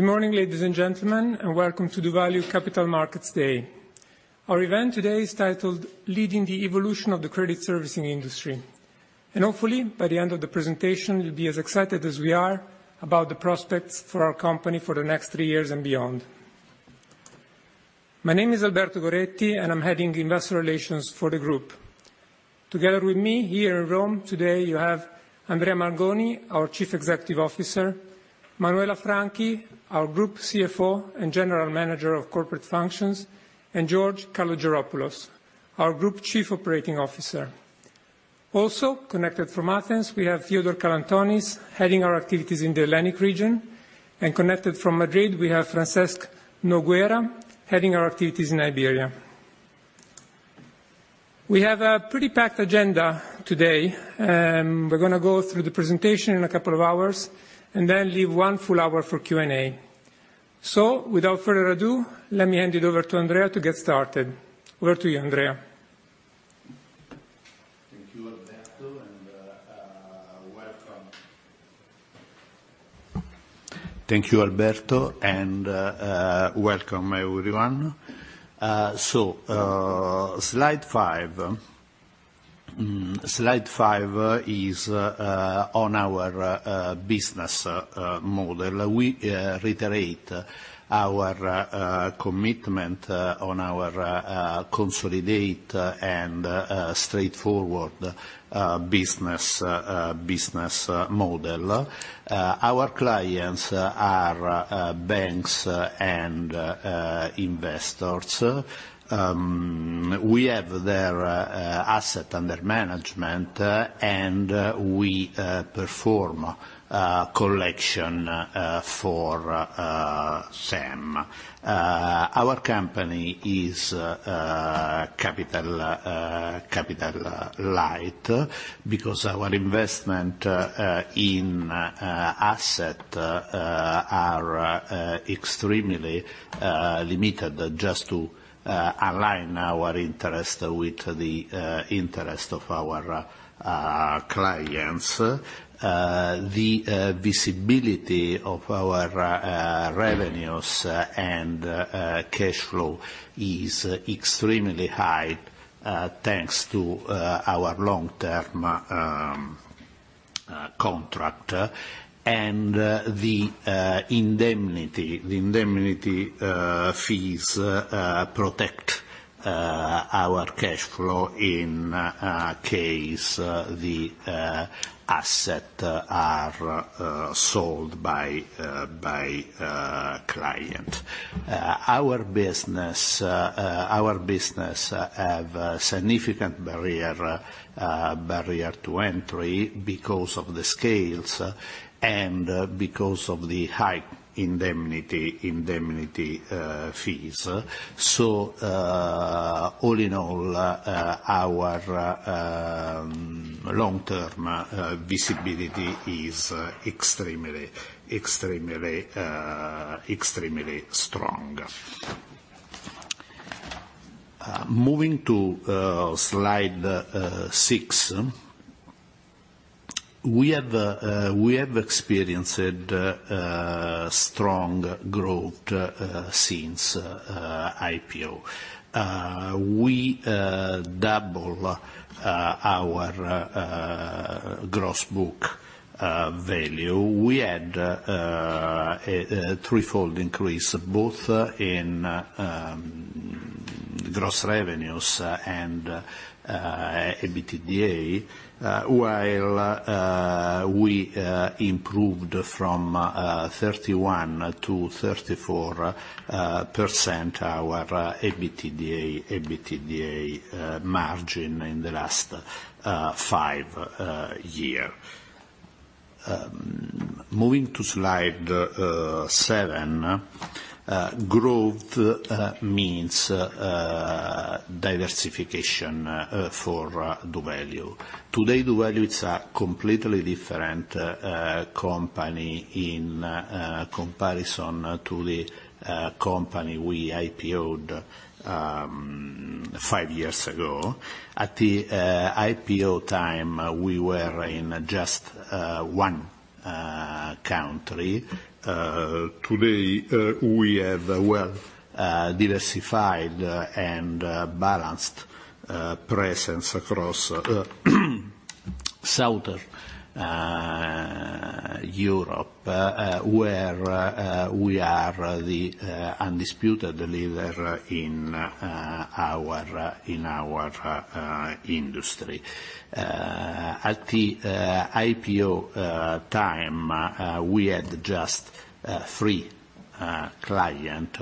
Good morning, ladies and gentlemen, and welcome to doValue Capital Markets Day. Our event today is titled Leading the Evolution of the Credit Servicing Industry, and hopefully by the end of the presentation, you'll be as excited as we are about the prospects for our company for the next three years and beyond. My name is Alberto Goretti, and I'm heading Investor Relations for the group. Together with me here in Rome today you have Andrea Mangoni, our Chief Executive Officer, Manuela Franchi, our Group CFO and General Manager of Corporate Functions, and George Kalogeropoulos, our Group Chief Operating Officer. Also connected from Athens, we have Theodore Kalantonis heading our activities in the Hellenic region, and connected from Madrid, we have Francesc Noguera heading our activities in Iberia. We have a pretty packed agenda today. We're gonna go through the presentation in a couple of hours and then leave one full hour for Q&A. Without further ado, let me hand it over to Andrea to get started. Over to you, Andrea. Thank you, Alberto, and welcome everyone. Slide five is on our business model. We reiterate our commitment on our consolidated and straightforward business model. Our clients are banks and investors. We have their asset under management and we perform collection for SAM. Our company is capital light because our investment in asset are extremely limited just to align our interest with the interest of our clients. The visibility of our revenues and cash flow is extremely high thanks to our long-term contract. The indemnity fees protect our cash flow in case the asset are sold by client. Our business have significant barrier to entry because of the scales and because of the high indemnity fees. All in all, our long-term visibility is extremely strong. Moving to slide six. We have experienced strong growth since IPO. We double our gross book value. We had a threefold increase both in gross revenues and EBITDA, while we improved from 31%-34% our EBITDA margin in the last five year. Moving to slide seven. Growth means diversification for doValue. Today, doValue is a completely different company in comparison to the company we IPO'd five years ago. At the IPO time, we were in just one country. Today we have a well diversified and balanced presence across Southern Europe where we are the undisputed leader in our industry. At the IPO time, we had just three clients,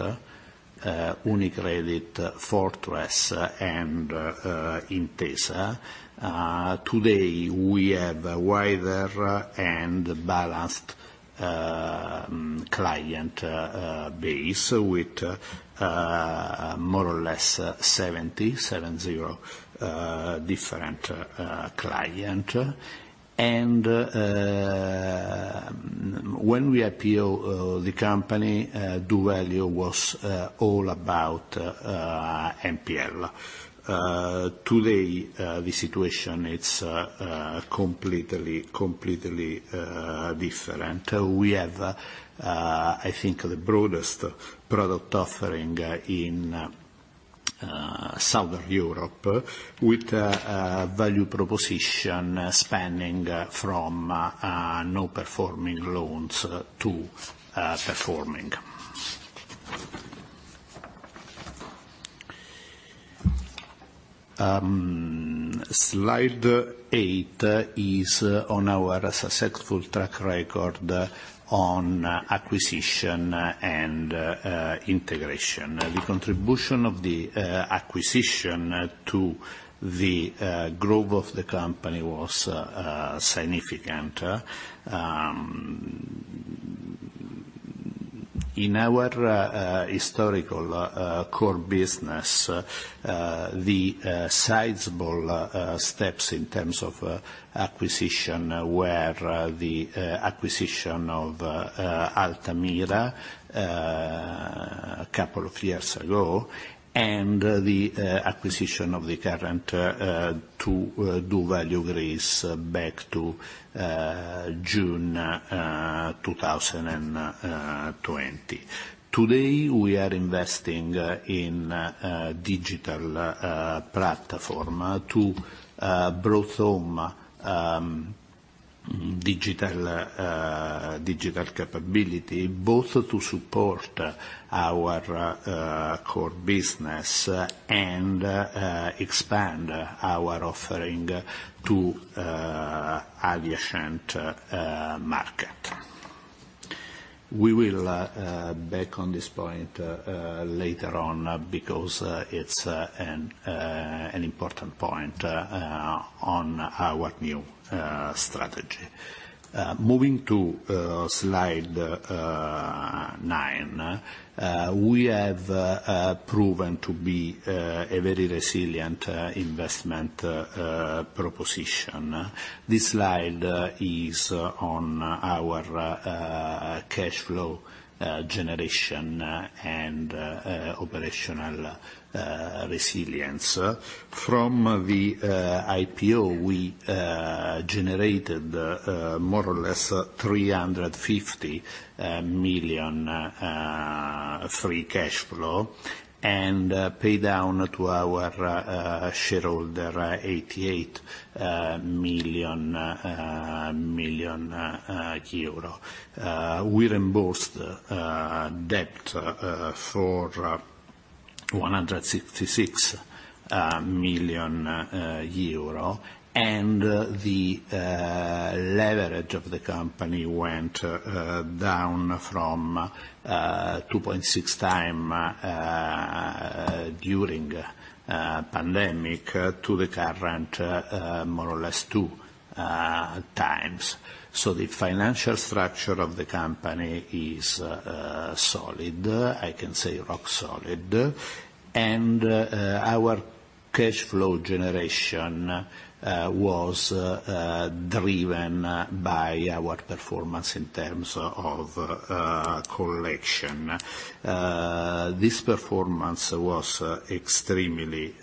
UniCredit, Fortress, and Intesa. Today we have a wider and balanced client base with more or less 770 different clients. When we IPO'd the company, doValue was all about NPL. Today the situation is completely different. We have I think the broadest product offering in Southern Europe with value proposition spanning from non-performing loans to performing. Slide eight is on our successful track record on acquisition and integration. The contribution of the acquisition to the growth of the company was significant. In our historical core business, the sizable steps in terms of acquisition were the acquisition of Altamira couple of years ago, and the acquisition of the current doValue Greece back to June 2020. Today, we are investing in digital platform to bring home digital capability, both to support our core business and expand our offering to adjacent market. We will back on this point later on because it's an important point on our new strategy. Moving to slide 9. We have proven to be a very resilient investment proposition. This slide is on our cash flow generation and operational resilience. From the IPO, we generated more or less 350 million free cash flow and paid down to our shareholder 88 million euro. We reimbursed debt for 166 million euro, and the leverage of the company went down from 2.6x during pandemic to the current more or less 2x. The financial structure of the company is solid, I can say rock solid. Our cash flow generation was driven by our performance in terms of collection. This performance was extremely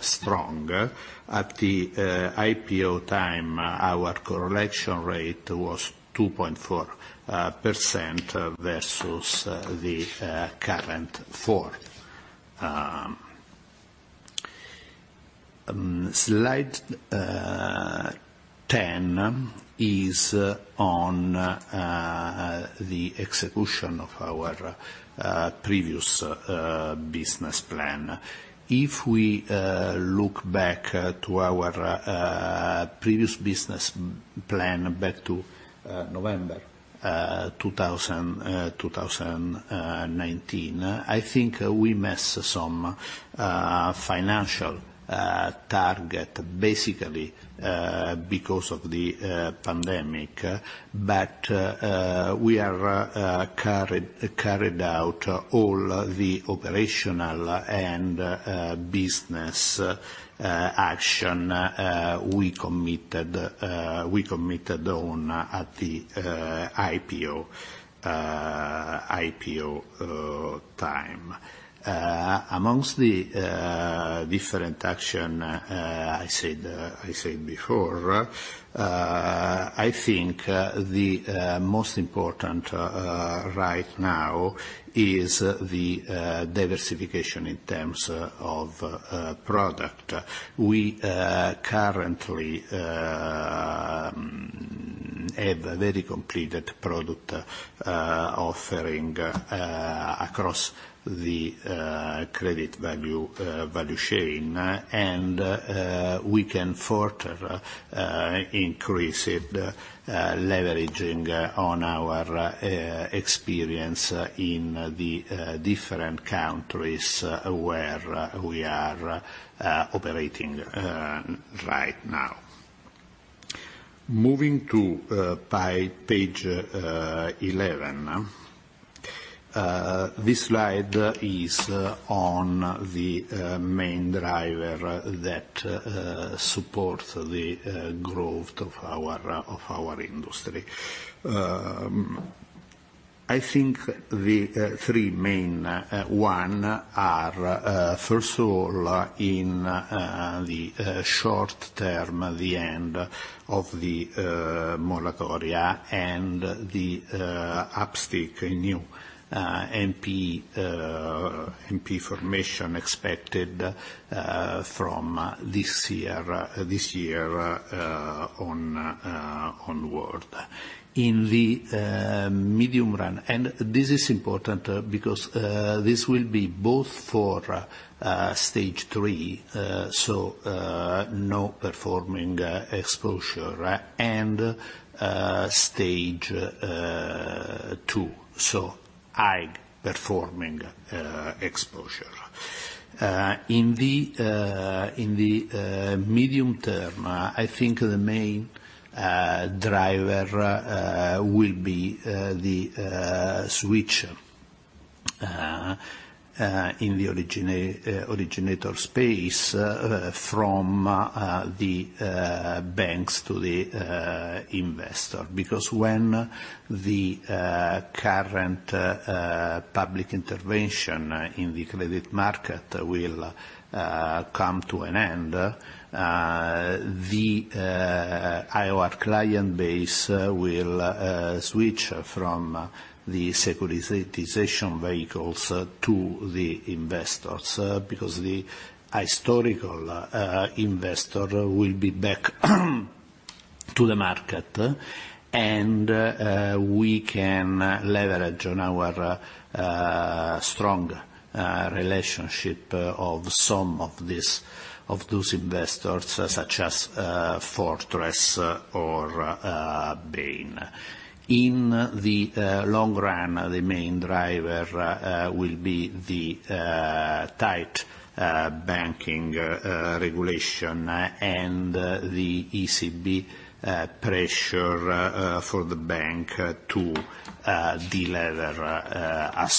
strong. At the IPO time, our collection rate was 2.4% versus the current 4%. Slide 10 is on the execution of our previous business plan. If we look back to our previous business plan, back to November 2019, I think we missed some financial target, basically, because of the pandemic. We carried out all the operational and business action we committed on at the IPO time. Among the different actions I said before, I think the most important right now is the diversification in terms of product. We currently have a very complete product offering across the credit value chain. We can further increase it leveraging on our experience in the different countries where we are operating right now. Moving to page 11. This slide is on the main driver that supports the growth of our industry. I think the three main ones are first of all in the short term the end of the moratoria and the uptick in new NPE formation expected from this year onward. In the medium run, this is important because this will be both for Stage 3 so non-performing exposure and Stage 2 so high performing exposure. In the medium term I think the main driver will be the switch in the originator space from the banks to the investor. Because when the current public intervention in the credit market will come to an end, our client base will switch from the securitization vehicles to the investors, because the historical investor will be back to the market. We can leverage on our strong relationship of some of these, of those investors such as Fortress or Bain. In the long run, the main driver will be the tight banking regulation and the ECB pressure for the bank to delever as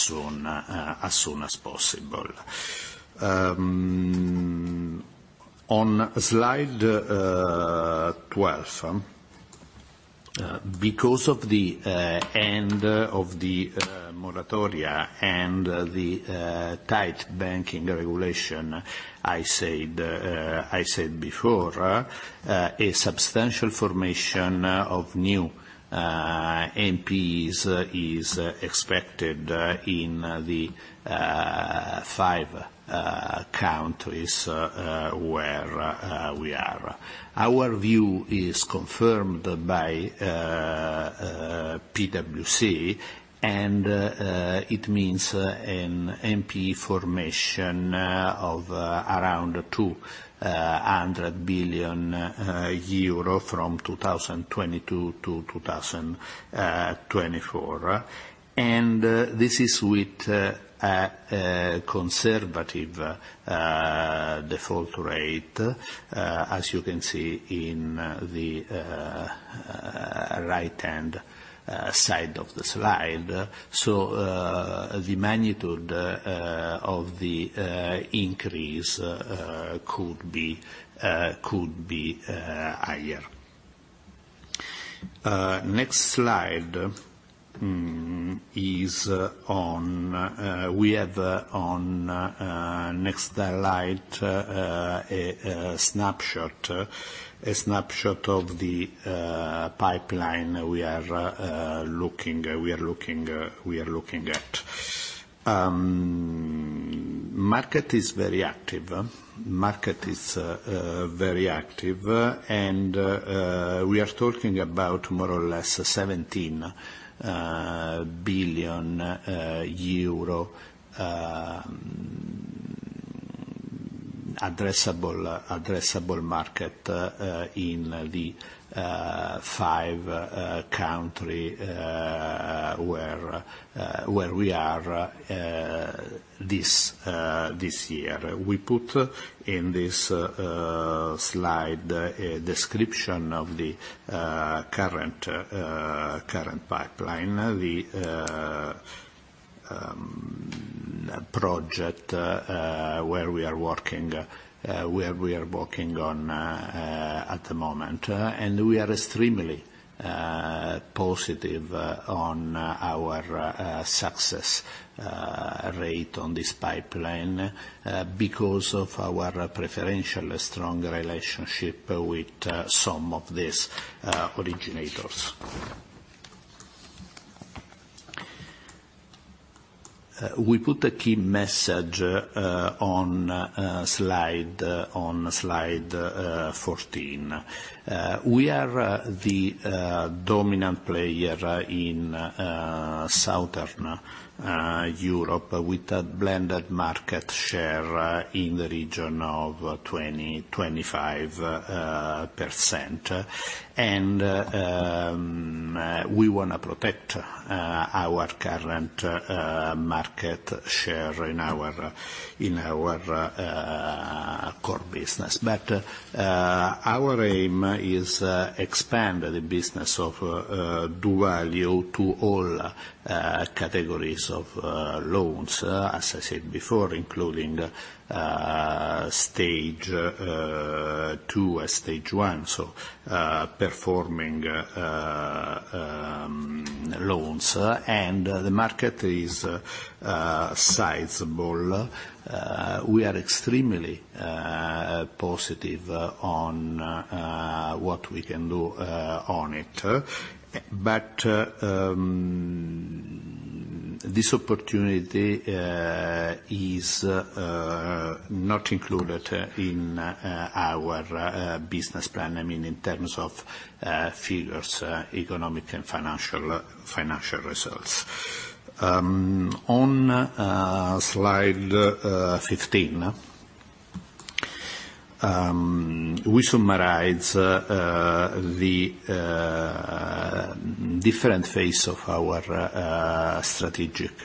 soon as possible. On slide 12, because of the end of the moratoria and the tight banking regulation, I said before, a substantial formation of new NPs is expected in the five countries where we are. Our view is confirmed by PwC, and it means an NP formation of around 200 billion euro from 2022 to 2024. This is with a conservative default rate, as you can see in the right-hand side of the slide. The magnitude of the increase could be higher. Next slide. We have a snapshot of the pipeline we are looking at. Market is very active and we are talking about more or less 17 billion euro addressable market in the five countries where we are this year. We put in this slide a description of the current pipeline, the projects where we are working on at the moment. We are extremely positive on our success rate on this pipeline because of our particularly strong relationship with some of these originators. We put a key message on slide 14. We are the dominant player in Southern Europe with a blended market share in the region of 25%. We want to protect our current market share in our core business. Our aim is to expand the business of doValue to all categories of loans, as I said before, including stage two and stage one, so performing loans. The market is sizable. We are extremely positive on what we can do on it. This opportunity is not included in our business plan, I mean, in terms of figures, economic and financial results. On slide 15, we summarize the different phase of our strategic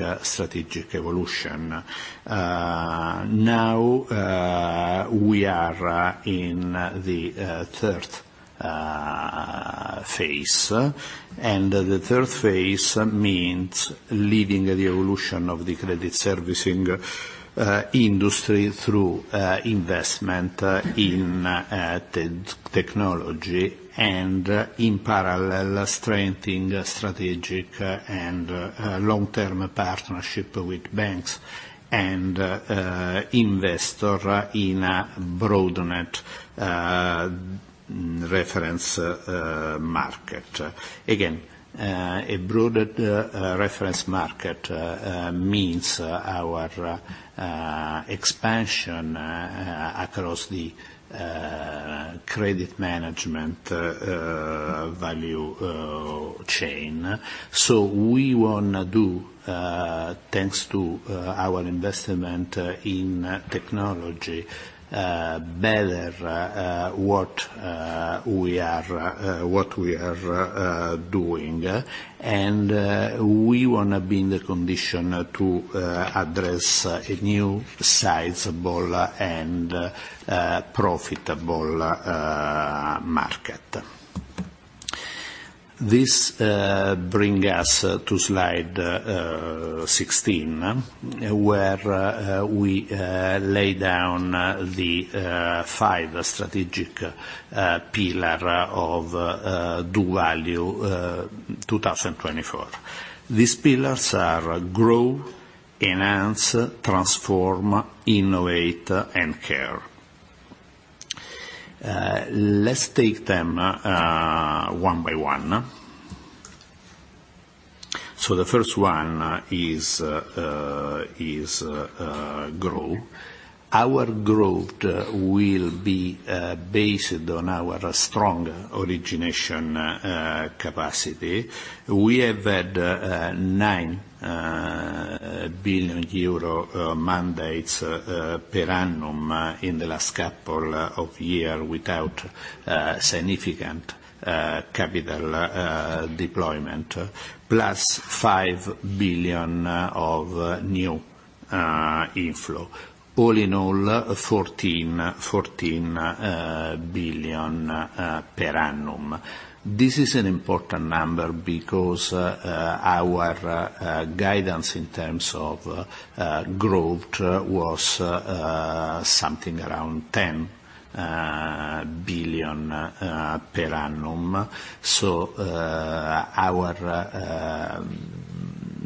evolution. Now, we are in the third phase. The third phase means leading the evolution of the credit servicing industry through investment in technology, and in parallel, strengthening strategic and long-term partnership with banks and investor in a broadened reference market. Again, a broadened reference market means our expansion across the credit management value chain. We wanna do, thanks to our investment in technology, better what we are doing. We wanna be in the condition to address a new sizable and profitable market. This brings us to slide 16, where we lay down the five strategic pillars of doValue 2024. These pillars are grow, enhance, transform, innovate, and care. Let's take them one by one. The first one is grow. Our growth will be based on our strong origination capacity. We have had 9 billion euro mandates per annum in the last couple of years without significant capital deployment, +5 billion of new inflow. All in all, 14 billion per annum. This is an important number because our guidance in terms of growth was something around EUR 10 billion per annum. Our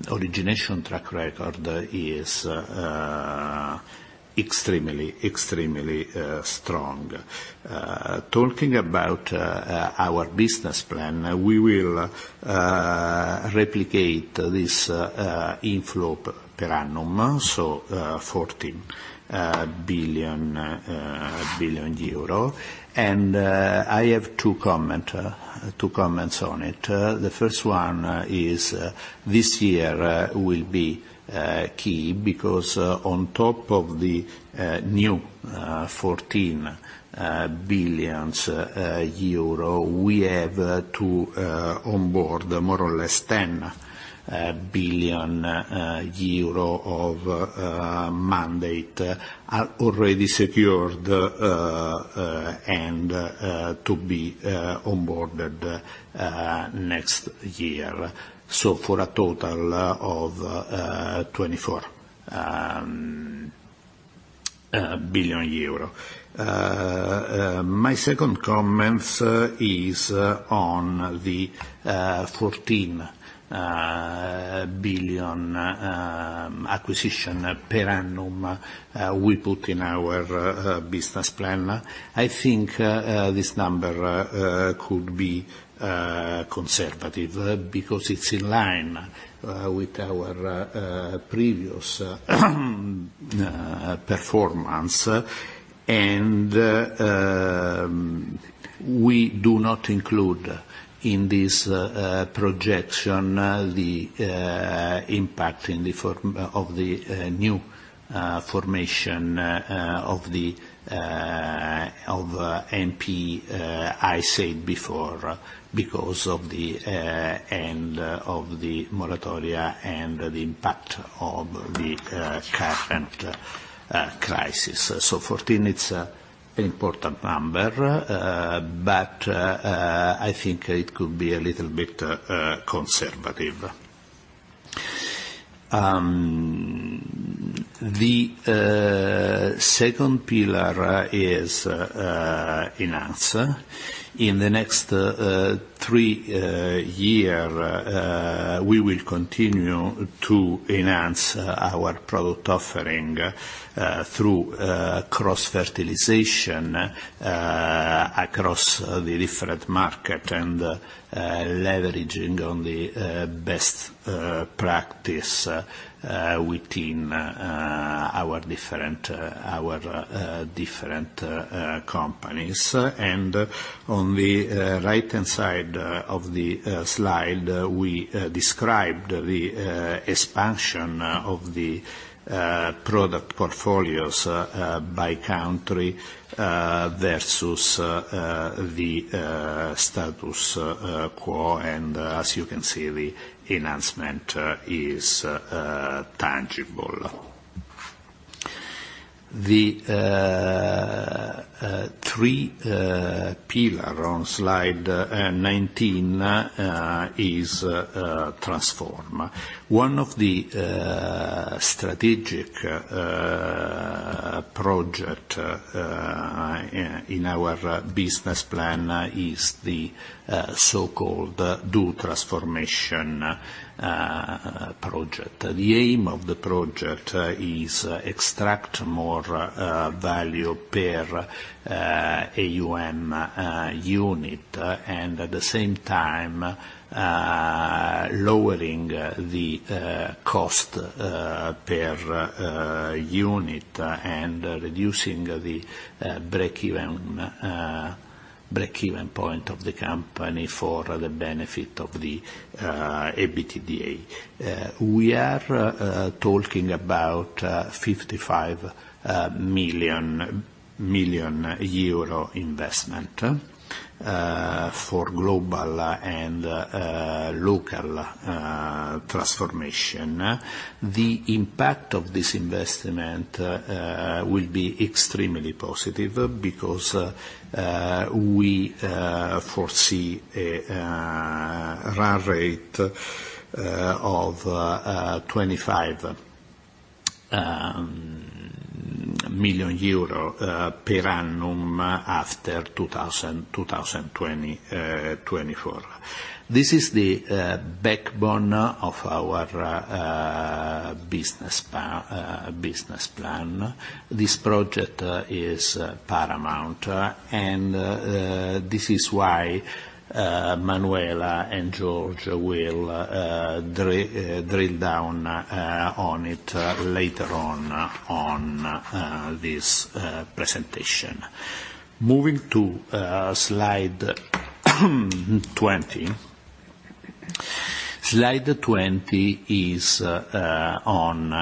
origination track record is extremely strong. Talking about our business plan, we will replicate this inflow per annum, so EUR 14 billion. I have two comments on it. The first one is this year will be key because on top of the new 14 billion euro, we have to onboard more or less 10 billion of mandates that are already secured and to be onboarded next year. For a total of 24 billion euro. My second comment is on the 14 billion acquisition per annum we put in our business plan. I think this number could be conservative because it is in line with our previous performance. We do not include in this projection the impact in the form of the new formation of the NP I said before, because of the end of the moratoria and the impact of the current crisis. 14, it's an important number, but I think it could be a little bit conservative. The second pillar is enhancement. In the next three years we will continue to enhance our product offering through cross-fertilization across the different markets and leveraging on the best practices within our different companies. On the right-hand side of the slide, we described the expansion of the product portfolios by country versus the status quo. As you can see, the enhancement is tangible. The third pillar on slide 19 is transform. One of the strategic project in our business plan is the so-called doTransformation project. The aim of the project is extract more value per AUM unit, and at the same time, lowering the cost per unit and reducing the break-even point of the company for the benefit of the EBITDA. We are talking about EUR 55 million investment for global and local transformation. The impact of this investment will be extremely positive because we foresee a run rate of 25 million euro per annum after 2024. This is the backbone of our business plan. This project is paramount, and this is why Manuela and George will drill down on it later on in this presentation. Moving to slide 20. Slide 20 is on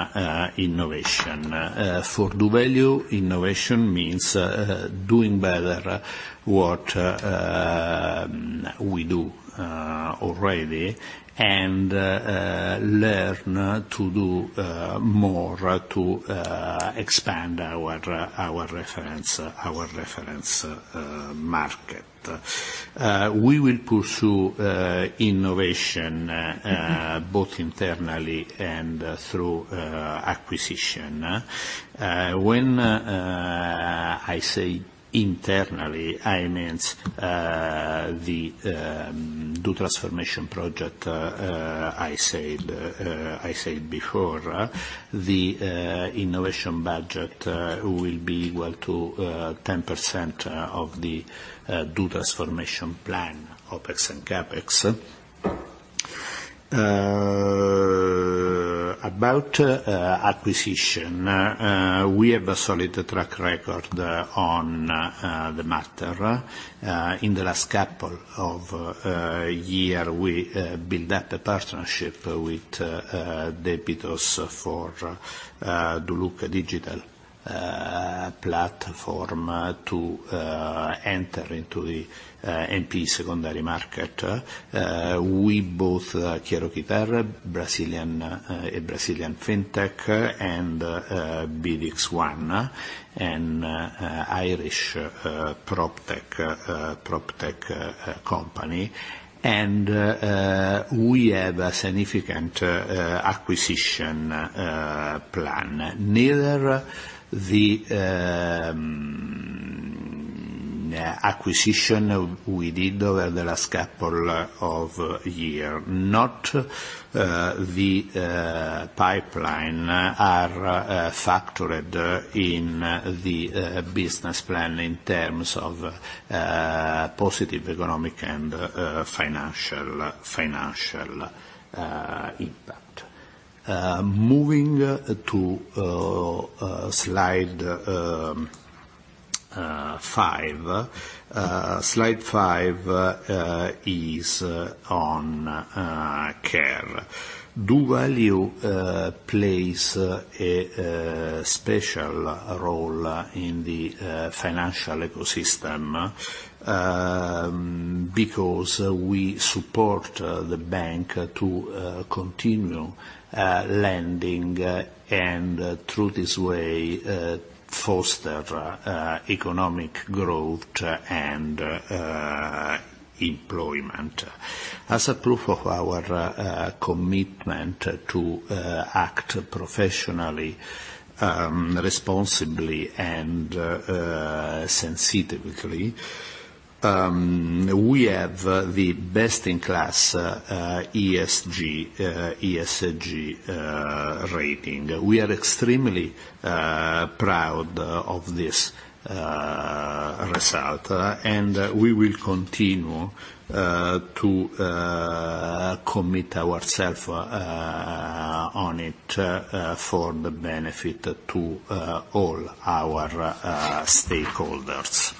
innovation. For doValue, innovation means doing better what we do already and learn to do more to expand our reference market. We will pursue innovation both internally and through acquisition. When I say internally, I meant the doTransformation project. I said before, the innovation budget will be equal to 10% of the doTransformation plan, OpEx and CapEx. About acquisition, we have a solid track record on the matter. In the last couple of year, we build up a partnership with Debitos for doLook Digital platform to enter into the NP secondary market. We bought Chiroquita, Brazilian Fintech and BidX1 and Irish PropTech company. We have a significant acquisition plan. Neither the acquisition we did over the last couple of year, not the pipeline are factored in the business plan in terms of positive economic and financial impact. Moving to slide five, slide five is on Cairo. doValue plays a special role in the financial ecosystem because we support the bank to continue lending, and through this way foster economic growth and employment. As a proof of our commitment to act professionally, responsibly and sensitively, we have the best in class ESG rating. We are extremely proud of this result, and we will continue to commit ourself on it for the benefit to all our stakeholders.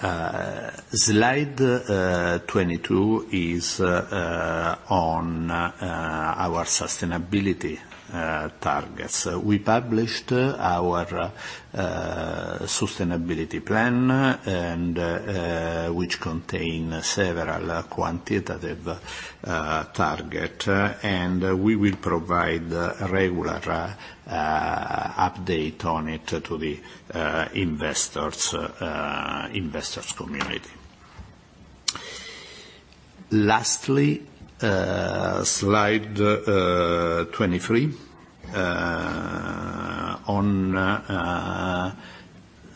Slide 22 is on our sustainability targets. We published our sustainability plan and which contain several quantitative target, and we will provide regular update on it to the investors community. Lastly, slide 23. On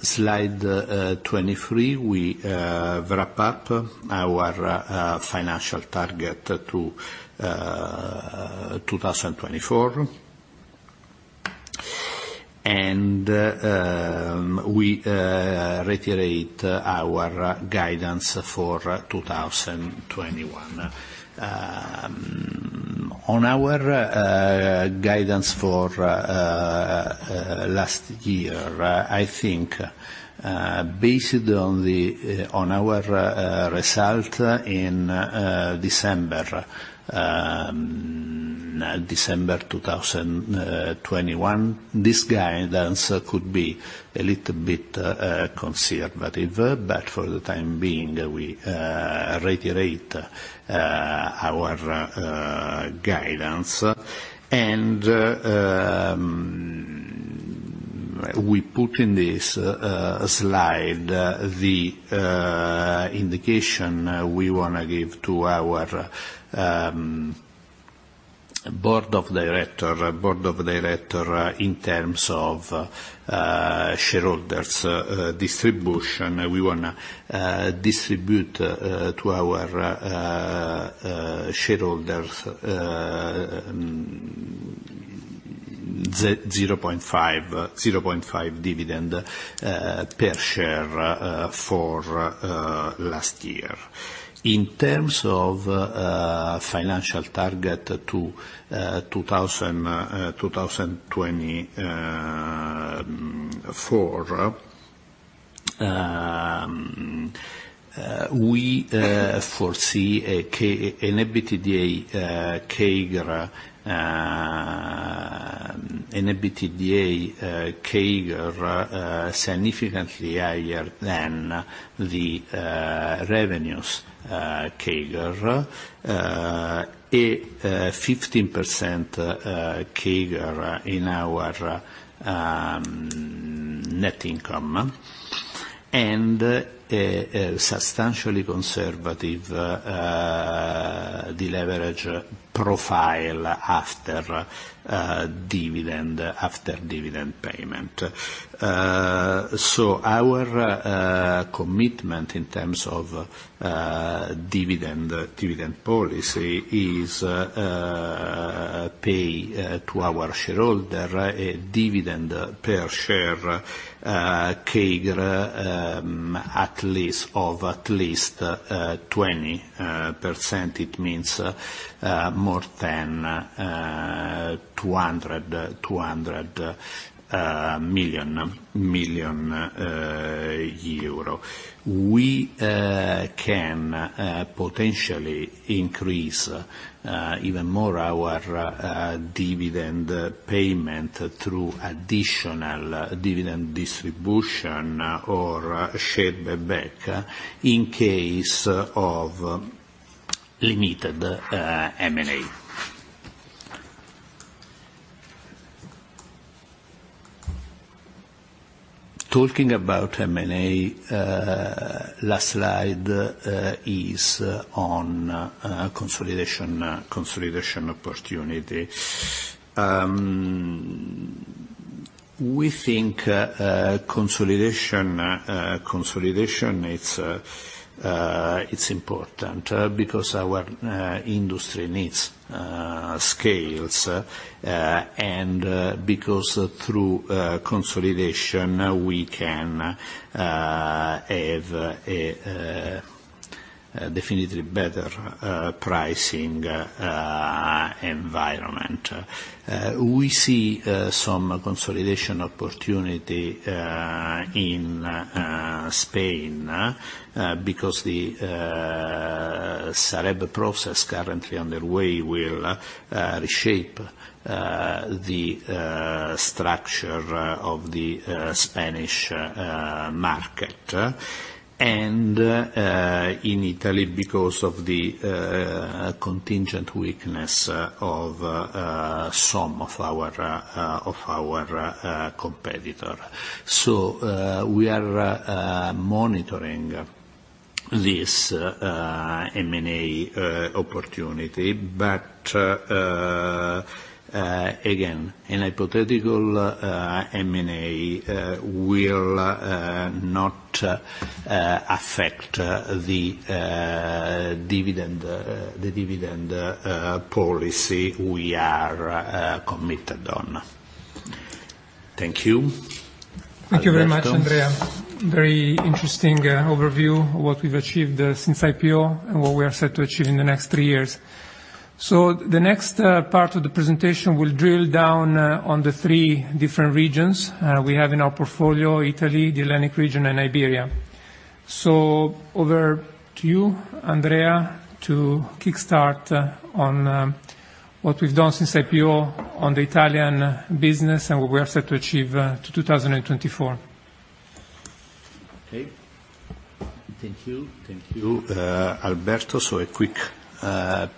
slide 23, we wrap up our financial target to 2024. We reiterate our guidance for 2021. On our guidance for last year, I think based on our result in December 2021, this guidance could be a little bit conservative. For the time being, we reiterate our guidance. We put in this slide the indication we wanna give to our board of directors in terms of shareholders distribution. We wanna distribute to our shareholders EUR 0.5 dividend per share for last year. In terms of financial target to 2024, we foresee an EBITDA CAGR significantly higher than the revenues CAGR, a 15% CAGR in our net income, and a substantially conservative deleverage profile after dividend payment. Our commitment in terms of dividend policy is to pay to our shareholder a dividend per share CAGR of at least 20%. It means more than EUR 200 million. We can potentially increase even more our dividend payment through additional dividend distribution or share buyback in case of limited M&A. Talking about M&A, last slide is on consolidation opportunity. We think consolidation, it's important because our industry needs scale and because through consolidation we can have definitely better pricing environment. We see some consolidation opportunity in Spain because the Sareb process currently underway will reshape the structure of the Spanish market. In Italy, because of the contingent weakness of some of our competitor. We are monitoring this M&A opportunity. Again, in a typical M&A, we'll not affect the dividend policy we are committed on. Thank you, Alberto. Thank you very much, Andrea. Very interesting overview of what we've achieved since IPO and what we are set to achieve in the next three years. The next part of the presentation will drill down on the three different regions we have in our portfolio, Italy, the Hellenic region, and Iberia. Over to you, Andrea, to kick start on what we've done since IPO on the Italian business and what we are set to achieve to 2024. Okay. Thank you, Alberto. A quick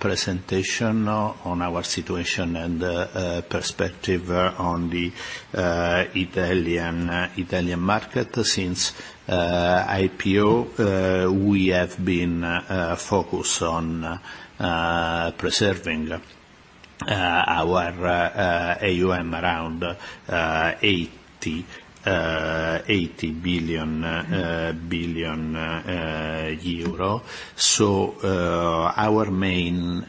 presentation on our situation and perspective on the Italian market. Since IPO, we have been focused on preserving our AUM around EUR 80 billion. Our main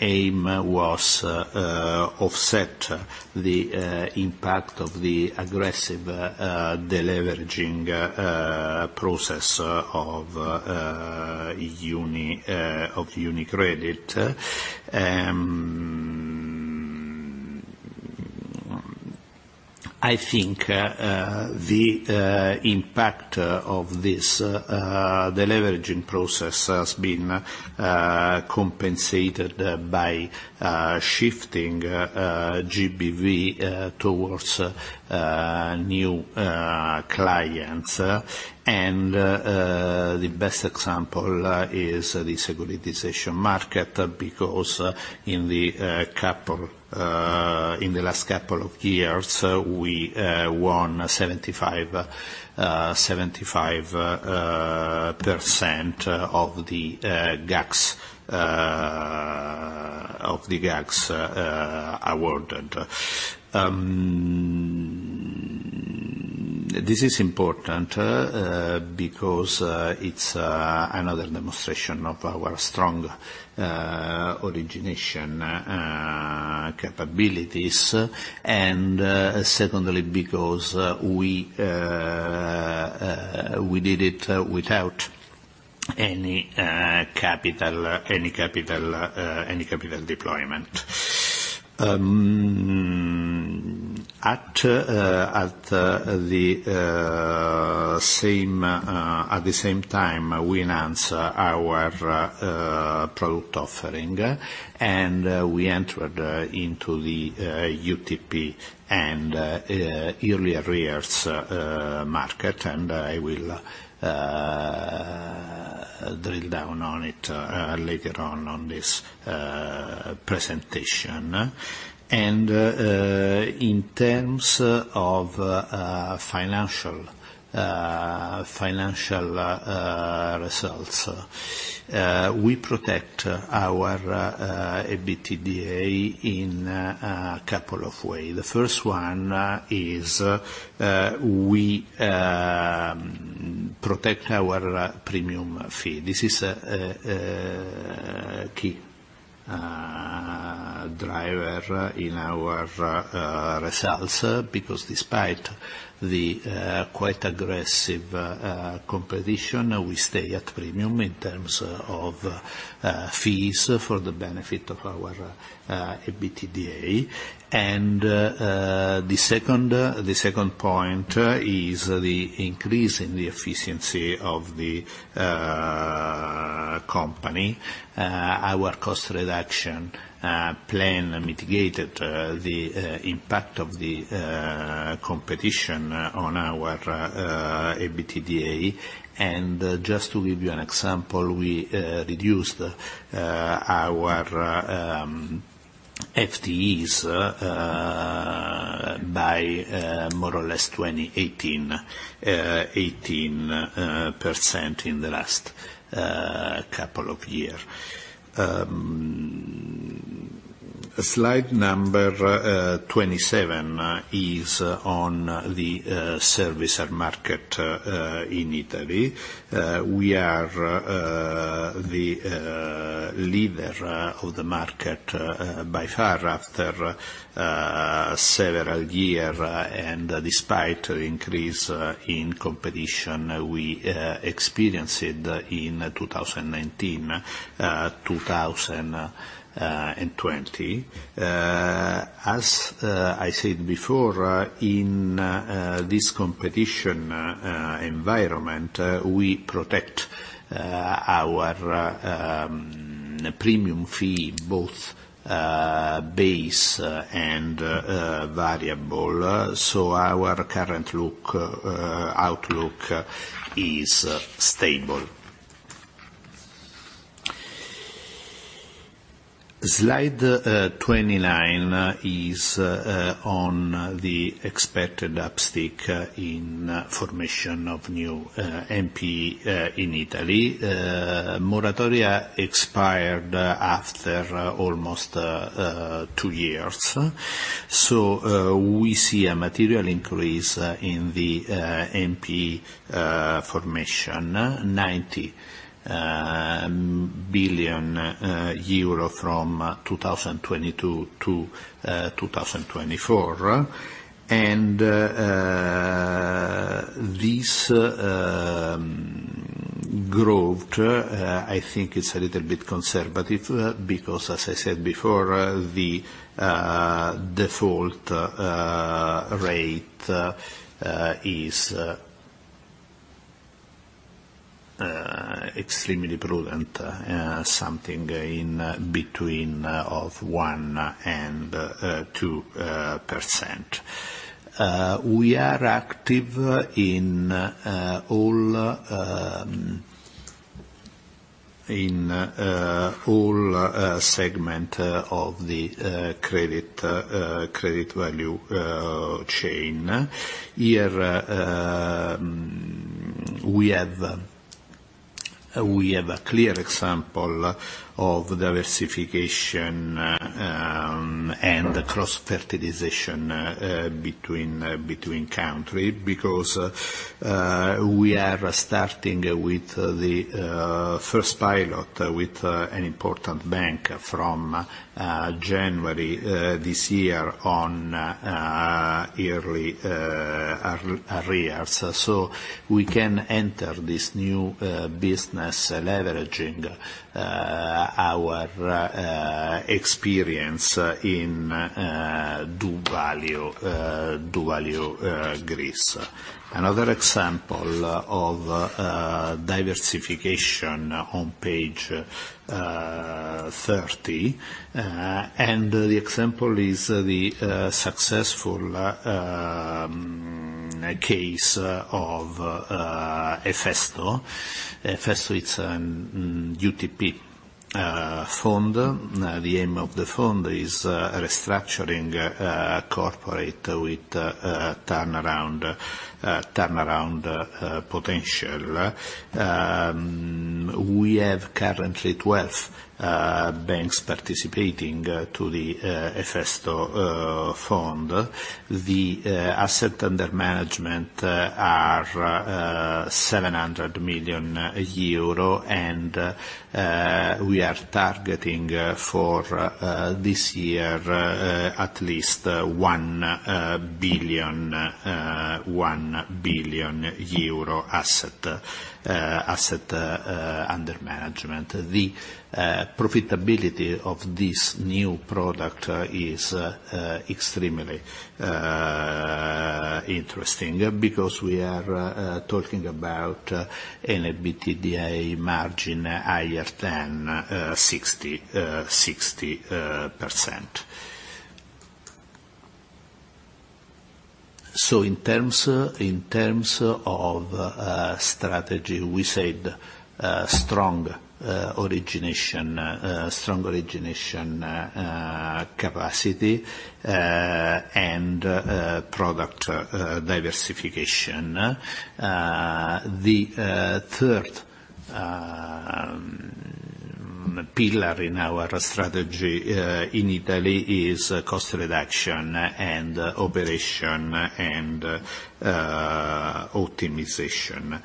aim was offset the impact of the aggressive deleveraging process of UniCredit. I think the impact of this deleveraging process has been compensated by shifting GBV towards new clients. The best example is the securitization market, because in the last couple of years, we won 75% of the GACS awarded. This is important because it's another demonstration of our strong origination capabilities. Secondly, because we did it without any capital deployment. At the same time, we enhanced our product offering, and we entered into the UTP and early arrears market. I will drill down on it later on in this presentation. In terms of financial results, we protect our EBITDA in a couple of ways. The first one is we protect our premium fee. This is a key driver in our results, because despite the quite aggressive competition, we stay at premium in terms of fees for the benefit of our EBITDA. The second point is the increase in the efficiency of the company. Our cost reduction plan mitigated the impact of the competition on our EBITDA. Just to give you an example, we reduced our FTEs by more or less 18% in the last couple of years. Slide number 27 is on the servicer market in Italy. We are the leader of the market by far after several years and despite increase in competition we experienced it in 2019, 2020. As I said before, in this competitive environment, we protect our premium fee, both base and variable. Our current outlook is stable. Slide 29 is on the expected uptick in formation of new NPL in Italy. Moratoria expired after almost two years. We see a material increase in the NPL formation, 90 billion euro from 2022 to 2024. This growth I think it's a little bit conservative because as I said before, the default rate is extremely prudent, something in between 1% and 2%. We are active in all segments of the credit value chain. Here we have a clear example of diversification and cross-fertilization between countries, because we are starting with the first pilot with an important bank from January this year on early arrears. So we can enter this new business leveraging our experience in doValue Greece. Another example of diversification on page 30, and the example is the successful case of Efesto. Efesto, it's UTP fund. The aim of the fund is restructuring corporates with turnaround potential. We have currently 12 banks participating to the Efesto fund. The assets under management are EUR 700 million and we are targeting for this year at least 1 billion euro assets under management. The profitability of this new product is extremely interesting because we are talking about an EBITDA margin higher than 60%. In terms of strategy, we said strong origination capacity and product diversification. The third pillar in our strategy in Italy is cost reduction and operational optimization.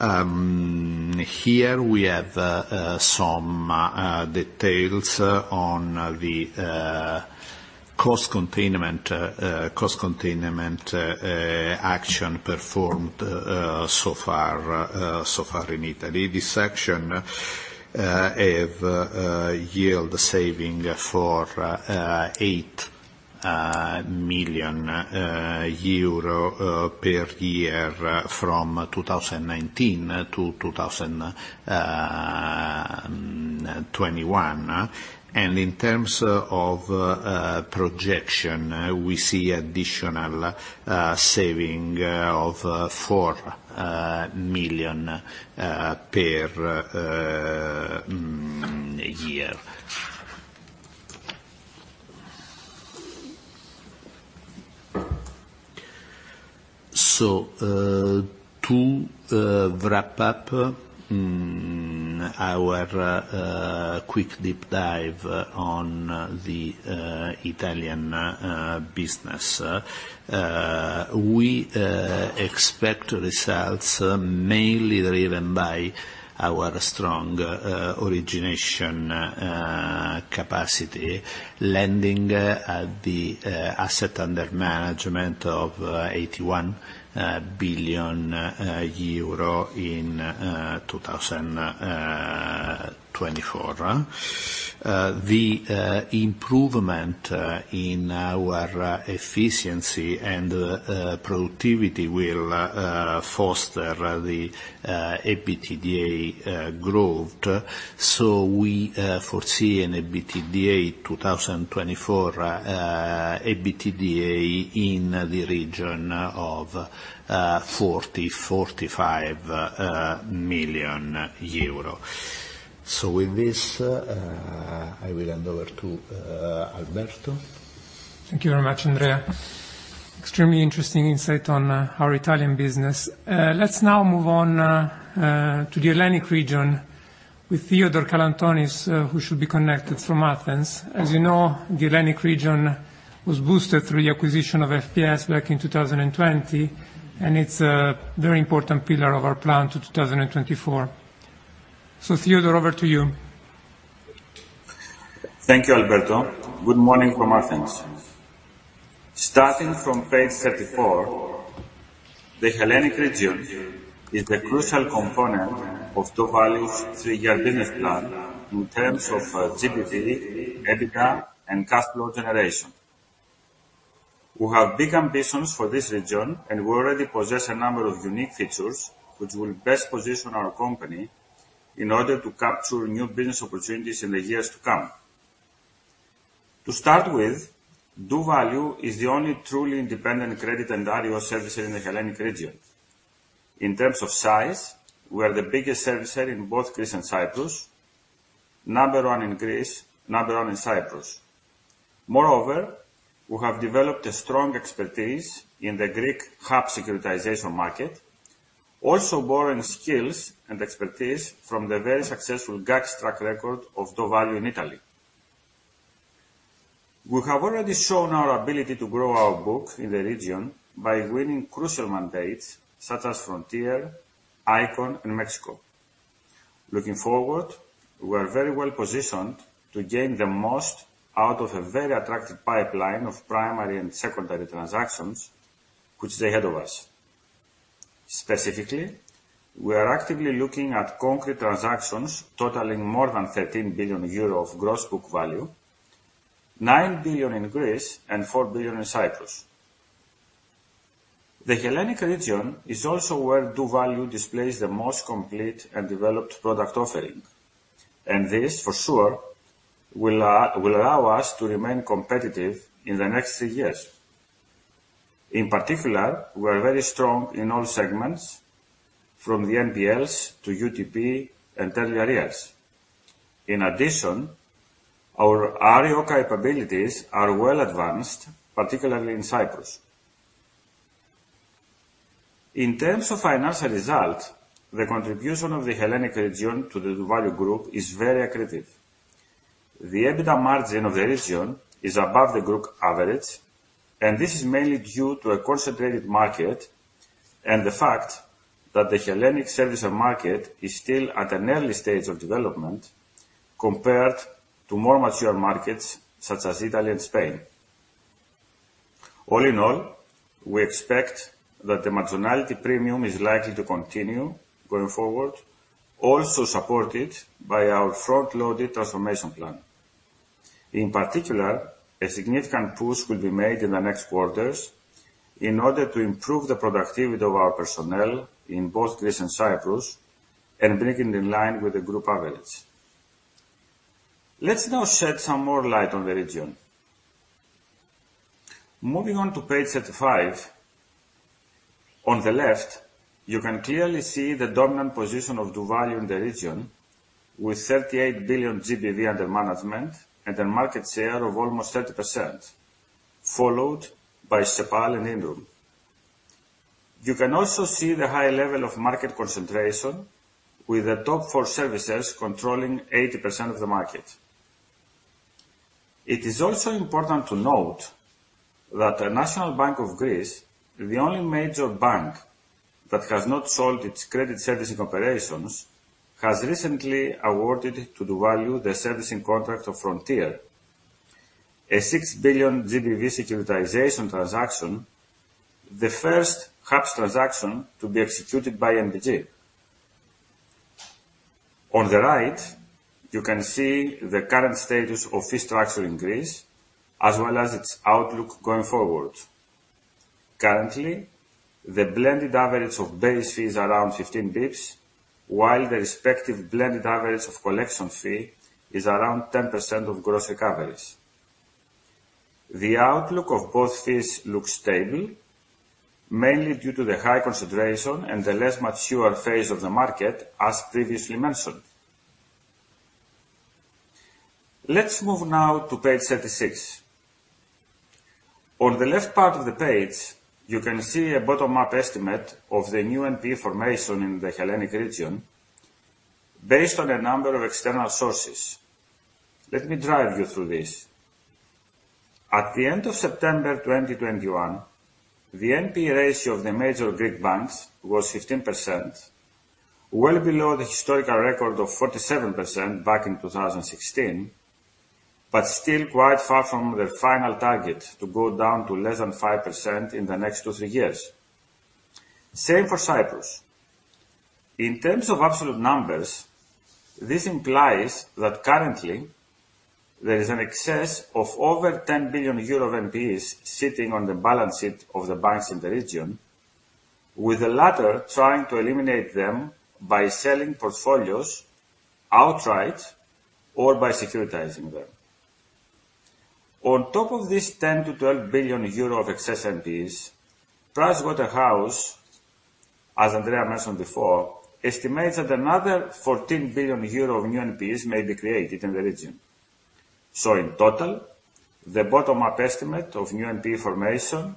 Here we have some details on the cost containment actions performed so far in Italy. These actions have yielded savings of EUR 8 million per year from 2019 to 2021. In terms of projections, we see additional savings of EUR 4 million per year. To wrap up our quick deep dive on the Italian business, we expect results mainly driven by our strong origination capacity lending the assets under management of 81 billion euro in 2024. The improvement in our efficiency and productivity will foster the EBITDA growth. We foresee an EBITDA 2024 in the region of 40 million-45 million euro. With this, I will hand over to Alberto. Thank you very much, Andrea. Extremely interesting insight on our Italian business. Let's now move on to the Hellenic region with Theodore Kalantonis, who should be connected from Athens. As you know, the Hellenic region was boosted through the acquisition of FPS back in 2020, and it's a very important pillar of our plan to 2024. Theodore, over to you. Thank you, Alberto. Good morning from Athens. Starting from page 34, the Hellenic region is the crucial component of doValue's three-year business plan in terms of GDP, EBITDA, and cash flow generation. We have big ambitions for this region, and we already possess a number of unique features which will best position our company in order to capture new business opportunities in the years to come. To start with, doValue is the only truly independent credit and REO servicer in the Hellenic region. In terms of size, we are the biggest servicer in both Greece and Cyprus, number one in Greece, number one in Cyprus. Moreover, we have developed a strong expertise in the Greek HAPS securitization market, also borrowing skills and expertise from the very successful GACS track record of doValue in Italy. We have already shown our ability to grow our book in the region by winning crucial mandates such as Frontier, Icon, and Mexico. Looking forward, we are very well positioned to gain the most out of a very attractive pipeline of primary and secondary transactions which lay ahead of us. Specifically, we are actively looking at concrete transactions totaling more than 13 billion euro of gross book value, 9 billion in Greece and 4 billion in Cyprus. The Hellenic region is also where doValue displays the most complete and developed product offering, and this for sure will allow us to remain competitive in the next three years. In particular, we are very strong in all segments, from the NPLs to UTP and early arrears. In addition, our REO capabilities are well advanced, particularly in Cyprus. In terms of financial results, the contribution of the Hellenic region to the doValue Group is very accretive. The EBITDA margin of the region is above the group average, and this is mainly due to a concentrated market and the fact that the Hellenic servicer market is still at an early stage of development compared to more mature markets such as Italy and Spain. All in all, we expect that the marginality premium is likely to continue going forward, also supported by our front-loaded transformation plan. In particular, a significant push will be made in the next quarters in order to improve the productivity of our personnel in both Greece and Cyprus and bring it in line with the group average. Let's now shed some more light on the region. Moving on to page 35, on the left, you can clearly see the dominant position of doValue in the region with 38 billion GBV under management and a market share of almost 30%, followed by Cepal and Inroom. You can also see the high level of market concentration with the top four servicers controlling 80% of the market. It is also important to note that the National Bank of Greece, the only major bank that has not sold its credit servicing operations, has recently awarded to doValue the servicing contract of Frontier, a 6 billion GBV securitization transaction, the first HAPS transaction to be executed by NBG. On the right, you can see the current status of fee structure in Greece, as well as its outlook going forward. Currently, the blended average of base fee is around 15 basis points, while the respective blended average of collection fee is around 10% of gross recoveries. The outlook of both fees looks stable, mainly due to the high concentration and the less mature phase of the market, as previously mentioned. Let's move now to page 36. On the left part of the page, you can see a bottom-up estimate of the new NPE formation in the Hellenic region based on a number of external sources. Let me walk you through this. At the end of September 2021, the NPE ratio of the major Greek banks was 15%, well below the historical record of 47% back in 2016, but still quite far from the final target to go down to less than 5% in the next two to three years. Same for Cyprus. In terms of absolute numbers, this implies that currently there is an excess of over 10 billion euro NPEs sitting on the balance sheet of the banks in the region, with the latter trying to eliminate them by selling portfolios outright or by securitizing them. On top of this 10 billion-12 billion euro of excess NPEs, PricewaterhouseCoopers, as Andrea mentioned before, estimates that another 14 billion euro of new NPEs may be created in the region. In total, the bottom-up estimate of new NPE formation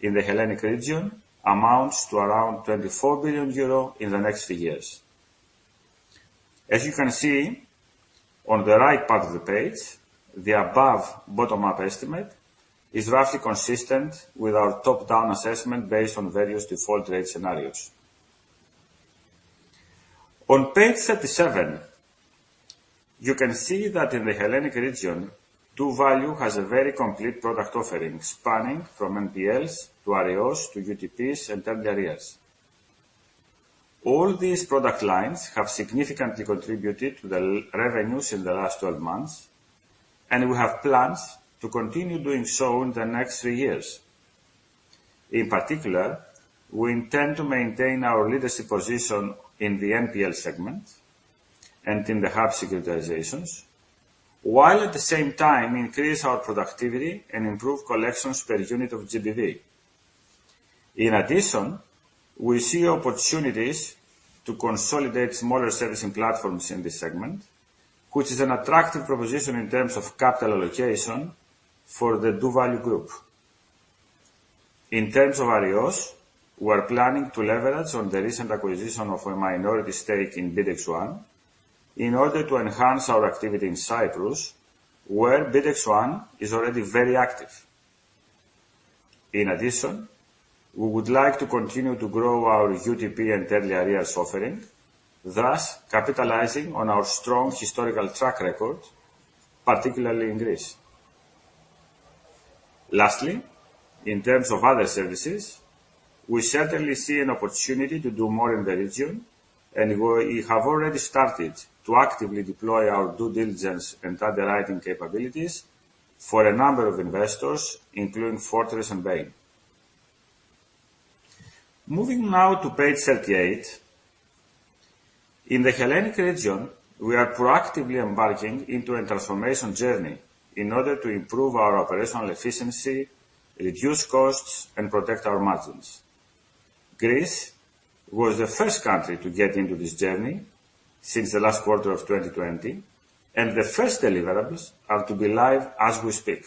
in the Hellenic region amounts to around 24 billion euro in the next few years. As you can see on the right part of the page, the above bottom-up estimate is roughly consistent with our top-down assessment based on various default rate scenarios. On page 37, you can see that in the Hellenic region, doValue has a very complete product offering spanning from NPLs to REOs, to UTPs and other areas. All these product lines have significantly contributed to our revenues in the last 12 months, and we have plans to continue doing so in the next three years. In particular, we intend to maintain our leadership position in the NPL segment and in the HAPS securitizations, while at the same time increase our productivity and improve collections per unit of GBV. In addition, we see opportunities to consolidate smaller servicing platforms in this segment, which is an attractive proposition in terms of capital allocation for the doValue Group. In terms of REOs, we are planning to leverage on the recent acquisition of a minority stake in Bitexen in order to enhance our activity in Cyprus, where Bitexen is already very active. In addition, we would like to continue to grow our UTP and early arrears offering, thus capitalizing on our strong historical track record, particularly in Greece. Lastly, in terms of other services, we certainly see an opportunity to do more in the region, and we have already started to actively deploy our due diligence and underwriting capabilities for a number of investors, including Fortress and Bain. Moving now to page 38. In the Hellenic region, we are proactively embarking into a transformation journey in order to improve our operational efficiency, reduce costs, and protect our margins. Greece was the first country to get into this journey since the last quarter of 2020, and the first deliverables are to be live as we speak.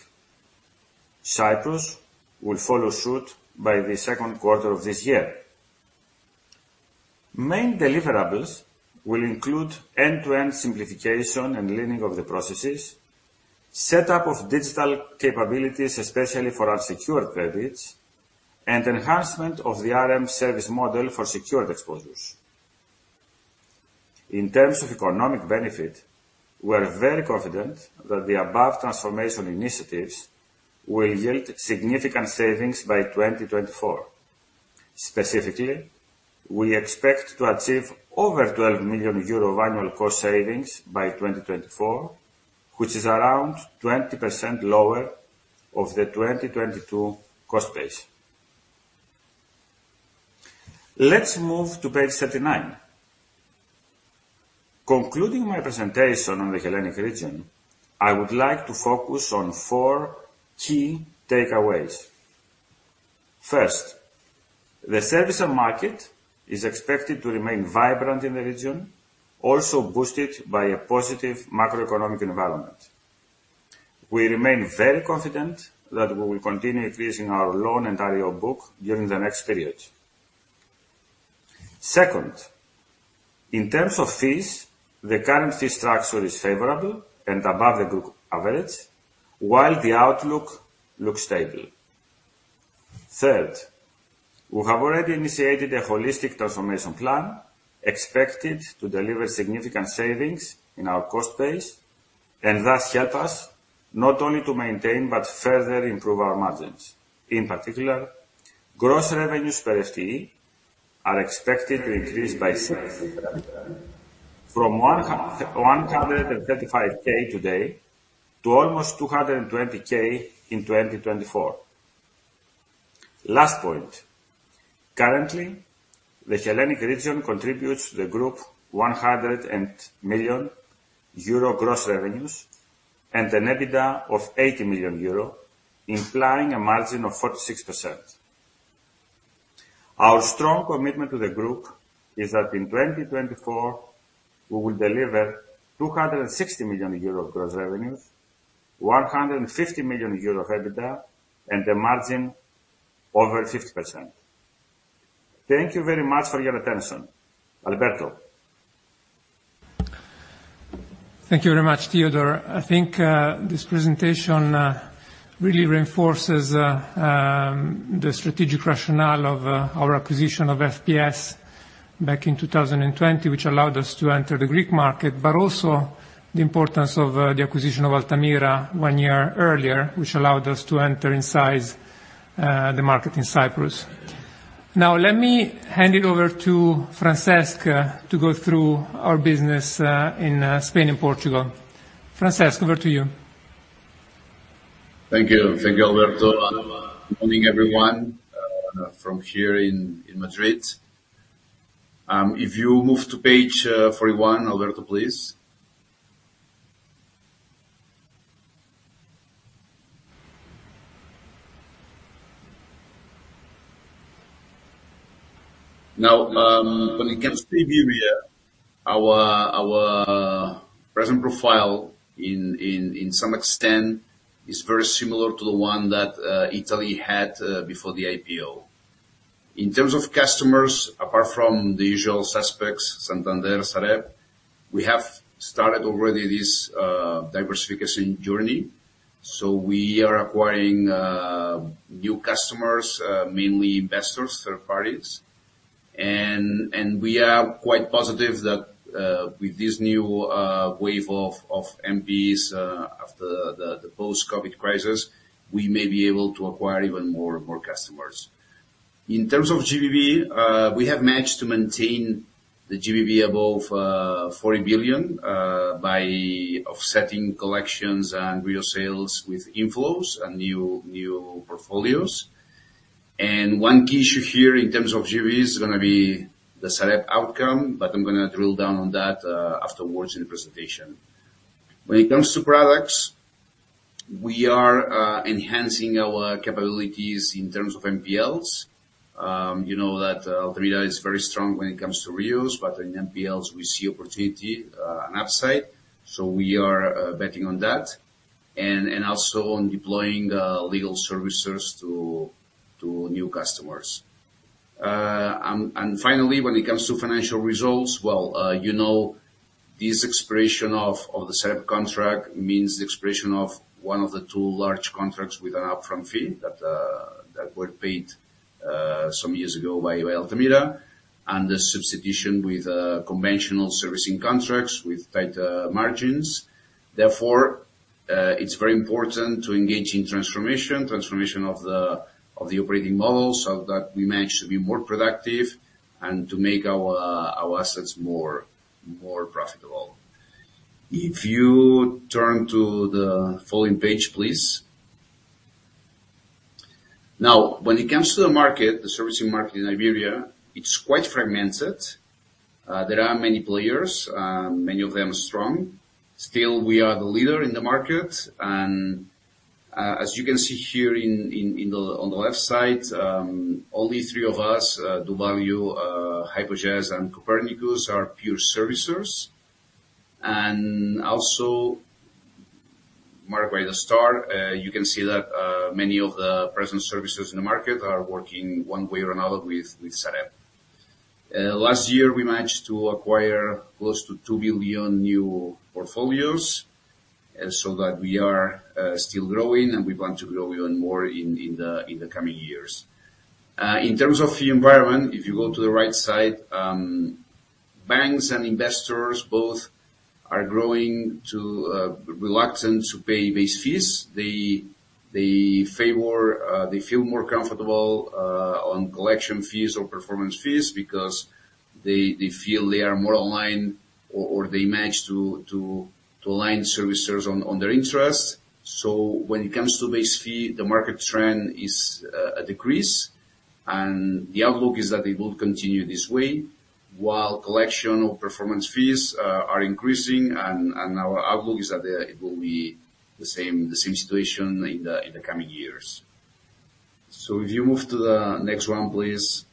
Cyprus will follow suit by the second quarter of this year. Main deliverables will include end-to-end simplification and lean of the processes, set up of digital capabilities, especially for our secured credits and enhancement of the RM service model for secured exposures. In terms of economic benefit, we are very confident that the above transformation initiatives will yield significant savings by 2024. Specifically, we expect to achieve over 12 million euro annual cost savings by 2024, which is around 20% lower of the 2022 cost base. Let's move to page 39. Concluding my presentation on the Hellenic region, I would like to focus on four key takeaways. First, the servicer market is expected to remain vibrant in the region, also boosted by a positive macroeconomic environment. We remain very confident that we will continue increasing our loan and REO book during the next period. Second, in terms of fees, the current fee structure is favorable and above the group average, while the outlook looks stable. Third, we have already initiated a holistic transformation plan expected to deliver significant savings in our cost base and thus help us not only to maintain, but further improve our margins. In particular, gross revenues per FTE are expected to increase by 6% from 135K today to almost 220K in 2024. Last point. Currently, the Hellenic region contributes to the group 100 million euro gross revenues and an EBITDA of 80 million euro, implying a margin of 46%. Our strong commitment to the group is that in 2024, we will deliver 260 million euro gross revenues, 150 million euro EBITDA, and a margin over 50%. Thank you very much for your attention. Alberto. Thank you very much, Theodore. I think this presentation really reinforces the strategic rationale of our acquisition of FPS back in 2020, which allowed us to enter the Greek market, but also the importance of the acquisition of Altamira one year earlier, which allowed us to enter in size the market in Cyprus. Now let me hand it over to Francesc to go through our business in Spain and Portugal. Francesc, over to you. Thank you. Thank you, Alberto. Morning, everyone, from here in Madrid. If you move to page 41, Alberto, please. Now, when it comes to Iberia, our present profile to some extent is very similar to the one that Italy had before the IPO. In terms of customers, apart from the usual suspects, Santander, Sareb, we have started already this diversification journey. We are acquiring new customers, mainly investors, third parties. We are quite positive that with this new wave of NPEs after the post-COVID crisis, we may be able to acquire even more customers. In terms of GBV, we have managed to maintain the GBV above 40 billion by offsetting collections and REO sales with inflows and new portfolios. One key issue here in terms of GBV is gonna be the Sareb outcome, but I'm gonna drill down on that afterwards in the presentation. When it comes to products, we are enhancing our capabilities in terms of NPLs. You know that Altamira is very strong when it comes to REOs, but in NPLs we see opportunity and upside, so we are betting on that, and also on deploying legal services to new customers. Finally, when it comes to financial results, well, you know this expiration of the Sareb contract means the expiration of one of the two large contracts with an upfront fee that were paid some years ago by Altamira, and the substitution with conventional servicing contracts with tighter margins. Therefore, it's very important to engage in transformation of the operating model so that we manage to be more productive and to make our assets more profitable. If you turn to the following page, please. Now, when it comes to the market, the servicing market in Iberia, it's quite fragmented. There are many players, many of them strong. Still, we are the leader in the market, and as you can see here on the left side, only three of us, Dubagiu, Hipoges and Copernicus are pure servicers. Also marked by the star, you can see that many of the present servicers in the market are working one way or another with Sareb. Last year, we managed to acquire close to 2 billion new portfolios, so that we are still growing, and we want to grow even more in the coming years. In terms of the environment, if you go to the right side, banks and investors both are growing too reluctant to pay base fees. They favor. They feel more comfortable on collection fees or performance fees because they feel they are more aligned or they manage to align services on their interests. When it comes to base fee, the market trend is a decrease, and the outlook is that it will continue this way while collection of performance fees are increasing and our outlook is that it will be the same situation in the coming years. If you move to the next one, please.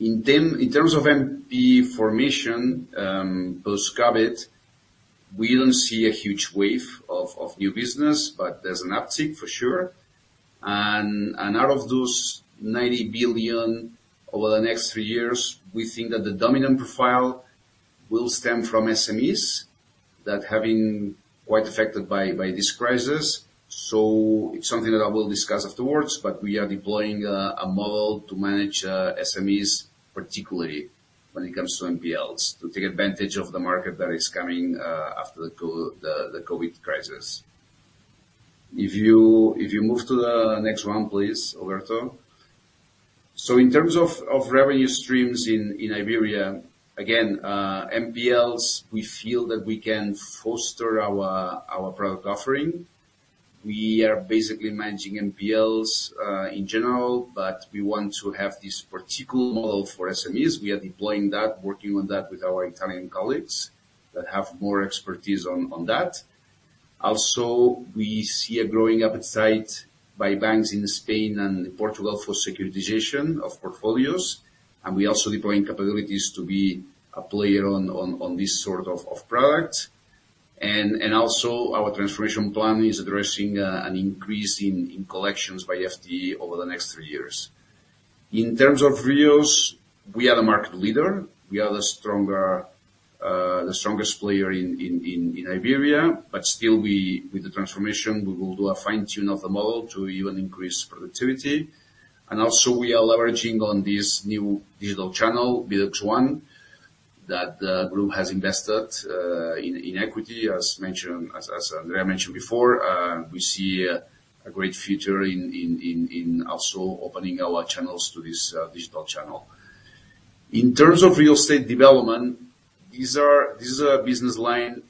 In terms of NPL formation, post-COVID, we don't see a huge wave of new business, but there's an uptick for sure. Out of those 90 billion over the next three years, we think that the dominant profile will stem from SMEs that have been quite affected by this crisis. It's something that I will discuss afterwards, but we are deploying a model to manage SMEs, particularly when it comes to NPLs, to take advantage of the market that is coming after the COVID crisis. If you move to the next one, please, Alberto. In terms of revenue streams in Iberia, again, NPLs, we feel that we can foster our product offering. We are basically managing NPLs in general, but we want to have this particular model for SMEs. We are deploying that, working on that with our Italian colleagues that have more expertise on that. Also, we see a growing appetite by banks in Spain and Portugal for securitization of portfolios, and we're also deploying capabilities to be a player on this sort of product. Our transformation plan is addressing an increase in collections by FTE over the next three years. In terms of REOs, we are the market leader. We are the strongest player in Iberia. Still, with the transformation, we will do a fine-tune of the model to even increase productivity. We are leveraging on this new digital channel, BidX1, that the group has invested in equity. As mentioned, Andrea mentioned before, we see a great future in also opening our channels to this digital channel. In terms of real estate development, this is a business line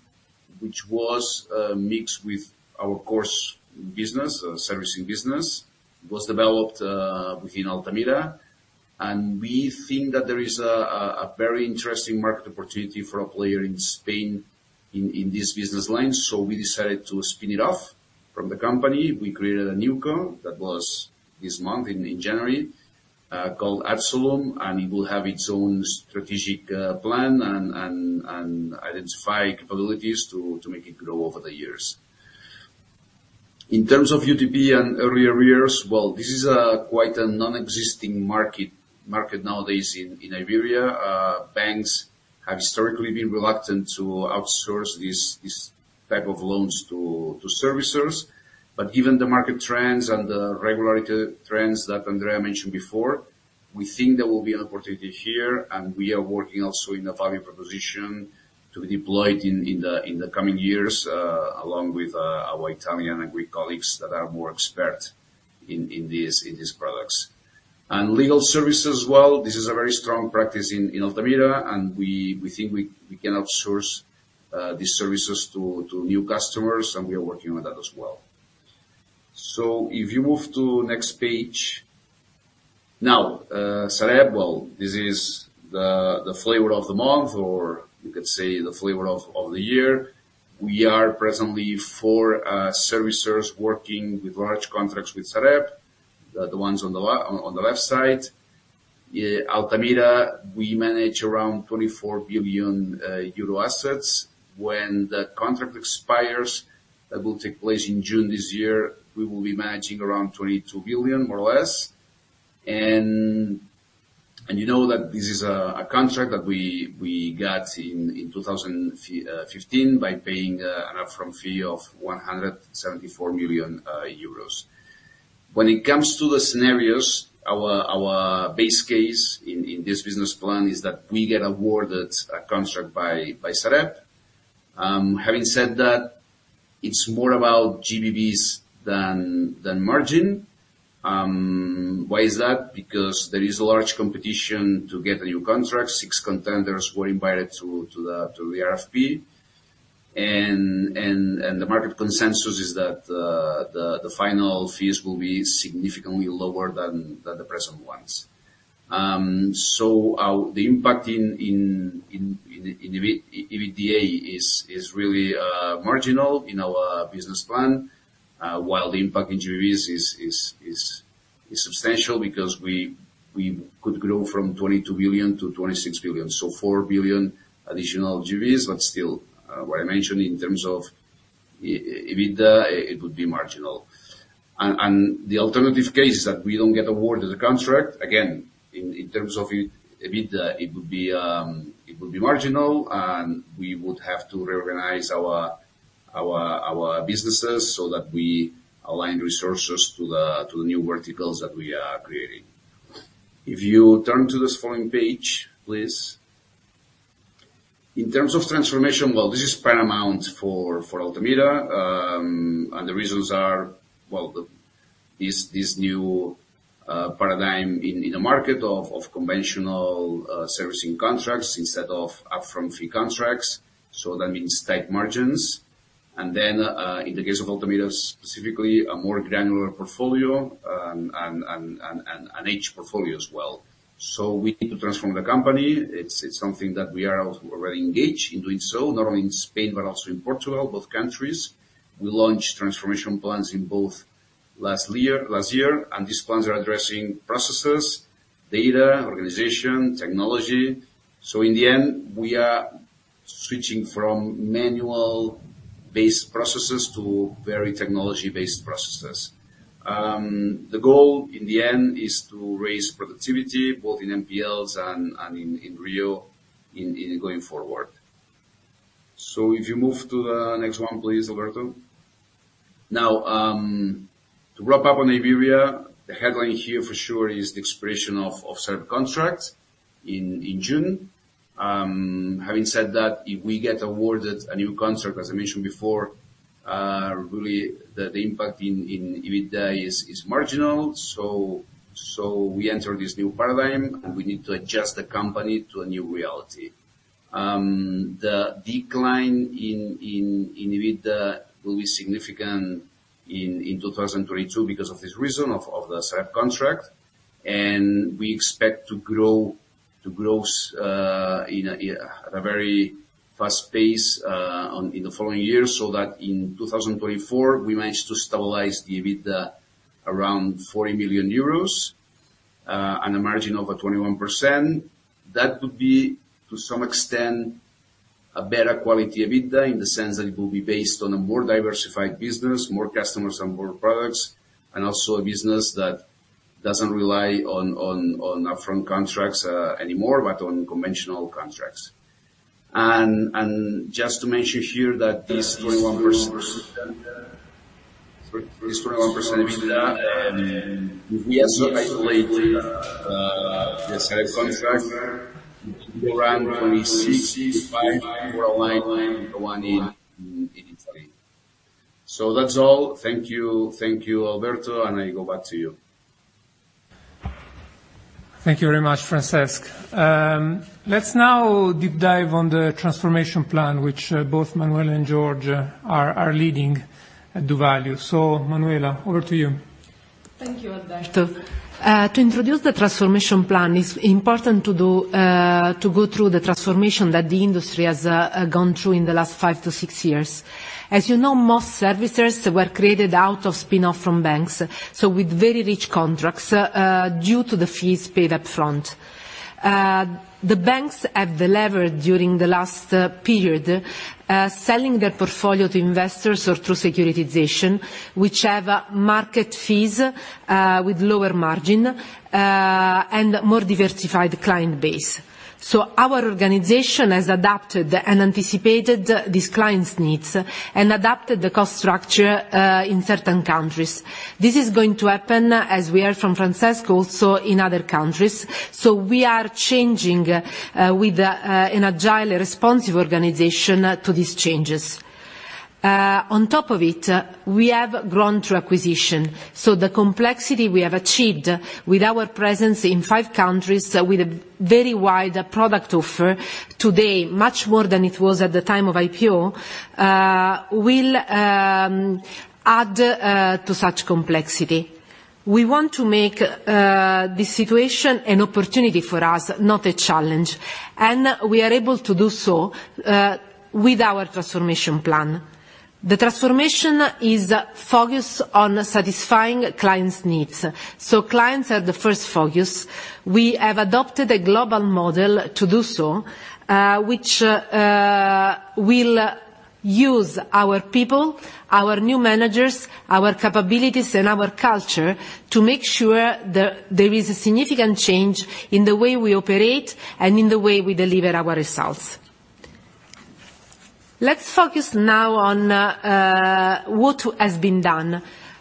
which was mixed with our core business, servicing business. It was developed within Altamira, and we think that there is a very interesting market opportunity for a player in Spain in this business line. We decided to spin it off from the company. We created a new co that was this month in January called Absolum, and it will have its own strategic plan and identity capabilities to make it grow over the years. In terms of UTP and arrears, well, this is quite a nonexistent market nowadays in Iberia. Banks have historically been reluctant to outsource these type of loans to servicers. Given the market trends and the regulatory trends that Andrea mentioned before, we think there will be an opportunity here, and we are working also in a value proposition to be deployed in the coming years, along with our Italian and Greek colleagues that are more expert in these products. Legal services, well, this is a very strong practice in Altamira, and we think we can outsource these services to new customers, and we are working on that as well. If you move to next page. Now, Sareb, well, this is the flavor of the month, or you could say the flavor of the year. We are presently four servicers working with large contracts with Sareb, the ones on the left side. Altamira, we manage around 24 billion euro assets. When the contract expires in June this year, we will be managing around 22 billion, more or less. You know that this is a contract that we got in 2015 by paying an upfront fee of 174 million euros. When it comes to the scenarios, our base case in this business plan is that we get awarded a contract by Sareb. Having said that, it's more about GBVs than margin. Why is that? Because there is a large competition to get a new contract. Six contenders were invited to the RFP. The market consensus is that the final fees will be significantly lower than the present ones. The impact in EBITDA is really marginal in our business plan, while the impact in GBVs is substantial because we could grow from 22 billion to 26 billion, so 4 billion additional GBVs. What I mentioned in terms of EBITDA, it would be marginal. The alternative case that we don't get awarded the contract, again, in terms of EBITDA, it would be marginal, and we would have to reorganize our businesses so that we align resources to the new verticals that we are creating. If you turn to this following page, please. In terms of transformation, this is paramount for Altamira. The reasons are, the This new paradigm in the market of conventional servicing contracts instead of upfront fee contracts, so that means tight margins. Then, in the case of Altamira specifically, a more granular portfolio and an aged portfolio as well. We need to transform the company. It's something that we are already engaged in doing so, not only in Spain but also in Portugal, both countries. We launched transformation plans in both last year, and these plans are addressing processes, data, organization, technology. In the end, we are switching from manual-based processes to very technology-based processes. The goal in the end is to raise productivity, both in NPLs and in REO going forward. If you move to the next one, please, Alberto. Now, to wrap up on Iberia, the headline here for sure is the expiration of Sareb contract in June. Having said that, if we get awarded a new contract, as I mentioned before, really the impact in EBITDA is marginal. We enter this new paradigm, and we need to adjust the company to a new reality. The decline in EBITDA will be significant in 2022 because of this reason of the Sareb contract. We expect to grow in a very fast pace in the following years, so that in 2024 we manage to stabilize the EBITDA around 40 million euros, and a margin over 21%. That would be to some extent a better quality EBITDA, in the sense that it will be based on a more diversified business, more customers and more products, and also a business that doesn't rely on on upfront contracts anymore, but on conventional contracts. Just to mention here that this 21%, this 21% EBITDA, we also calculate the sale contracts will run 26 to five for online and the one in Italy. That's all. Thank you. Thank you, Alberto, and I go back to you. Thank you very much, Francesc. Let's now deep dive on the transformation plan, which both Manuela and George are leading at doValue. Manuela, over to you. Thank you, Alberto. To introduce the transformation plan, it's important to go through the transformation that the industry has gone through in the last five to six years. As you know, most servicers were created out of spin-off from banks, so with very rich contracts due to the fees paid upfront. The banks have had the leverage during the last period, selling their portfolio to investors or through securitization, which have market fees with lower margin and more diversified client base. Our organization has adapted and anticipated these clients' needs and adapted the cost structure in certain countries. This is going to happen, as we heard from Francesc, also in other countries. We are changing with an agile, responsive organization to these changes. On top of it, we have grown through acquisition, so the complexity we have achieved with our presence in five countries with a very wide product offer today, much more than it was at the time of IPO, will add to such complexity. We want to make this situation an opportunity for us, not a challenge. We are able to do so with our transformation plan. The transformation is focused on satisfying clients' needs, so clients are the first focus. We have adopted a global model to do so, which will use our people, our new managers, our capabilities, and our culture to make sure there is a significant change in the way we operate and in the way we deliver our results. Let's focus now on what has been done.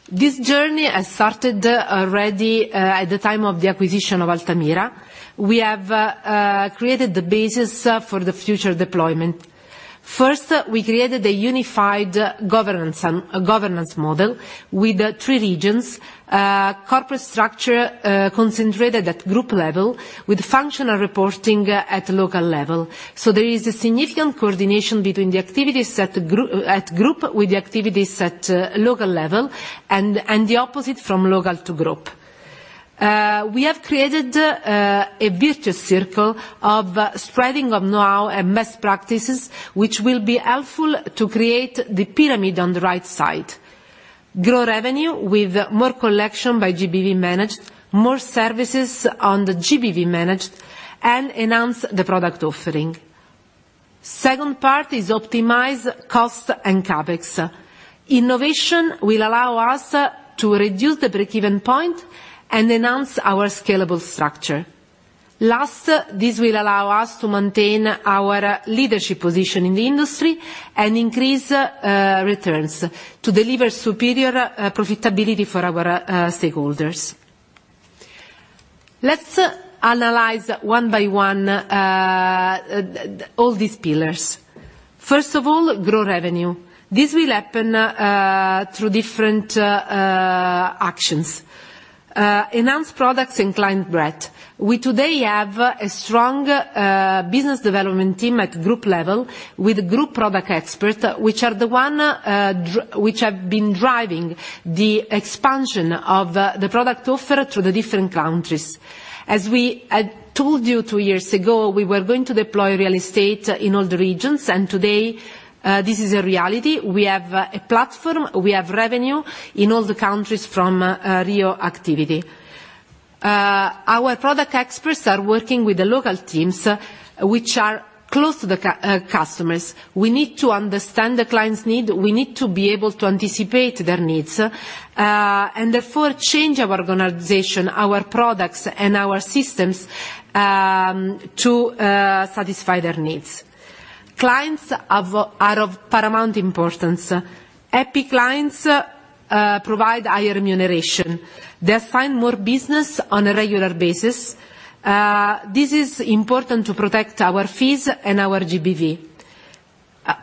This journey has started already at the time of the acquisition of Altamira. We have created the basis for the future deployment. First, we created a unified governance model with three regions, corporate structure concentrated at group level with functional reporting at local level. There is a significant coordination between the activities at group with the activities at local level and the opposite from local to group. We have created a virtuous circle of spreading of know and best practices, which will be helpful to create the pyramid on the right side. Grow revenue with more collection by GBV managed, more services on the GBV managed, and enhance the product offering. Second part is optimize cost and CapEx. Innovation will allow us to reduce the break-even point and enhance our scalable structure. Last, this will allow us to maintain our leadership position in the industry and increase returns to deliver superior profitability for our stakeholders. Let's analyze one by one all these pillars. First of all, grow revenue. This will happen through different actions. Enhance products and client breadth. We today have a strong business development team at group level with group product experts which have been driving the expansion of the product offer through the different countries. As I told you two years ago, we were going to deploy real estate in all the regions, and today this is a reality. We have a platform, we have revenue in all the countries from REO activity. Our product experts are working with the local teams, which are close to the customers. We need to understand the client's need. We need to be able to anticipate their needs and therefore change our organization, our products, and our systems to satisfy their needs. Clients are of paramount importance. Happy clients provide higher remuneration. They find more business on a regular basis. This is important to protect our fees and our GBV.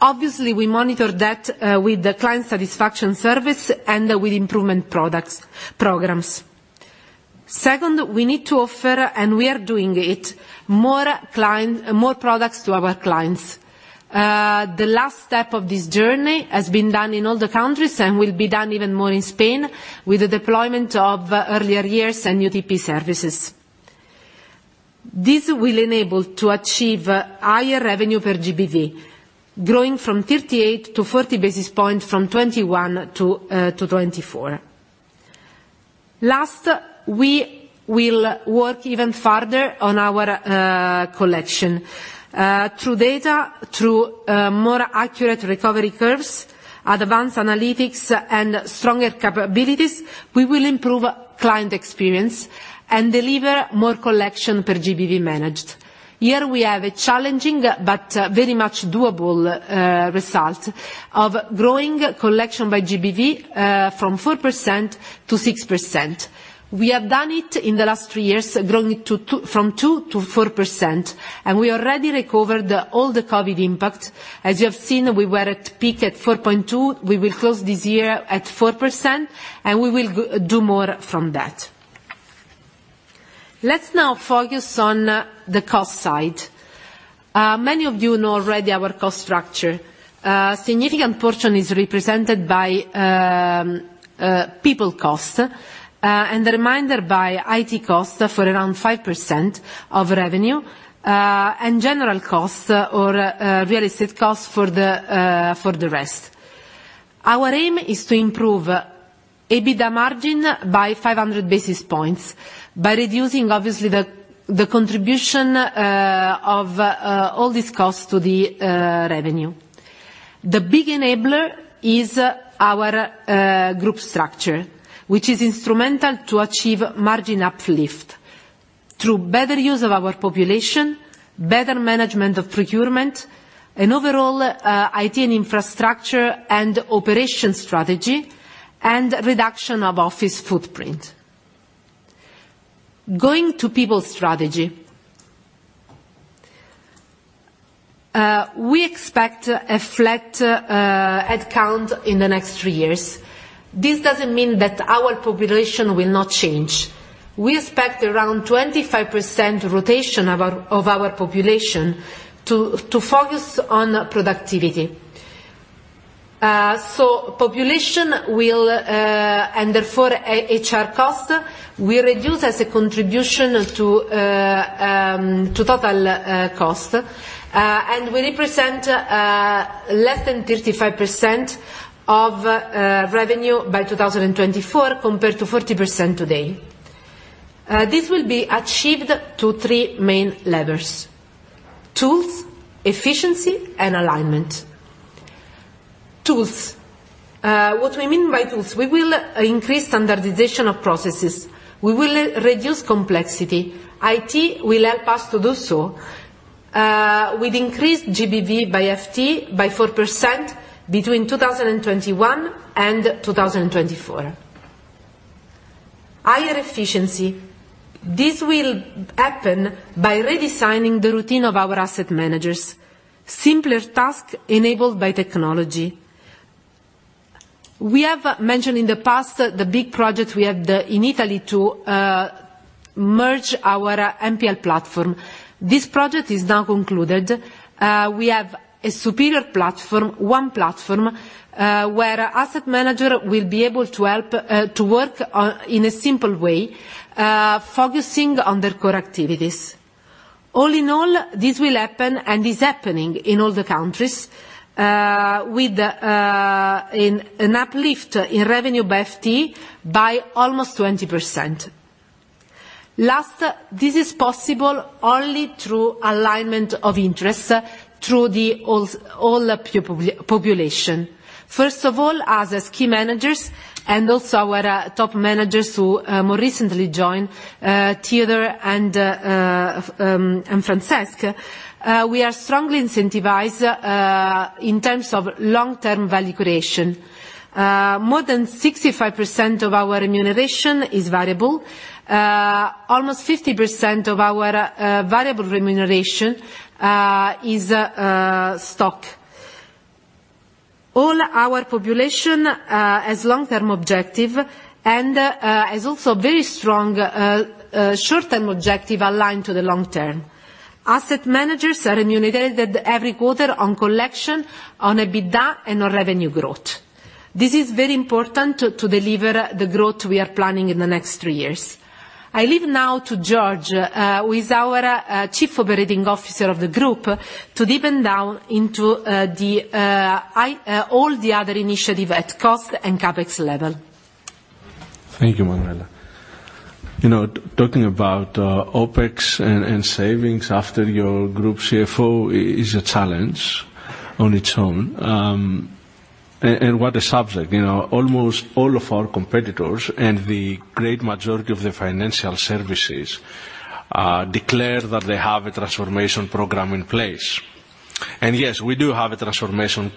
Obviously, we monitor that with the client satisfaction service and with improvement products, programs. Second, we need to offer, and we are doing it, more clients, more products to our clients. The last step of this journey has been done in all the countries and will be done even more in Spain with the deployment of early warning and UTP services. This will enable to achieve higher revenue per GBV, growing from 38 to 40 basis points from 2021 to 2024. Last, we will work even further on our collection. Through data, through more accurate recovery curves, advanced analytics, and stronger capabilities, we will improve client experience and deliver more collection per GBV managed. Here we have a challenging but very much doable result of growing collection by GBV from 4% to 6%. We have done it in the last three years, growing it from 2% to 4%, and we already recovered all the COVID impact. As you have seen, we were at peak at 4.2%. We will close this year at 4%, and we will do more from that. Let's now focus on the cost side. Many of you know already our cost structure. A significant portion is represented by people cost, and the remainder by IT costs for around 5% of revenue, and general costs or real estate costs for the rest. Our aim is to improve EBITDA margin by 500 basis points by reducing obviously the contribution of all these costs to the revenue. The big enabler is our group structure, which is instrumental to achieve margin uplift through better use of our population, better management of procurement, and overall IT and infrastructure and operation strategy and reduction of office footprint. Going to people strategy, we expect a flat head count in the next three years. This doesn't mean that our population will not change. We expect around 25% rotation of our population to focus on productivity. Headcount will and therefore HR cost will reduce as a contribution to total cost and will represent less than 35% of revenue by 2024 compared to 40% today. This will be achieved through three main levers. Tools, efficiency, and alignment. What we mean by tools, we will increase standardization of processes. We will reduce complexity. IT will help us to do so. We've increased GBV per FTE by 4% between 2021 and 2024. Higher efficiency. This will happen by redesigning the routine of our asset managers. Simpler task enabled by technology. We have mentioned in the past the big project we have in Italy to merge our NPL platform. This project is now concluded. We have a superior platform, one platform, where our asset manager will be able to help to work on, in a simple way, focusing on their core activities. All in all, this will happen and is happening in all the countries, with an uplift in revenue by FTE by almost 20%. This is possible only through alignment of interest through the population. First of all, us as key managers and also our top managers who more recently joined, Theodore Kalantonis and Francesc Noguera, we are strongly incentivized in terms of long-term value creation. More than 65% of our remuneration is variable. Almost 50% of our variable remuneration is stock. All our population has long-term objective and has also very strong short-term objective aligned to the long term. Asset managers are remunerated every quarter on collection, on EBITDA, and on revenue growth. This is very important to deliver the growth we are planning in the next three years. I leave now to George, who is our Chief Operating Officer of the group, to deepen down into all the other initiative at cost and CapEx level. Thank you, Manuela. You know, talking about OpEx and savings after your group CFO is a challenge on its own. What a subject, you know. Almost all of our competitors and the great majority of the financial services declare that they have a transformation program in place. Yes, we do have a transformation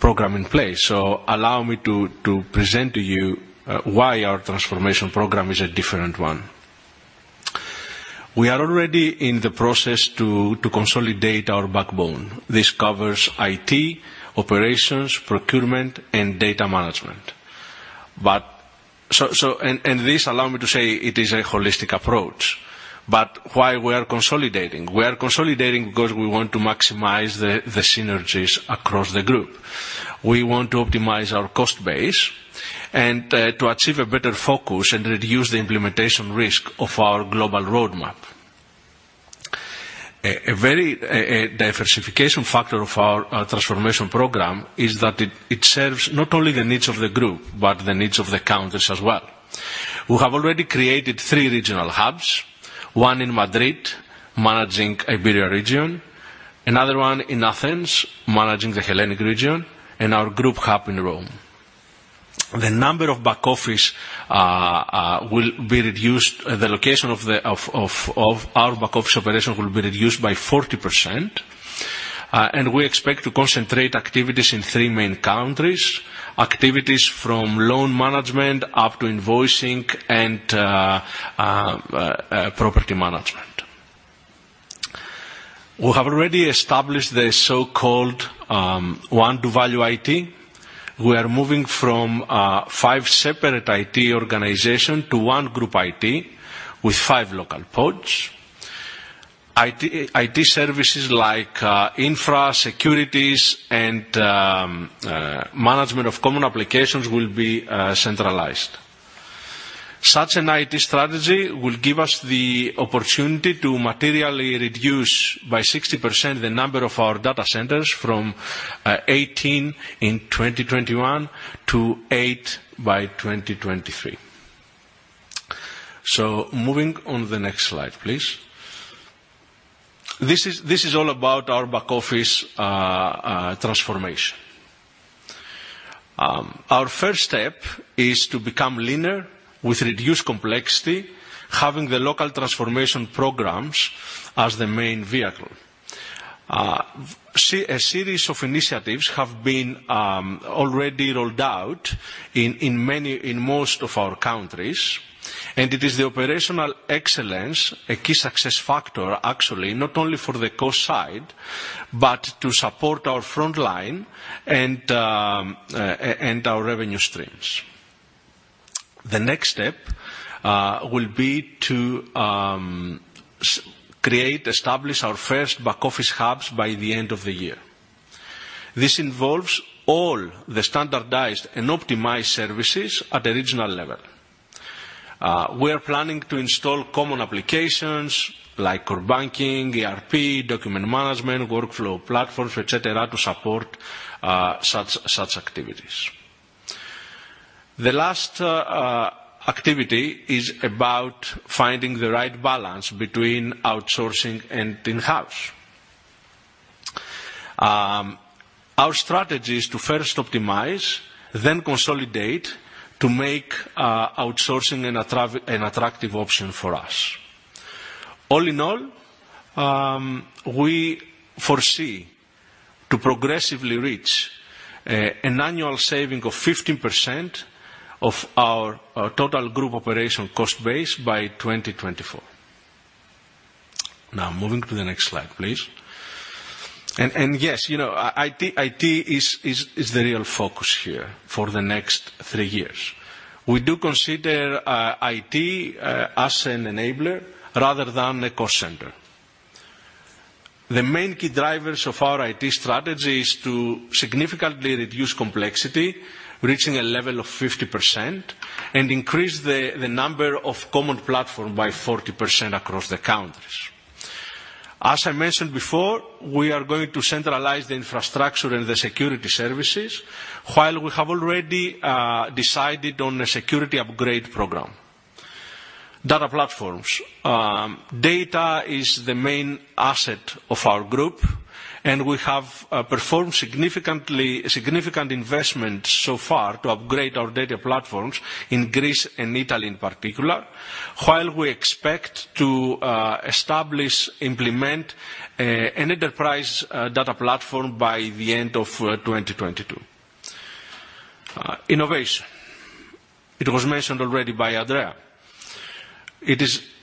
program in place. Allow me to present to you why our transformation program is a different one. We are already in the process to consolidate our backbone. This covers IT, operations, procurement, and data management. This, allow me to say, is a holistic approach. Why we are consolidating? We are consolidating because we want to maximize the synergies across the group. We want to optimize our cost base and to achieve a better focus and reduce the implementation risk of our global roadmap. A very diversification factor of our transformation program is that it serves not only the needs of the group, but the needs of the countries as well. We have already created three regional hubs, one in Madrid, managing Iberia region, another one in Athens, managing the Hellenic region, and our group hub in Rome. The number of back office will be reduced. The location of our back office operations will be reduced by 40%. We expect to concentrate activities in three main countries, activities from loan management up to invoicing and property management. We have already established the so-called OneDoValue IT. We are moving from five separate IT organizations to one group IT with five local pods. IT services like infra, security, and management of common applications will be centralized. Such an IT strategy will give us the opportunity to materially reduce by 60% the number of our data centers from 18 in 2021 to eight by 2023. Moving on to the next slide, please. This is all about our back office transformation. Our first step is to become linear with reduced complexity, having the local transformation programs as the main vehicle. A series of initiatives have been already rolled out in most of our countries, and it is the operational excellence, a key success factor, actually, not only for the cost side, but to support our front line and our revenue streams. The next step will be to create and establish our first back office hubs by the end of the year. This involves all the standardized and optimized services at a regional level. We are planning to install common applications like core banking, ERP, document management, workflow platforms, et cetera, to support such activities. The last activity is about finding the right balance between outsourcing and in-house. Our strategy is to first optimize, then consolidate to make outsourcing an attractive option for us. All in all, we foresee to progressively reach an annual saving of 15% of our total Group operating cost base by 2024. Now moving to the next slide, please. Yes, you know, IT is the real focus here for the next three years. We do consider IT as an enabler rather than a cost center. The main key drivers of our IT strategy is to significantly reduce complexity, reaching a level of 50%, and increase the number of common platform by 40% across the countries. As I mentioned before, we are going to centralize the infrastructure and the security services while we have already decided on a security upgrade program. Data platforms. Data is the main asset of our group, and we have performed significant investment so far to upgrade our data platforms in Greece and Italy in particular, while we expect to implement an enterprise data platform by the end of 2022. Innovation. It was mentioned already by Andrea. It is changing.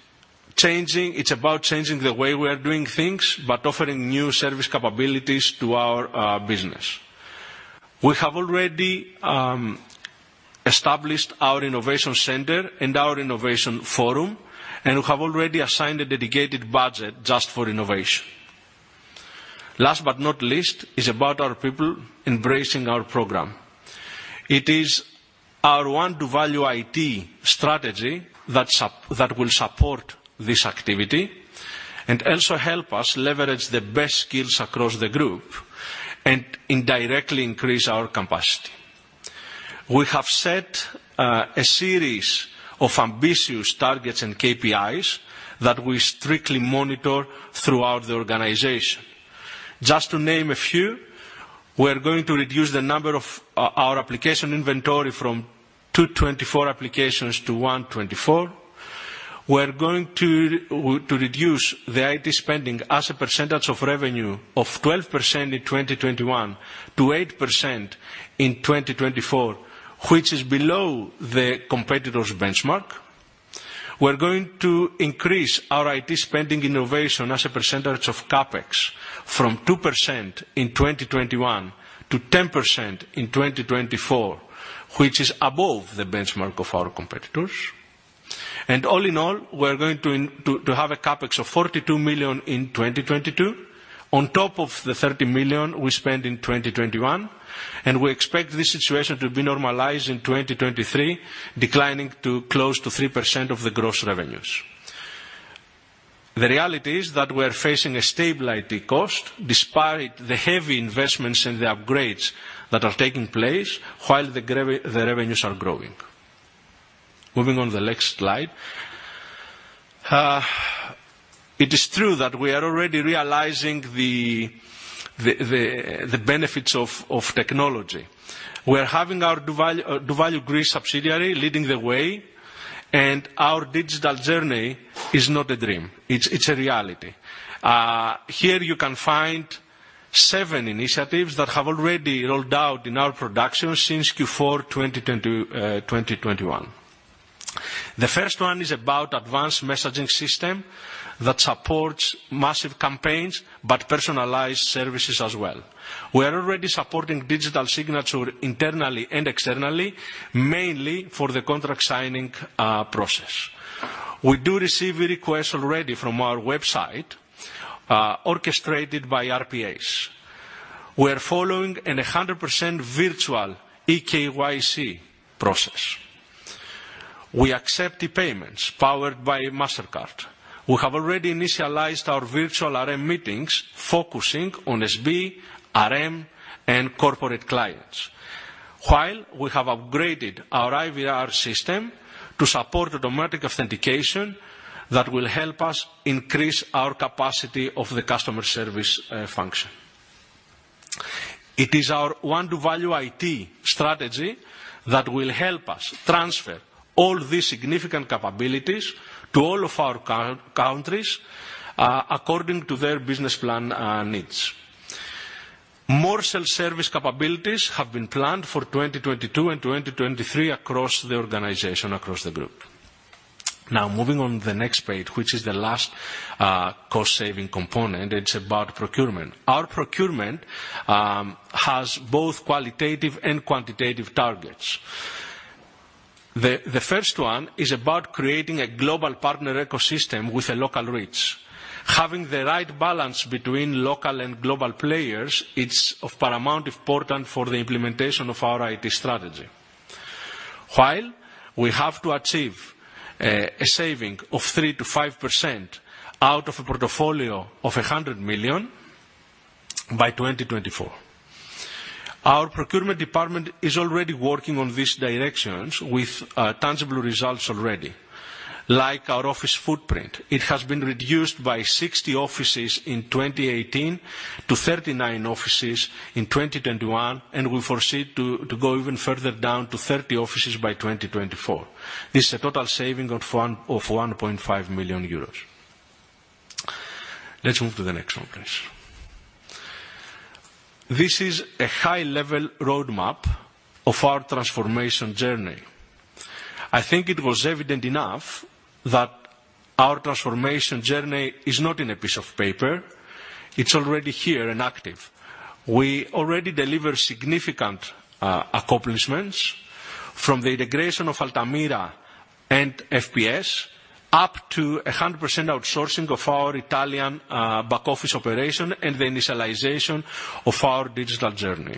It's about changing the way we are doing things, but offering new service capabilities to our business. We have already established our innovation center and our innovation forum, and we have already assigned a dedicated budget just for innovation. Last but not least is about our people embracing our program. It is our OneDoValue IT strategy that will support this activity and also help us leverage the best skills across the group and indirectly increase our capacity. We have set a series of ambitious targets and KPIs that we strictly monitor throughout the organization. Just to name a few, we are going to reduce the number of our application inventory from 224 applications to 124. We are going to reduce the IT spending as a percentage of revenue of 12% in 2021 to 8% in 2024, which is below the competitors' benchmark. We are going to increase our IT spending innovation as a percentage of CapEx from 2% in 2021 to 10% in 2024, which is above the benchmark of our competitors. All in all, we're going to to have a CapEx of 42 million in 2022 on top of the 30 million we spent in 2021, and we expect this situation to be normalized in 2023, declining to close to 3% of the gross revenues. The reality is that we're facing a stable IT cost despite the heavy investments and the upgrades that are taking place while the revenues are growing. Moving on to the next slide. It is true that we are already realizing the benefits of technology. We're having our doValue Greece subsidiary leading the way, and our digital journey is not a dream. It's a reality. Here you can find seven initiatives that have already rolled out in our production since Q4 2021. The first one is about advanced messaging system that supports massive campaigns, but personalized services as well. We are already supporting digital signature internally and externally, mainly for the contract signing process. We do receive a request already from our website, orchestrated by RPAs. We are following 100% virtual eKYC process. We accept the payments powered by Mastercard. We have already initiated our virtual RM meetings focusing on SB, RM, and corporate clients. While we have upgraded our IVR system to support automatic authentication that will help us increase our capacity of the customer service function. It is our OneDoValue IT strategy that will help us transfer all these significant capabilities to all of our countries, according to their business plan needs. More self-service capabilities have been planned for 2022 and 2023 across the organization, across the group. Now moving on to the next page, which is the last cost-saving component, it's about procurement. Our procurement has both qualitative and quantitative targets. The first one is about creating a global partner ecosystem with a local reach. Having the right balance between local and global players, it's of paramount importance for the implementation of our IT strategy. While we have to achieve a saving of 3%-5% out of a portfolio of 100 million by 2024. Our procurement department is already working on these directions with tangible results already. Like our office footprint, it has been reduced by 60 offices in 2018 to 39 offices in 2021, and we foresee to go even further down to 30 offices by 2024. This is a total saving of 1.5 million euros. Let's move to the next one, please. This is a high-level roadmap of our transformation journey. I think it was evident enough that our transformation journey is not in a piece of paper. It's already here and active. We already deliver significant accomplishments from the integration of Altamira and FPS, up to 100% outsourcing of our Italian back office operation and the initialization of our digital journey.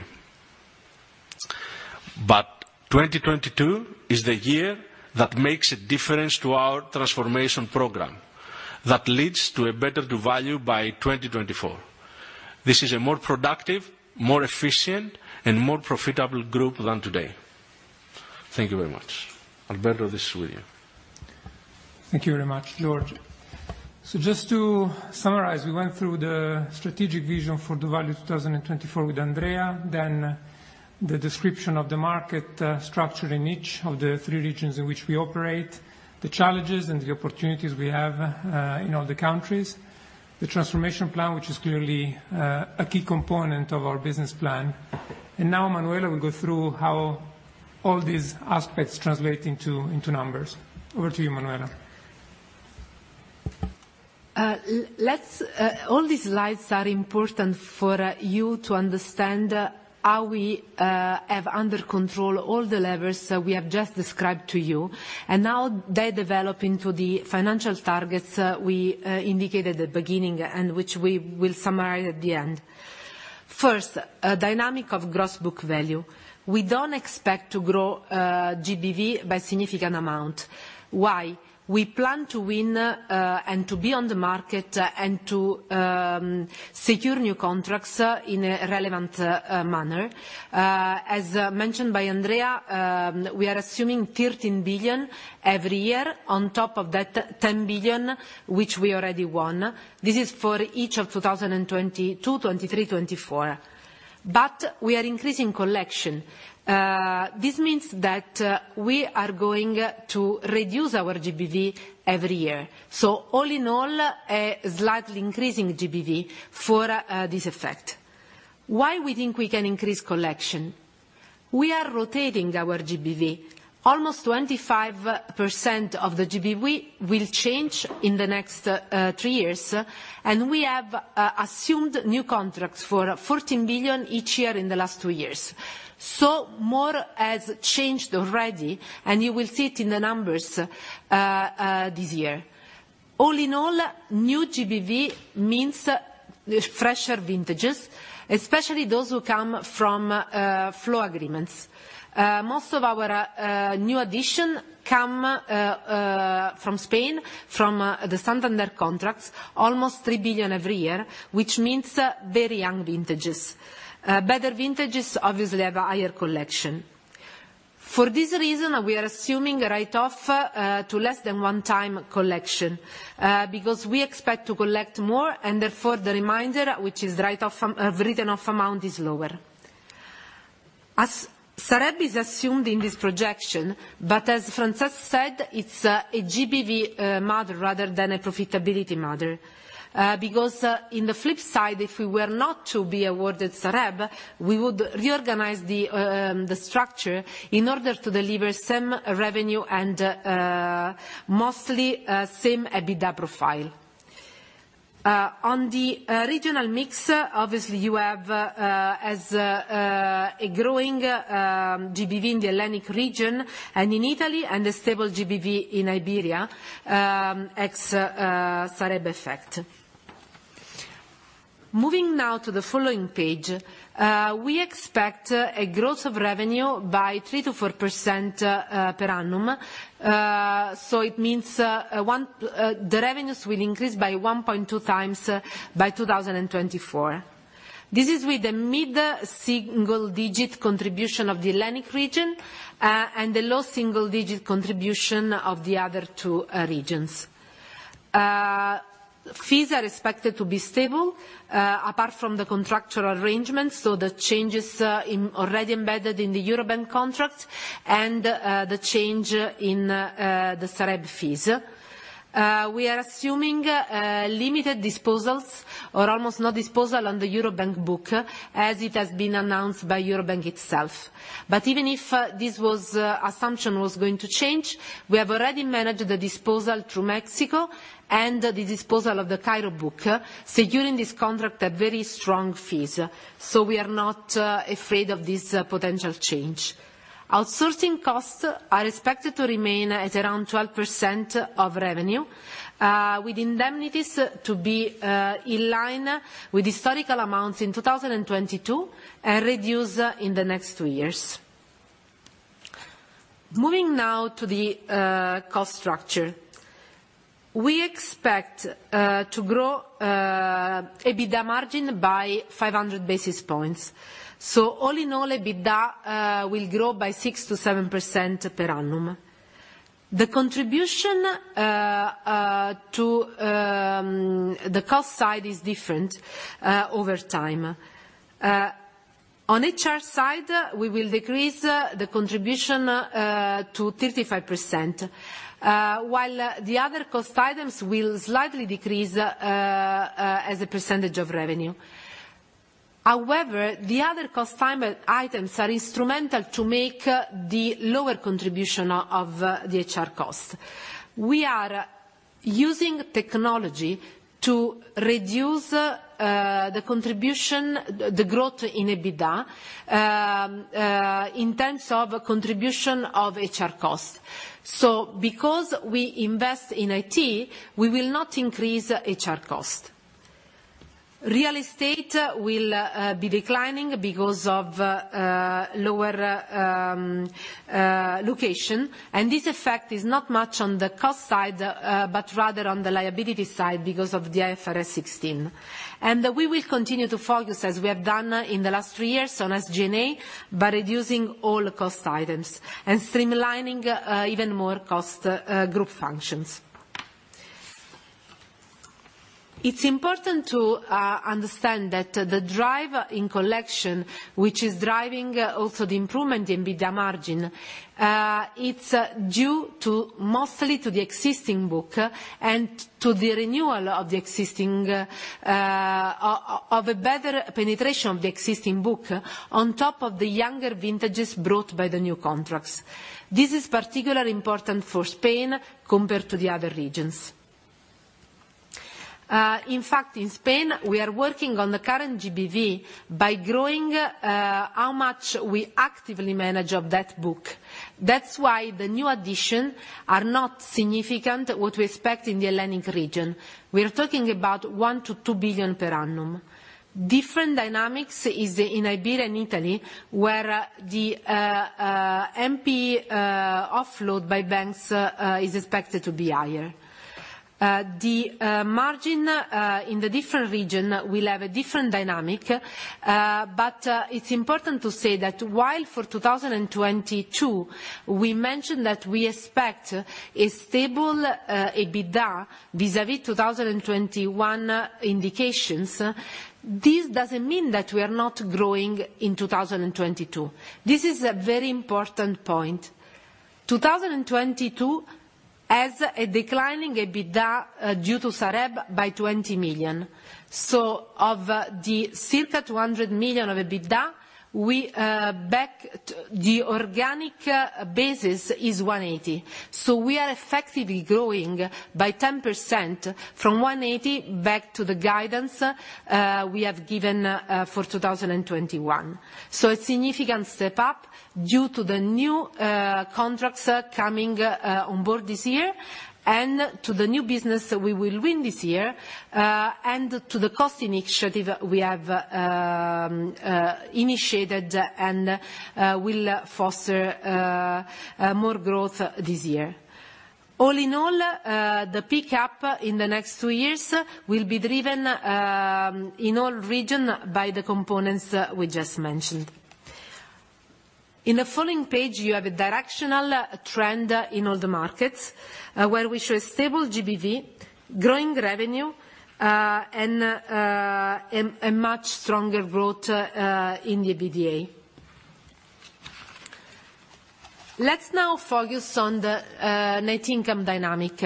2022 is the year that makes a difference to our transformation program that leads to a better doValue by 2024. This is a more productive, more efficient, and more profitable group than today. Thank you very much. Alberto, this is with you. Thank you very much, George. Just to summarize, we went through the strategic vision for doValue 2024 with Andrea, then the description of the market structure in each of the three regions in which we operate, the challenges and the opportunities we have in all the countries, the transformation plan, which is clearly a key component of our business plan. Now, Manuela will go through how all these aspects translate into numbers. Over to you, Manuela. Let's all these slides are important for you to understand how we have under control all the levers that we have just described to you. Now they develop into the financial targets we indicated at the beginning and which we will summarize at the end. First, a dynamic of gross book value. We don't expect to grow GBV by significant amount. Why? We plan to win and to be on the market and to secure new contracts in a relevant manner. As mentioned by Andrea, we are assuming 13 billion every year on top of that 10 billion which we already won. This is for each of 2022, 2023, 2024. We are increasing collection. This means that we are going to reduce our GBV every year. All in all, a slightly increasing GBV for this effect. Why we think we can increase collection? We are rotating our GBV. Almost 25% of the GBV will change in the next three years, and we have assumed new contracts for 14 billion each year in the last two years. More has changed already, and you will see it in the numbers this year. All in all, new GBV means fresher vintages, especially those who come from flow agreements. Most of our new addition come from Spain, from the Santander contracts, almost 3 billion every year, which means very young vintages. Better vintages obviously have a higher collection. For this reason, we are assuming write-off to less than one times collection because we expect to collect more and therefore the remainder, which is write-off written-off amount, is lower. As Sareb is assumed in this projection, but as Francesc said, it's a GBV model rather than a profitability model. Because in the flip side, if we were not to be awarded Sareb, we would reorganize the structure in order to deliver same revenue and mostly same EBITDA profile. On the regional mix, obviously you have a growing GBV in the Hellenic region and in Italy and a stable GBV in Iberia ex Sareb effect. Moving now to the following page, we expect a growth of revenue by 3%-4% per annum. It means the revenues will increase by 1.2x by 2024. This is with a mid-single digit contribution of the Hellenic region and the low single digit contribution of the other two regions. Fees are expected to be stable, apart from the contractual arrangement, the changes are already embedded in the Eurobank contract and the change in the Sareb fees. We are assuming limited disposals or almost no disposal on the Eurobank book, as it has been announced by Eurobank itself. Even if this assumption was going to change, we have already managed the disposal through Mexico and the disposal of the Cairo book, securing this contract at very strong fees. We are not afraid of this potential change. Outsourcing costs are expected to remain at around 12% of revenue, with indemnities to be in line with historical amounts in 2022 and reduce in the next two years. Moving now to the cost structure. We expect to grow EBITDA margin by 500 basis points. All in all, EBITDA will grow by 6%-7% per annum. The contribution to the cost side is different over time. On HR side, we will decrease the contribution to 35%, while the other cost items will slightly decrease as a percentage of revenue. However, the other cost items are instrumental to make the lower contribution of the HR costs. We are using technology to reduce the contribution, the growth in EBITDA in terms of contribution of HR costs. Because we invest in IT, we will not increase HR cost. Real estate will be declining because of lower location, and this effect is not much on the cost side but rather on the liability side because of the IFRS 16. We will continue to focus, as we have done in the last three years on SG&A, by reducing all cost items and streamlining even more cost group functions. It's important to understand that the driver in collection, which is driving also the improvement in EBITDA margin, it's due to mostly to the existing book and to the renewal of the existing, of a better penetration of the existing book on top of the younger vintages brought by the new contracts. This is particularly important for Spain compared to the other regions. In fact, in Spain, we are working on the current GBV by growing, how much we actively manage of that book. That's why the new additions are not significant what we expect in the Hellenic region. We are talking about 1 billion-2 billion per annum. Different dynamics is in Iberia and Italy, where the NPL offload by banks is expected to be higher. The margin in the different region will have a different dynamic. It's important to say that while for 2022, we mentioned that we expect a stable EBITDA vis-à-vis 2021 indications, this doesn't mean that we are not growing in 2022. This is a very important point. 2022 has a declining EBITDA due to Sareb by 20 million. Of the circa 200 million of EBITDA, we back to the organic basis is 180. We are effectively growing by 10% from 180 back to the guidance we have given for 2021. A significant step up due to the new contracts coming on board this year and to the new business we will win this year and to the cost initiative we have initiated and will foster more growth this year. All in all, the pick-up in the next two years will be driven in all region by the components we just mentioned. In the following page, you have a directional trend in all the markets where we show a stable GBV, growing revenue and a much stronger growth in the EBITDA. Let's now focus on the net income dynamic.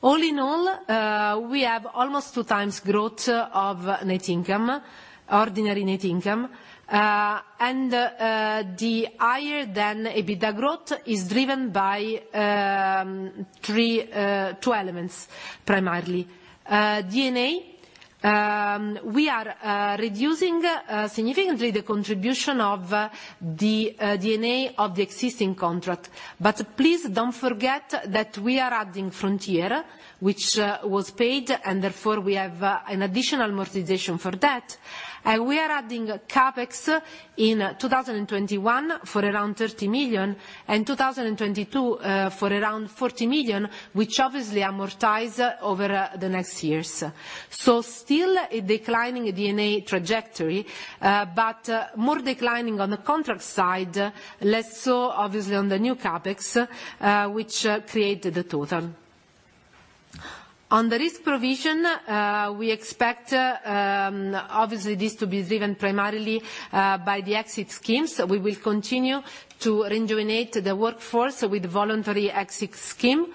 All in all, we have almost 2x growth of net income, ordinary net income. The higher than EBITDA growth is driven by two elements primarily. D&A, we are reducing significantly the contribution of the D&A of the existing contract. Please don't forget that we are adding Frontier, which was paid, and therefore we have an additional amortization for that. We are adding CapEx in 2021 for around 30 million, and 2022 for around 40 million, which obviously amortize over the next years. Still a declining D&A trajectory, but more declining on the contract side, less so obviously on the new CapEx, which create the total. On the risk provision, we expect obviously this to be driven primarily by the exit schemes. We will continue to rejuvenate the workforce with voluntary exit scheme.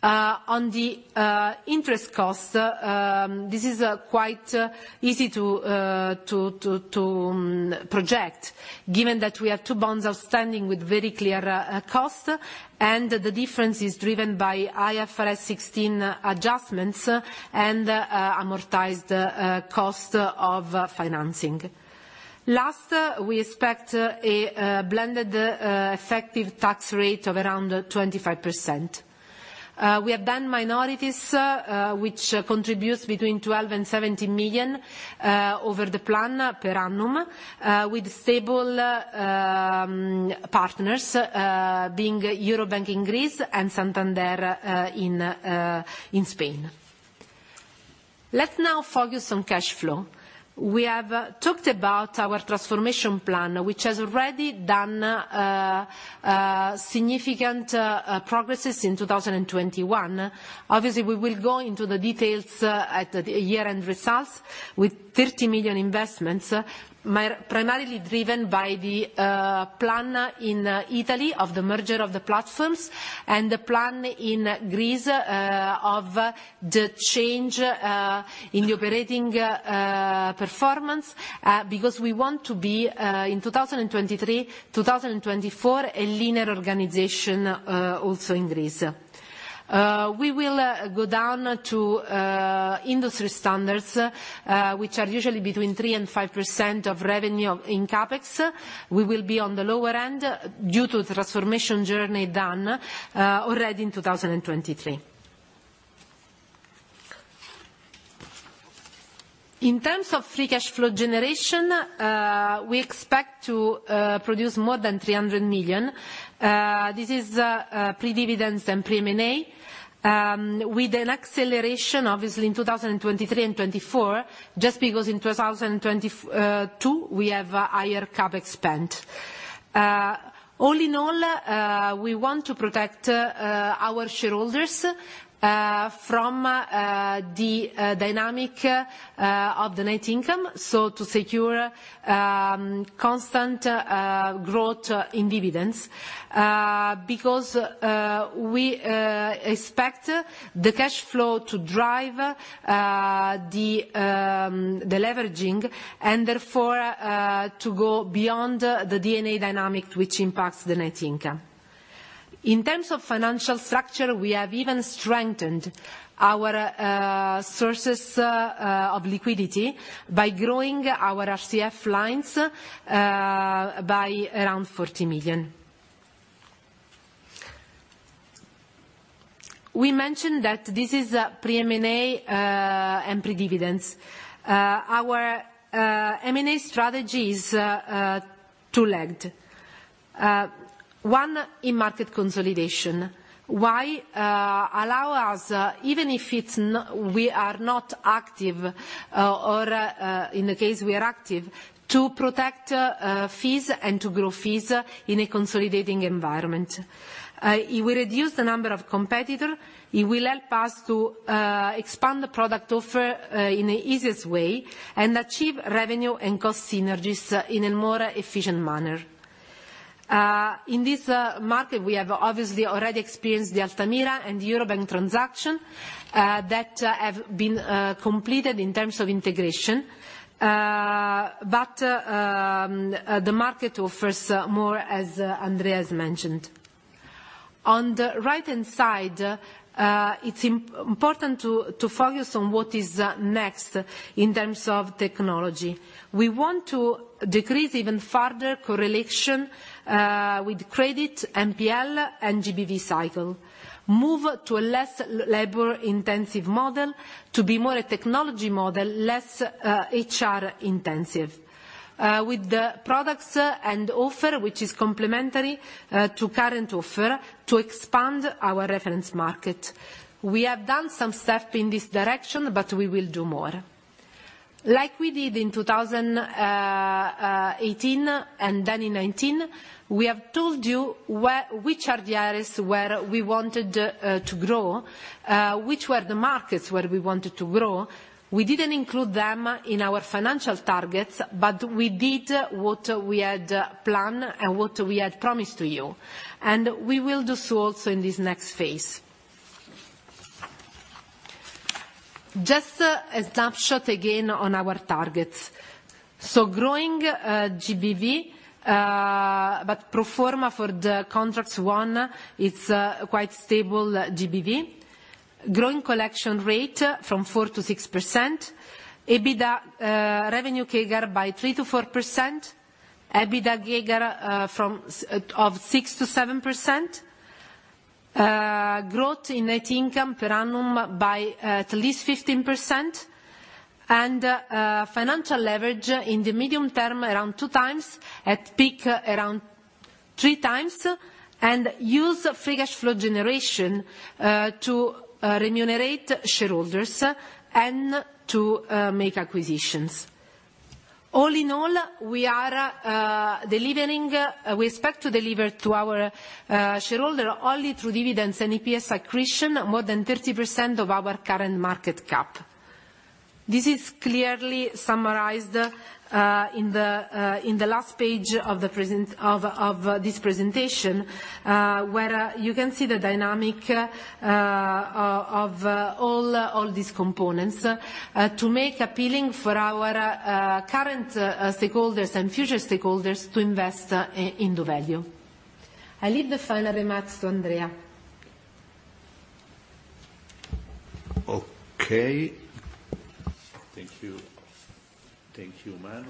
On the interest cost, this is quite easy to project, given that we have two bonds outstanding with very clear cost, and the difference is driven by IFRS 16 adjustments and amortized cost of financing. Lastly, we expect a blended effective tax rate of around 25%. We have minorities which contributes between 12 million and 17 million over the plan per annum, with stable partners being Eurobank in Greece and Santander in Spain. Let's now focus on cash flow. We have talked about our transformation plan, which has already done significant progresses in 2021. Obviously, we will go into the details at the year-end results with 30 million investments, primarily driven by the plan in Italy of the merger of the platforms and the plan in Greece of the change in the operating performance because we want to be in 2023, 2024, a linear organization also in Greece. We will go down to industry standards, which are usually between 3%-5% of revenue in CapEx. We will be on the lower end due to transformation journey done already in 2023. In terms of free cash flow generation, we expect to produce more than 300 million. This is pre-dividends and pre-M&A, with an acceleration obviously in 2023 and 2024 just because in 2022 we have higher CapEx spend. All in all, we want to protect our shareholders from the dynamic of the net income, so to secure constant growth in dividends, because we expect the cash flow to drive the leveraging and therefore to go beyond the D&A dynamic which impacts the net income. In terms of financial structure, we have even strengthened our sources of liquidity by growing our RCF lines by around EUR 40 million. We mentioned that this is pre-M&A and pre-dividends. Our M&A strategy is two-legged. One in market consolidation. Why allow us, even if it's we are not active, or in the case we are active, to protect fees and to grow fees in a consolidating environment. It will reduce the number of competitor. It will help us to expand the product offer in the easiest way and achieve revenue and cost synergies in a more efficient manner. In this market, we have obviously already experienced the Altamira and the Eurobank transaction that have been completed in terms of integration. The market offers more, as Andrea has mentioned. On the right-hand side, it's important to focus on what is next in terms of technology. We want to decrease even further correlation with credit, NPL, and GBV cycle. Move to a less labor-intensive model to be more a technology model, less HR intensive. With the products and offer, which is complementary to current offer, to expand our reference market. We have done some step in this direction, but we will do more. Like we did in 2018 and then in 2019, we have told you which are the areas where we wanted to grow, which were the markets where we wanted to grow. We didn't include them in our financial targets, but we did what we had planned and what we had promised to you, and we will do so also in this next phase. Just a snapshot again on our targets. Growing GBV, but pro forma for the contracts won, it's a quite stable GBV. Growing collection rate from 4%-6%. EBITDA revenue CAGR by 3%-4%. EBITDA CAGR of 6%-7%. Growth in net income per annum by at least 15%. Financial leverage in the medium term, around 2x, at peak, around 3x. Use free cash flow generation to remunerate shareholders and to make acquisitions. All in all, we are delivering. We expect to deliver to our shareholder only through dividends and EPS accretion more than 30% of our current market cap. This is clearly summarized in the last page of this presentation, where you can see the dynamic of all these components to make appealing for our current stakeholders and future stakeholders to invest in doValue. I leave the final remarks to Andrea. Thank you, Manu.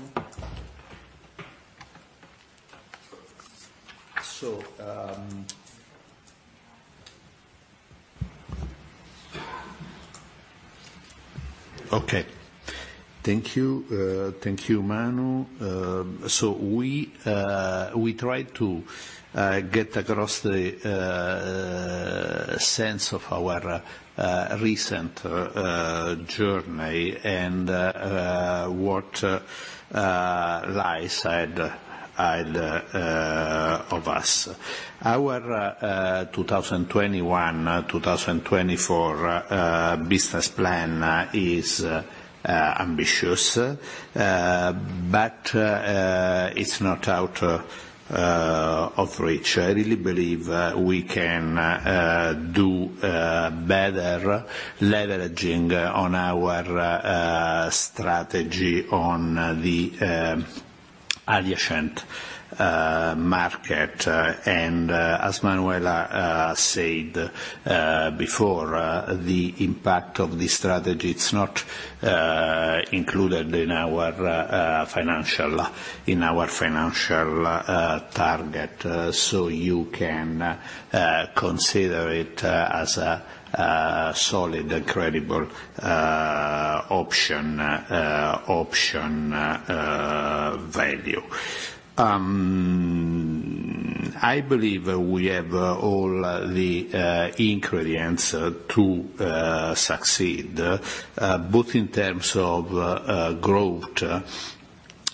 We try to get across the sense of our recent journey and what lies ahead of us. Our 2021-2024 business plan is ambitious, but it's not out of reach. I really believe we can do better leveraging on our strategy on the adjacent market. As Manuela said before, the impact of this strategy is not included in our financial target. You can consider it as a solid and credible option value. I believe we have all the ingredients to succeed both in terms of growth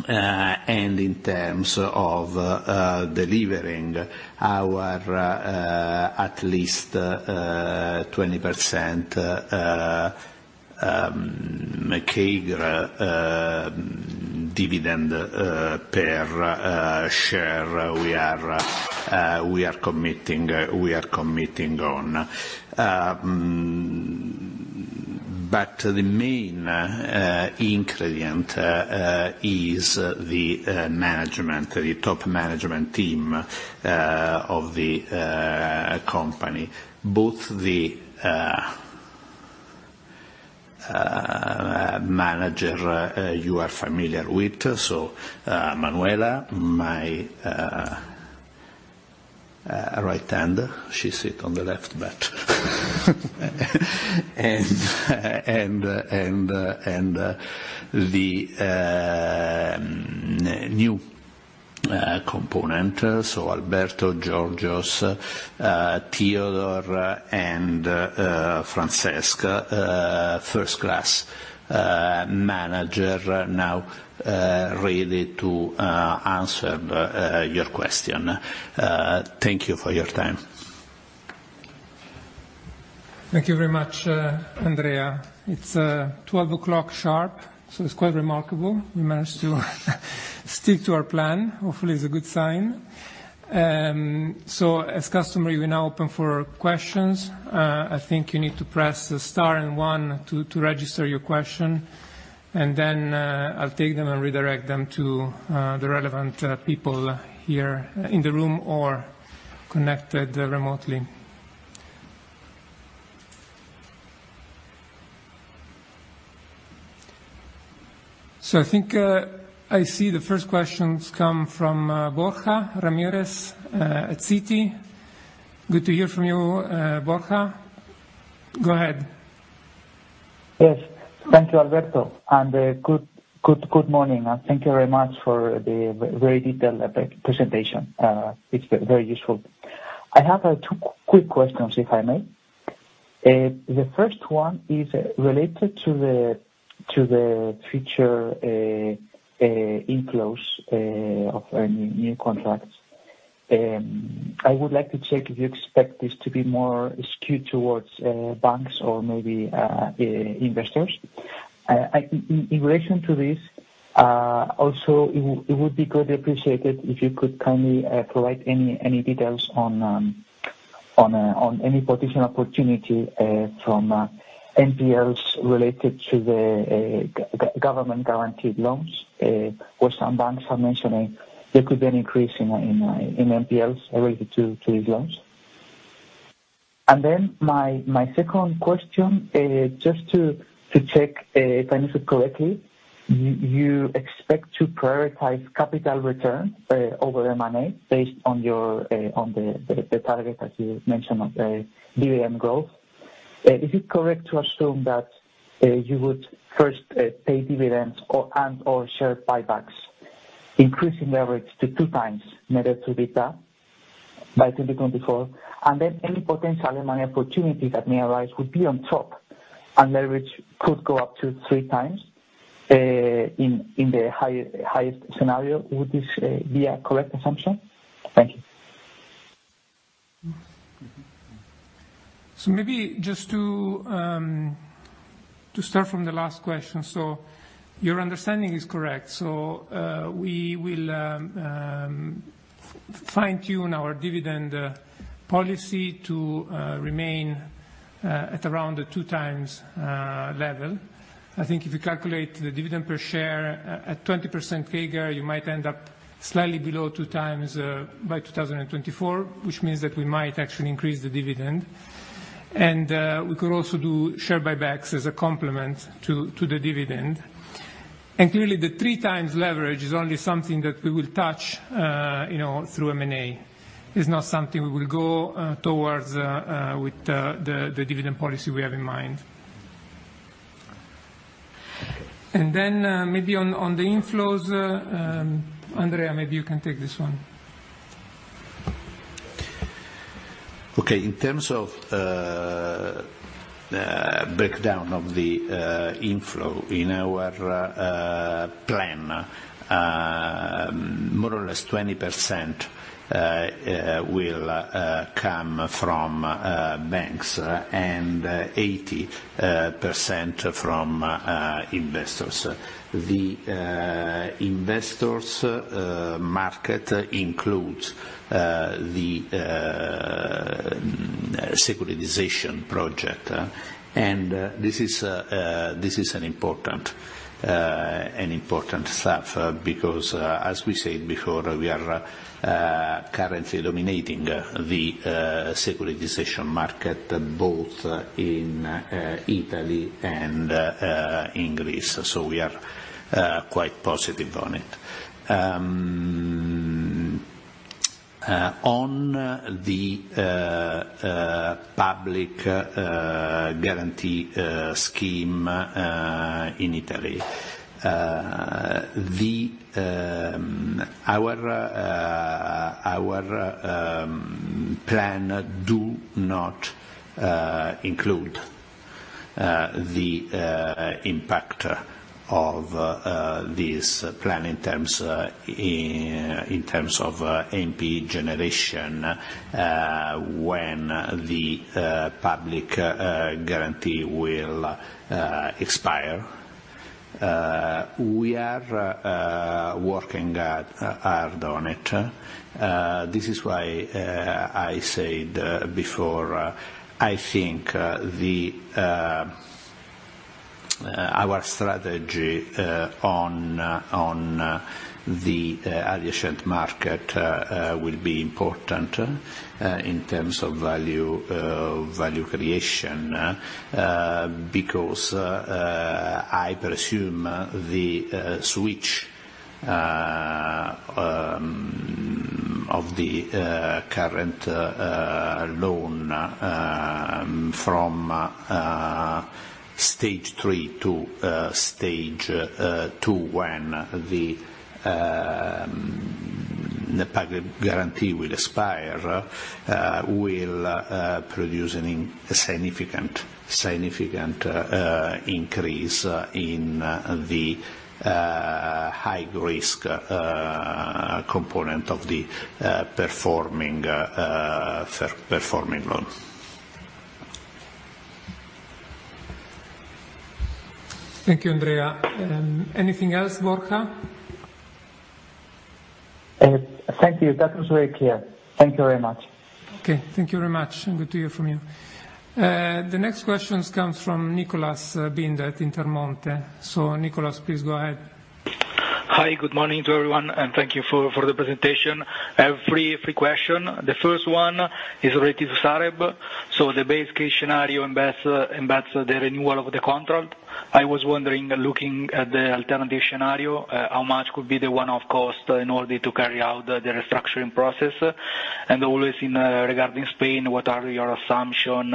and in terms of delivering our at least 20% CAGR dividend per share we are committing on. But the main ingredient is the management the top management team of the company both the manager you are familiar with so Manuela my right hand. She sit on the left but the new complement so Alberto, George, Theodore, and Francesc first-class manager now ready to answer your question. Thank you for your time. Thank you very much, Andrea. It's 12 o'clock sharp, so it's quite remarkable we managed to stick to our plan. Hopefully it's a good sign. As customary, we now open for questions. I think you need to press the star and one to register your question, and then I'll take them and redirect them to the relevant people here in the room or connected remotely. I think I see the first questions come from Borja Ramirez at Citi. Good to hear from you, Borja. Go ahead. Yes. Thank you, Alberto. Good morning, and thank you very much for the very detailed presentation. It's very useful. I have two quick questions, if I may. The first one is related to the future inflows of any new contracts. I would like to check if you expect this to be more skewed towards banks or maybe investors. In relation to this, also it would be greatly appreciated if you could kindly provide any details on any potential opportunity from NPLs related to the government guaranteed loans, where some banks are mentioning there could be an increase in NPLs related to these loans. My second question, just to check if I understood correctly, you expect to prioritize capital returns over M&A based on your target, as you mentioned, of dividend growth. Is it correct to assume that you would first pay dividends or and/or share buybacks, increasing leverage to 2x net EBITDA by 2024, and then any potential M&A opportunity that may arise would be on top, and leverage could go up to 3x in the highest scenario. Would this be a correct assumption? Thank you. Maybe just to start from the last question. Your understanding is correct. We will fine-tune our dividend policy to remain at around the 2x level. I think if you calculate the dividend per share at 20% figure, you might end up slightly below 2x by 2024, which means that we might actually increase the dividend. We could also do share buybacks as a complement to the dividend. Clearly, the 3x leverage is only something that we will touch, you know, through M&A. It's not something we will go towards with the dividend policy we have in mind. Maybe on the inflows, Andrea, maybe you can take this one. Okay. In terms of breakdown of the inflow in our plan, more or less 20% will come from banks and 80% from investors. The investors market includes the securitization project. This is an important stuff because as we said before, we are currently dominating the securitization market both in Italy and in Greece. We are quite positive on it. On the public guarantee scheme in Italy, our plan do not include the impact of this plan in terms of NP generation when the public guarantee will expire. We are working hard on it. This is why I said before. I think our strategy on the adjacent market will be important in terms of value creation, because I presume the switch of the current loan from Stage 3 to Stage 2 when the public guarantee will expire will produce an in a significant. Significant increase in the high-risk component of the performing loan. Thank you, Andrea. Anything else, Borja? Thank you. That was very clear. Thank you very much. Okay, thank you very much. Good to hear from you. The next questions comes from Nicholas Binder at Intermonte. Nicholas, please go ahead. Hi. Good morning to everyone, and thank you for the presentation. I have three questions. The first one is related to Sareb. The base case scenario embeds the renewal of the contract. I was wondering, looking at the alternative scenario, how much could be the one-off cost in order to carry out the restructuring process. Always regarding Spain, what are your assumption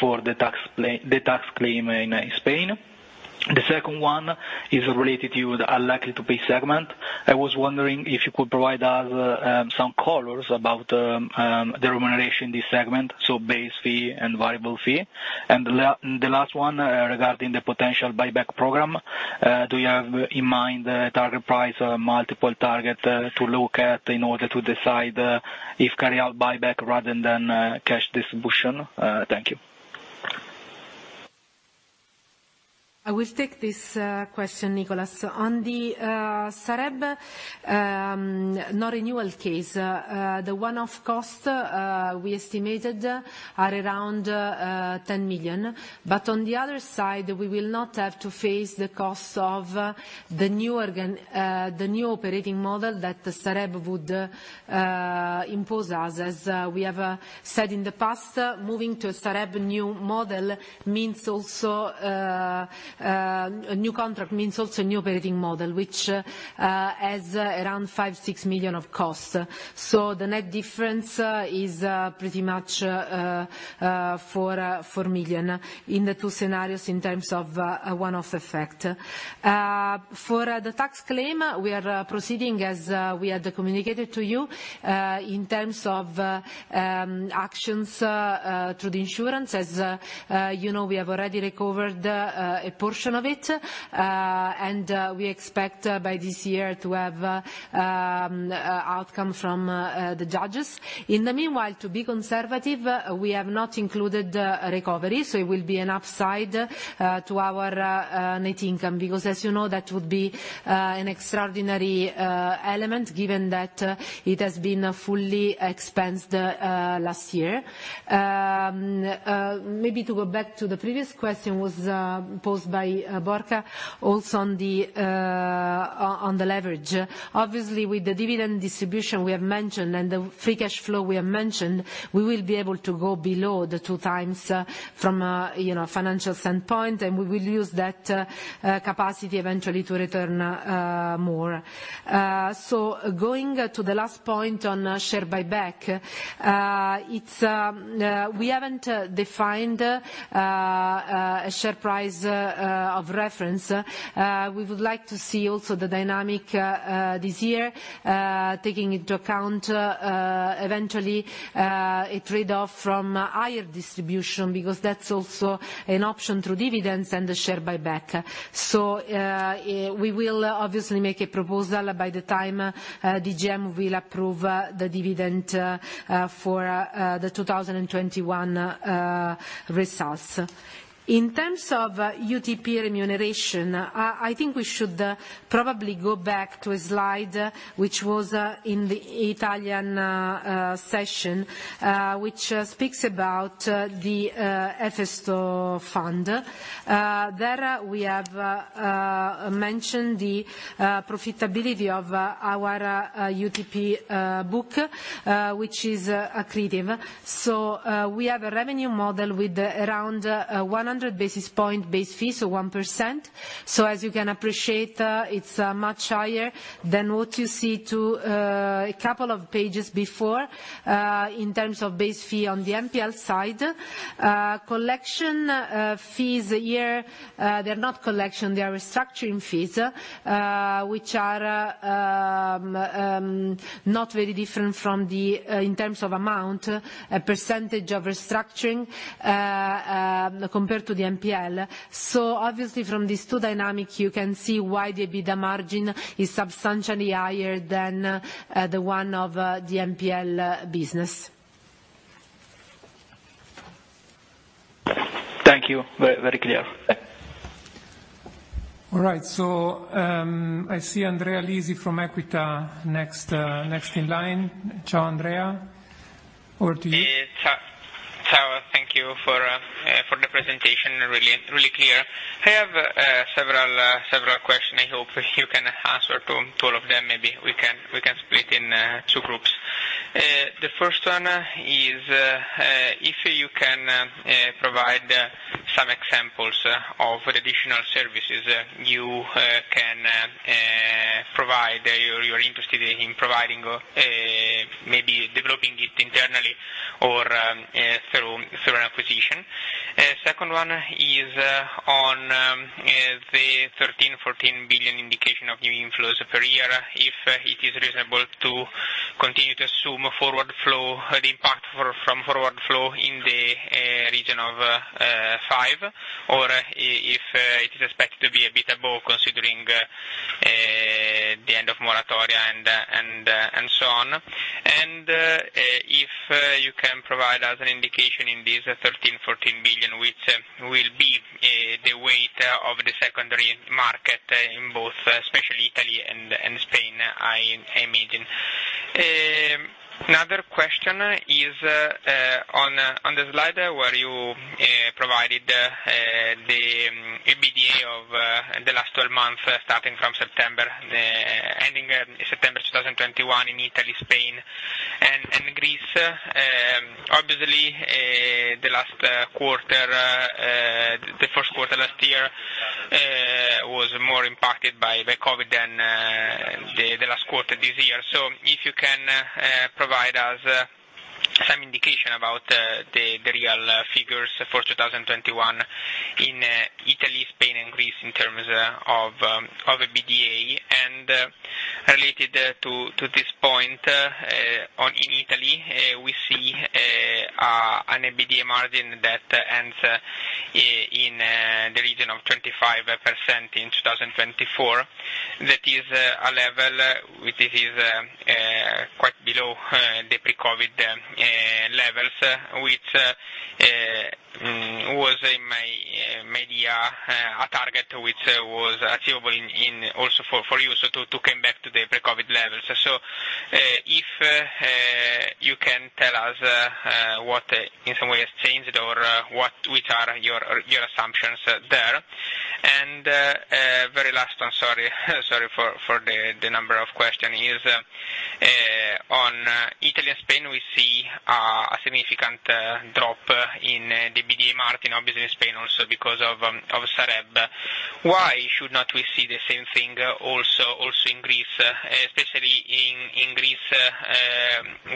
for the tax claim in Spain? The second one is related to the unlikely to pay segment. I was wondering if you could provide us some colors about the remuneration this segment, so base fee and variable fee. The last one, regarding the potential buyback program, do you have in mind the target price or multiple target to look at in order to decide if carry out buyback rather than cash distribution? Thank you. I will take this question, Nicholas. On the Sareb no renewal case, the one-off cost we estimated are around 10 million. On the other side, we will not have to face the costs of the new operating model that Sareb would impose us. We have said in the past, moving to a Sareb new model means also a new contract means also a new operating model, which has around 5 million-6 million of costs. The net difference is pretty much four million in the two scenarios in terms of a one-off effect. For the tax claim, we are proceeding as we had communicated to you. In terms of actions to the insurance, as you know, we have already recovered a portion of it. We expect by this year to have outcome from the judges. In the meanwhile, to be conservative, we have not included recovery, so it will be an upside to our net income. Because as you know, that would be an extraordinary element, given that it has been fully expensed last year. Maybe to go back to the previous question was posed by Borja, also on the leverage. Obviously, with the dividend distribution we have mentioned and the free cash flow we have mentioned, we will be able to go below the 2x from a, you know, financial standpoint, and we will use that capacity eventually to return more. Going to the last point on share buyback, it's we haven't defined a share price of reference. We would like to see also the dynamic this year, taking into account eventually a trade-off from higher distribution, because that's also an option through dividends and the share buyback. We will obviously make a proposal by the time AGM will approve the dividend for the 2021 results. In terms of UTP remuneration, I think we should probably go back to a slide which was in the Italian session, which speaks about the Efesto fund. There we have mentioned the profitability of our UTP book, which is accretive. We have a revenue model with around 100 basis point base fee, so 1%. As you can appreciate, it's much higher than what you see too a couple of pages before in terms of base fee on the NPL side. Collection fees a year, they're not collection, they are restructuring fees, which are not very different from them in terms of amount, a percentage of restructuring compared to the NPL. Obviously, from these two dynamics, you can see why the bid margin is substantially higher than the one of the NPL business. Thank you. Very clear. All right, I see Andrea Lisi from Equita next in line. Ciao, Andrea. Over to you. Ciao. Thank you for the presentation. Really clear. I have several questions. I hope you can answer all of them. Maybe we can split into two groups. The first one is if you can provide some examples of additional services you can provide or you're interested in providing or maybe developing it internally or through an acquisition. The second one is on the 13 billion-14 billion indication of new inflows per year. If it is reasonable to continue to assume a forward flow, an impact from forward flow in the region of 5 billion. Or if it is expected to be a bit above considering the end of moratoria and so on. If you can provide us an indication in these 13 billion-14 billion which will be the weight of the secondary market in both, especially Italy and Spain, I imagine. Another question is on the slide where you provided the EBITDA of the last 12 months, starting from September ending September 2021 in Italy, Spain, and Greece. Obviously, the first quarter last year was more impacted by the COVID than the last quarter this year. If you can provide us some indication about the real figures for 2021 in Italy, Spain, and Greece in terms of EBITDA. Related to this point, in Italy, we see an EBITDA margin that ends in the region of 25% in 2024. That is a level which is quite below the pre-COVID levels, which was in my mind a target which was achievable also for you to come back to the pre-COVID levels. If you can tell us what in some way has changed or what are your assumptions there. Very last one. Sorry for the number of question. On Italy and Spain, we see a significant drop in the EBITDA margin, obviously in Spain also because of Sareb. Why should not we see the same thing also in Greece? Especially in Greece,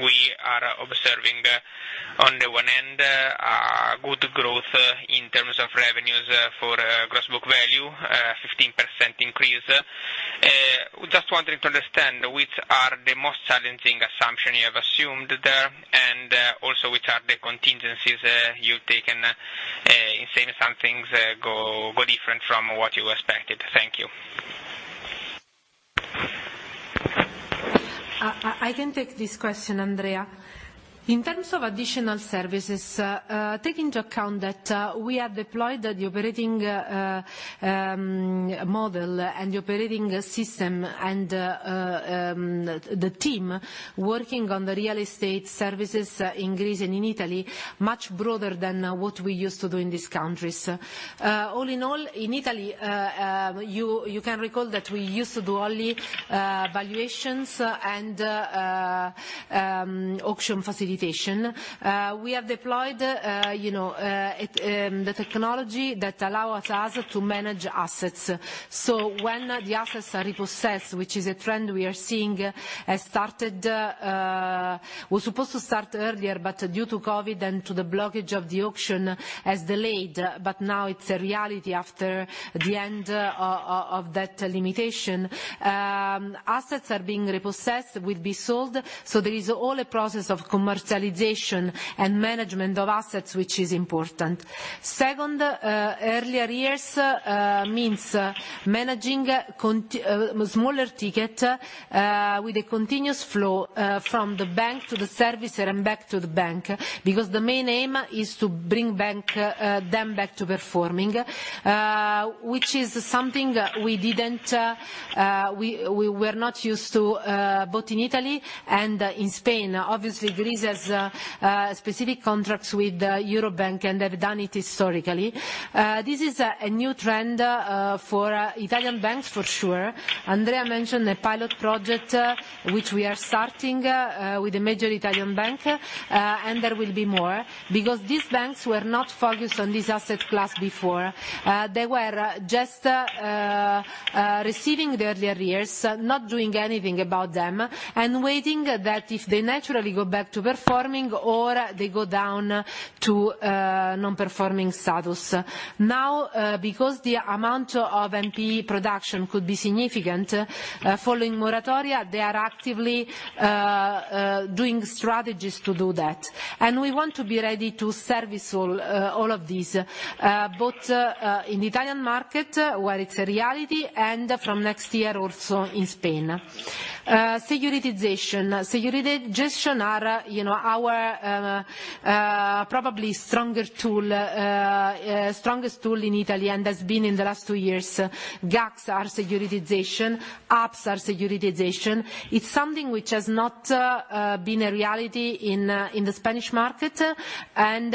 we are observing, on the one end, good growth in terms of revenues for gross book value, a 15% increase. We just wanted to understand which are the most challenging assumption you have assumed there, and also which are the contingencies you've taken, if any assumptions go different from what you expected. Thank you. I can take this question, Andrea. In terms of additional services, take into account that we have deployed the operating model and the operating system, and the team working on the real estate services in Greece and in Italy, much broader than what we used to do in these countries. All in all, in Italy, you can recall that we used to do only valuations and auction facilitation. We have deployed, you know, the technology that allows us to manage assets. When the assets are repossessed, which is a trend we are seeing that has started. It was supposed to start earlier, but due to COVID and to the blockage of the auction, it has delayed. Now it's a reality after the end of that limitation. Assets are being repossessed, will be sold, so there is also a process of commercialization and management of assets, which is important. Second, earlier years means managing smaller ticket with a continuous flow from the bank to the servicer and back to the bank. Because the main aim is to bring them back to performing, which is something we were not used to both in Italy and in Spain. Obviously, Greece has specific contracts with Eurobank, and they've done it historically. This is a new trend for Italian banks for sure. Andrea mentioned a pilot project which we are starting with a major Italian bank. There will be more, because these banks were not focused on this asset class before. They were just receiving their arrears, not doing anything about them, and waiting that if they naturally go back to performing or they go down to non-performing status. Now, because the amount of NPL production could be significant following moratoria, they are actively doing strategies to do that. We want to be ready to service all of these, both in the Italian market, where it's a reality, and from next year also in Spain. Securitizations are, you know, our probably strongest tool in Italy and has been in the last two years. GACS are securitizations. HAPS are securitizations. It's something which has not been a reality in the Spanish market and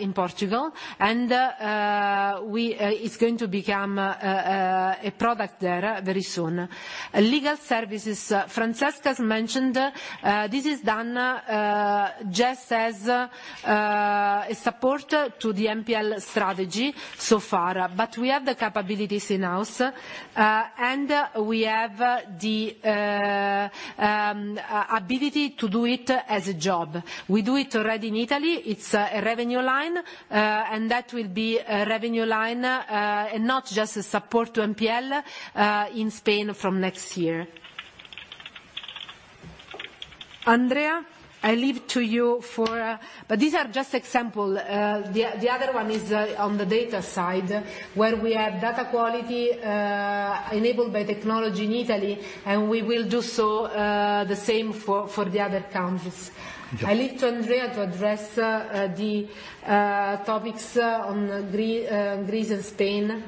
in Portugal. It's going to become a product there very soon. Legal services, as Francesc Noguera mentioned, this is done just as a support to the NPL strategy so far. We have the capabilities in-house, and we have the ability to do it as a job. We do it already in Italy. It's a revenue line. That will be a revenue line, and not just a support to NPL, in Spain from next year. Andrea, I leave it to you for... These are just examples. The other one is on the data side, where we have data quality enabled by technology in Italy, and we will do the same for the other countries. Yeah. I leave to Andrea to address the topics on Greece and Spain.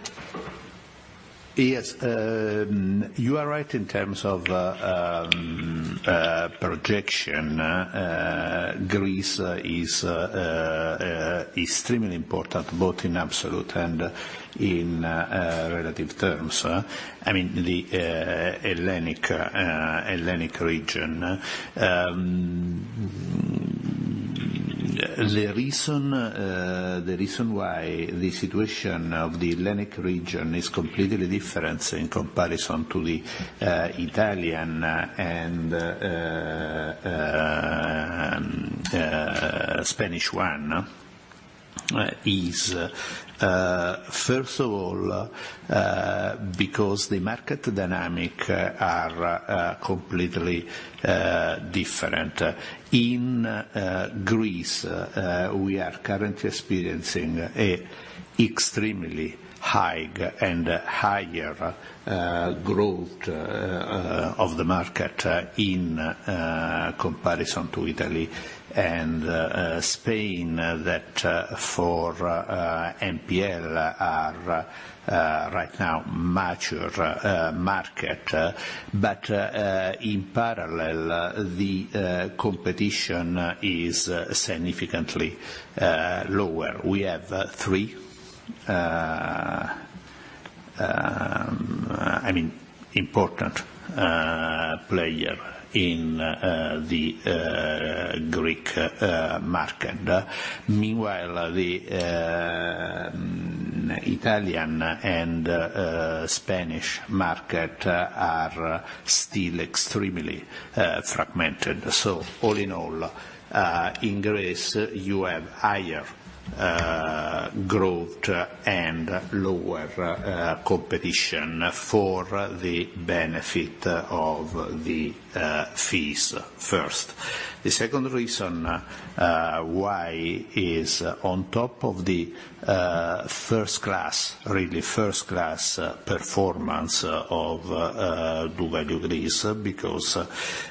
Yes. You are right in terms of projection. Greece is extremely important, both in absolute and in relative terms. I mean, the Hellenic region. The reason why the situation of the Hellenic region is completely different in comparison to the Italian and Spanish one is first of all because the market dynamics are completely different. In Greece, we are currently experiencing an extremely high and higher growth of the market in comparison to Italy and Spain that for NPL are right now mature market. In parallel, the competition is significantly lower. We have three, I mean, important players in the Greek market. Meanwhile, the Italian and Spanish markets are still extremely fragmented. All in all, in Greece, you have higher growth and lower competition for the benefit of the fees first. The second reason why is on top of the first class, really first class performance of doValue Greece, because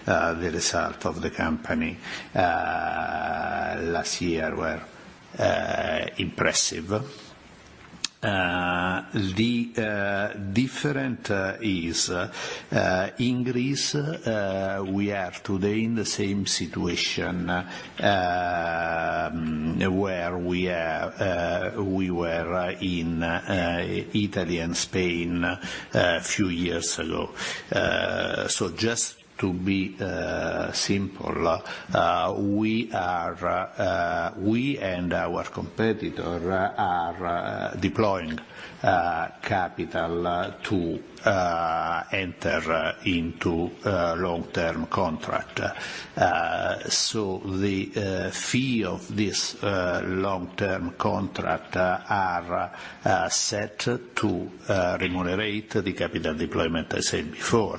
the result of the company last year were impressive. The difference is in Greece we are today in the same situation where we were in Italy and Spain a few years ago. Just to be simple, we and our competitor are deploying capital to enter into a long-term contract. The fee of this long-term contract are set to remunerate the capital deployment I said before.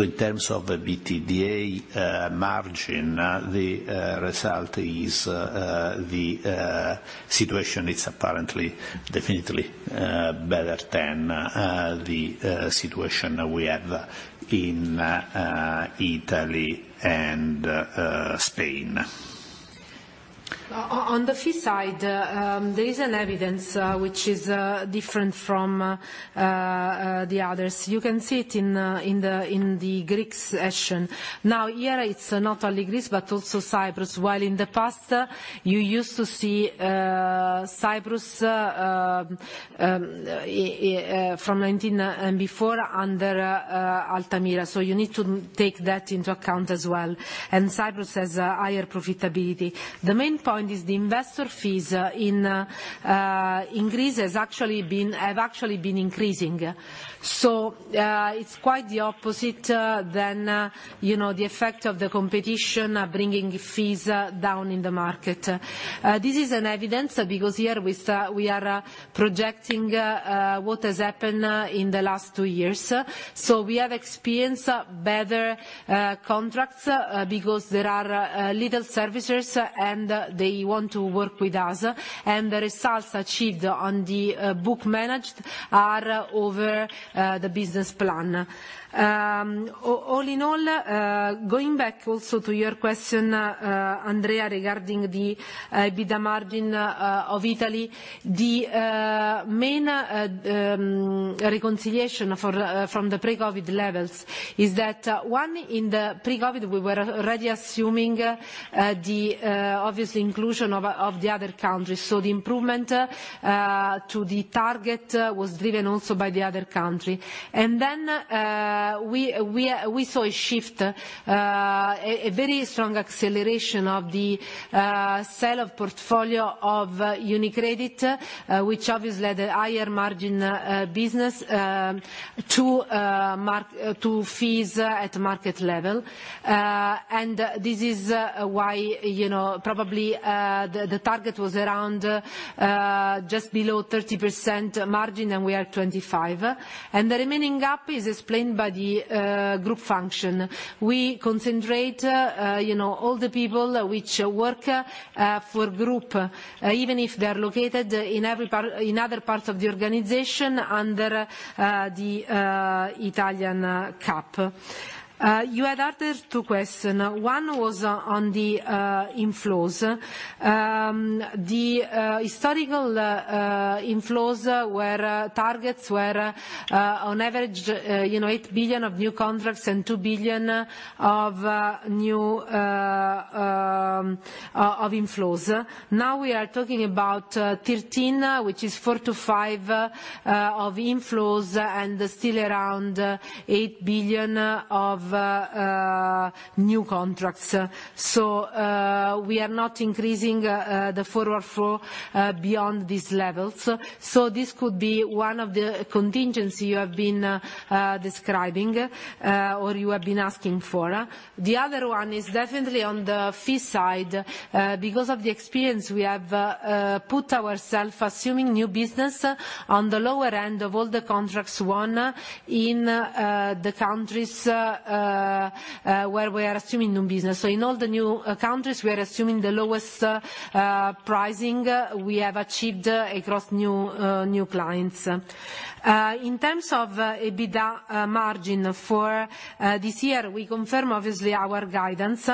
In terms of the EBITDA margin, the situation is apparently definitely better than the situation we have in Italy and Spain. On the fee side, there is evidence, which is different from the others. You can see it in the Greek section. Now, here it's not only Greece, but also Cyprus. While in the past, you used to see Cyprus from 2019 and before under Altamira. You need to take that into account as well. Cyprus has higher profitability. The main point is the investor fees in Greece have actually been increasing. It's quite the opposite than you know the effect of the competition bringing fees down in the market. This is evidence because here we are projecting what has happened in the last two years. We have experienced better contracts because there are little servicers and they want to work with us. The results achieved on the book managed are over the business plan. All in all, going back also to your question, Andrea, regarding the EBITDA margin of Italy. The main reconciliation from the pre-COVID levels is that, one, in the pre-COVID, we were already assuming the obvious inclusion of the other countries. The improvement to the target was driven also by the other country. We saw a shift, a very strong acceleration of the sale of portfolio of UniCredit, which obviously had a higher margin business to fees at market level. This is why, you know, probably the target was around just below 30% margin, and we are at 25%. The remaining gap is explained by the group function. We concentrate, you know, all the people which work for group, even if they are located in other parts of the organization under the Italian cap. You had asked two question. One was on the inflows. The historical inflows targets were on average, you know, 8 billion of new contracts and 2 billion of new inflows. Now we are talking about 13, which is 4 billion-5 billion of inflows, and still around 8 billion of new contracts. We are not increasing the forward flow beyond these levels. This could be one of the contingency you have been describing or you have been asking for. The other one is definitely on the fee side. Because of the experience we have put ourselves assuming new business on the lower end of all the contracts won in the countries where we are assuming new business. In all the new countries, we are assuming the lowest pricing we have achieved across new clients. In terms of EBITDA margin for this year, we confirm, obviously, our guidance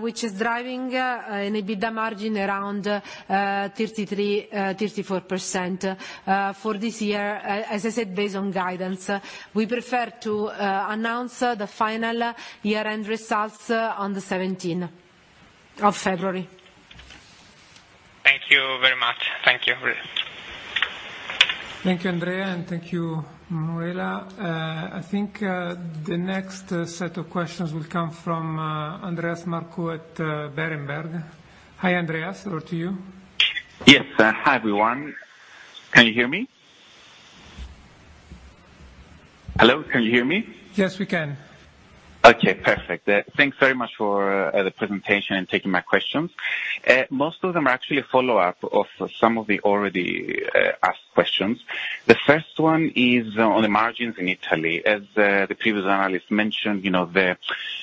which is driving an EBITDA margin around 33%-34% for this year, as I said, based on guidance. We prefer to announce the final year-end results on the seventeenth of February. Thank you very much. Thank you. Thank you, Andrea, and thank you, Manuela. I think the next set of questions will come from Andreas Markou at Berenberg. Hi, Andreas. Over to you. Yes. Hi, everyone. Can you hear me? Hello, can you hear me? Yes, we can. Okay, perfect. Thanks very much for the presentation and taking my questions. Most of them are actually a follow-up of some of the already asked questions. The first one is on the margins in Italy. As the previous analyst mentioned, you know,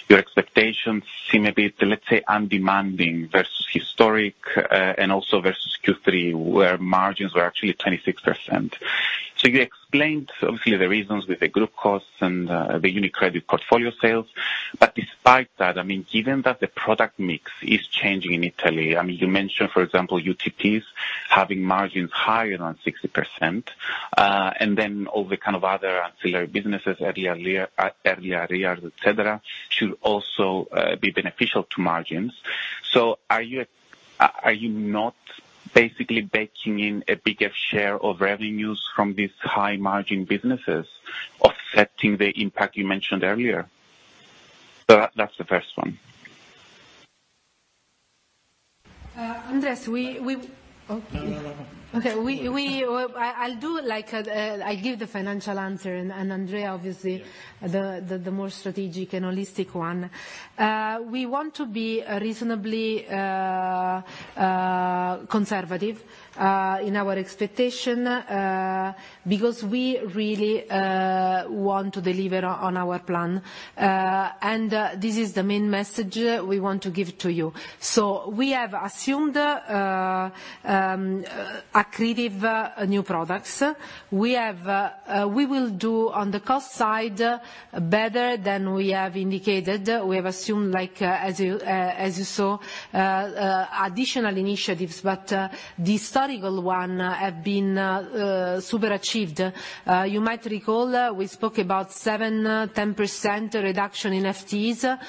your expectations seem a bit, let's say, undemanding versus historic and also versus Q3, where margins were actually at 26%. You explained obviously the reasons with the group costs and the UniCredit portfolio sales. Despite that, I mean, given that the product mix is changing in Italy, I mean, you mentioned, for example, UTPs having margins higher than 60% and then all the kind of other ancillary businesses, area arrears, et cetera, should also be beneficial to margins. Are you not basically baking in a bigger share of revenues from these high margin businesses affecting the impact you mentioned earlier? That's the first one. Andreas, we. Oh. No, no. Okay. I'll do like, I'll give the financial answer and Andrea, obviously the more strategic and holistic one. We want to be reasonably conservative in our expectations because we really want to deliver on our plan. This is the main message we want to give to you. We have assumed accretive new products. We will do on the cost side better than we have indicated. We have assumed, like, as you saw, additional initiatives, but the historical ones have been super achieved. You might recall, we spoke about 7%-10% reduction in FTEs.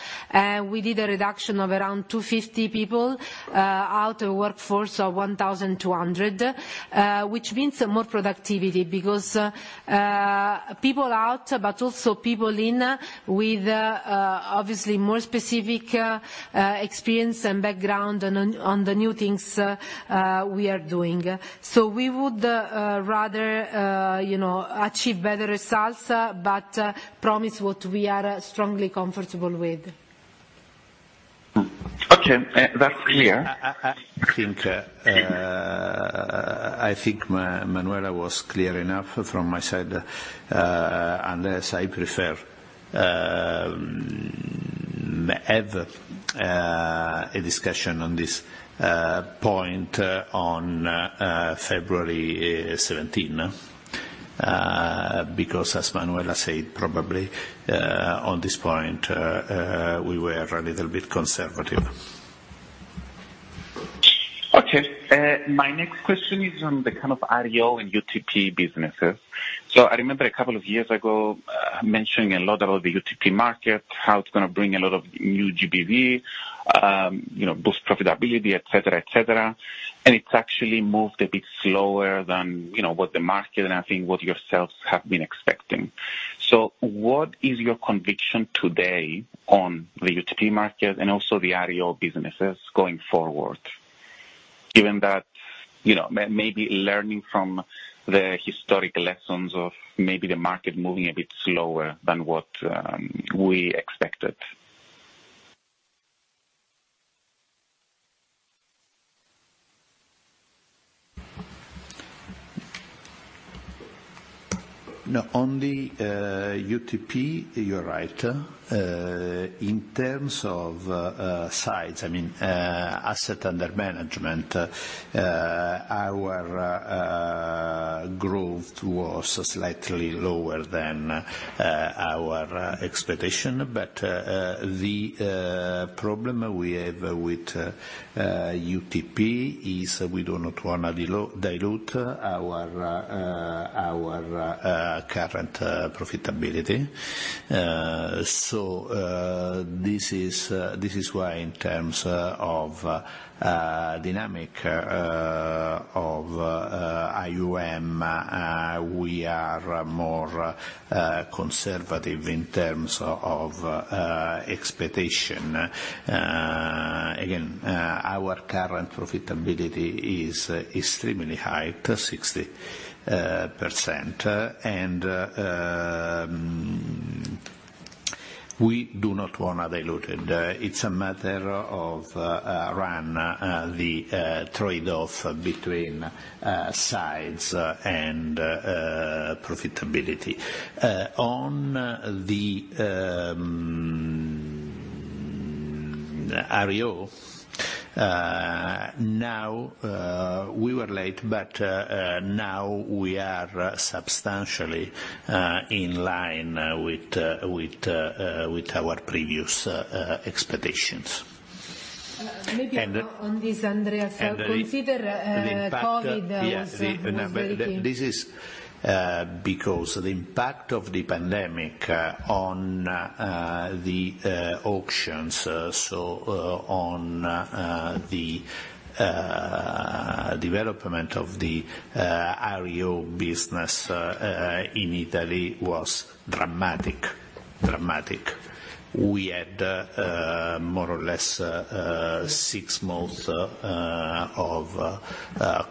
We did a reduction of around 250 people out of workforce of 1,200, which means more productivity because people out, but also people in with obviously more specific experience and background on the new things we are doing. We would rather you know achieve better results, but promise what we are strongly comfortable with. Okay. That's clear. I think Manuela was clear enough. From my side, unless I prefer to have a discussion on this point on February seventeenth. Because as Manuela said, probably on this point, we were a little bit conservative. Okay. My next question is on the kind of REO and UTP businesses. I remember a couple of years ago mentioning a lot about the UTP market, how it's gonna bring a lot of new GBV, you know, boost profitability, et cetera, et cetera. It's actually moved a bit slower than, you know, what the market and I think what yourselves have been expecting. What is your conviction today on the UTP market and also the REO businesses going forward? Given that, you know, maybe learning from the historic lessons of maybe the market moving a bit slower than what we expected. No, on the UTP, you're right. In terms of size, I mean, asset under management, our growth was slightly lower than our expectation. The problem we have with UTP is we do not wanna dilute our current profitability. This is why in terms of dynamic of AUM, we are more conservative in terms of expectation. Again, our current profitability is extremely high, +60%. We do not want to dilute it. It's a matter of running the trade-off between size and profitability. On the REO, now we were late, but now we are substantially in line with our previous expectations. Maybe more on this, Andrea. The impact Consider, COVID was very key. This is because the impact of the pandemic on the auctions so on the development of the REO business in Italy was dramatic. We had more or less six months of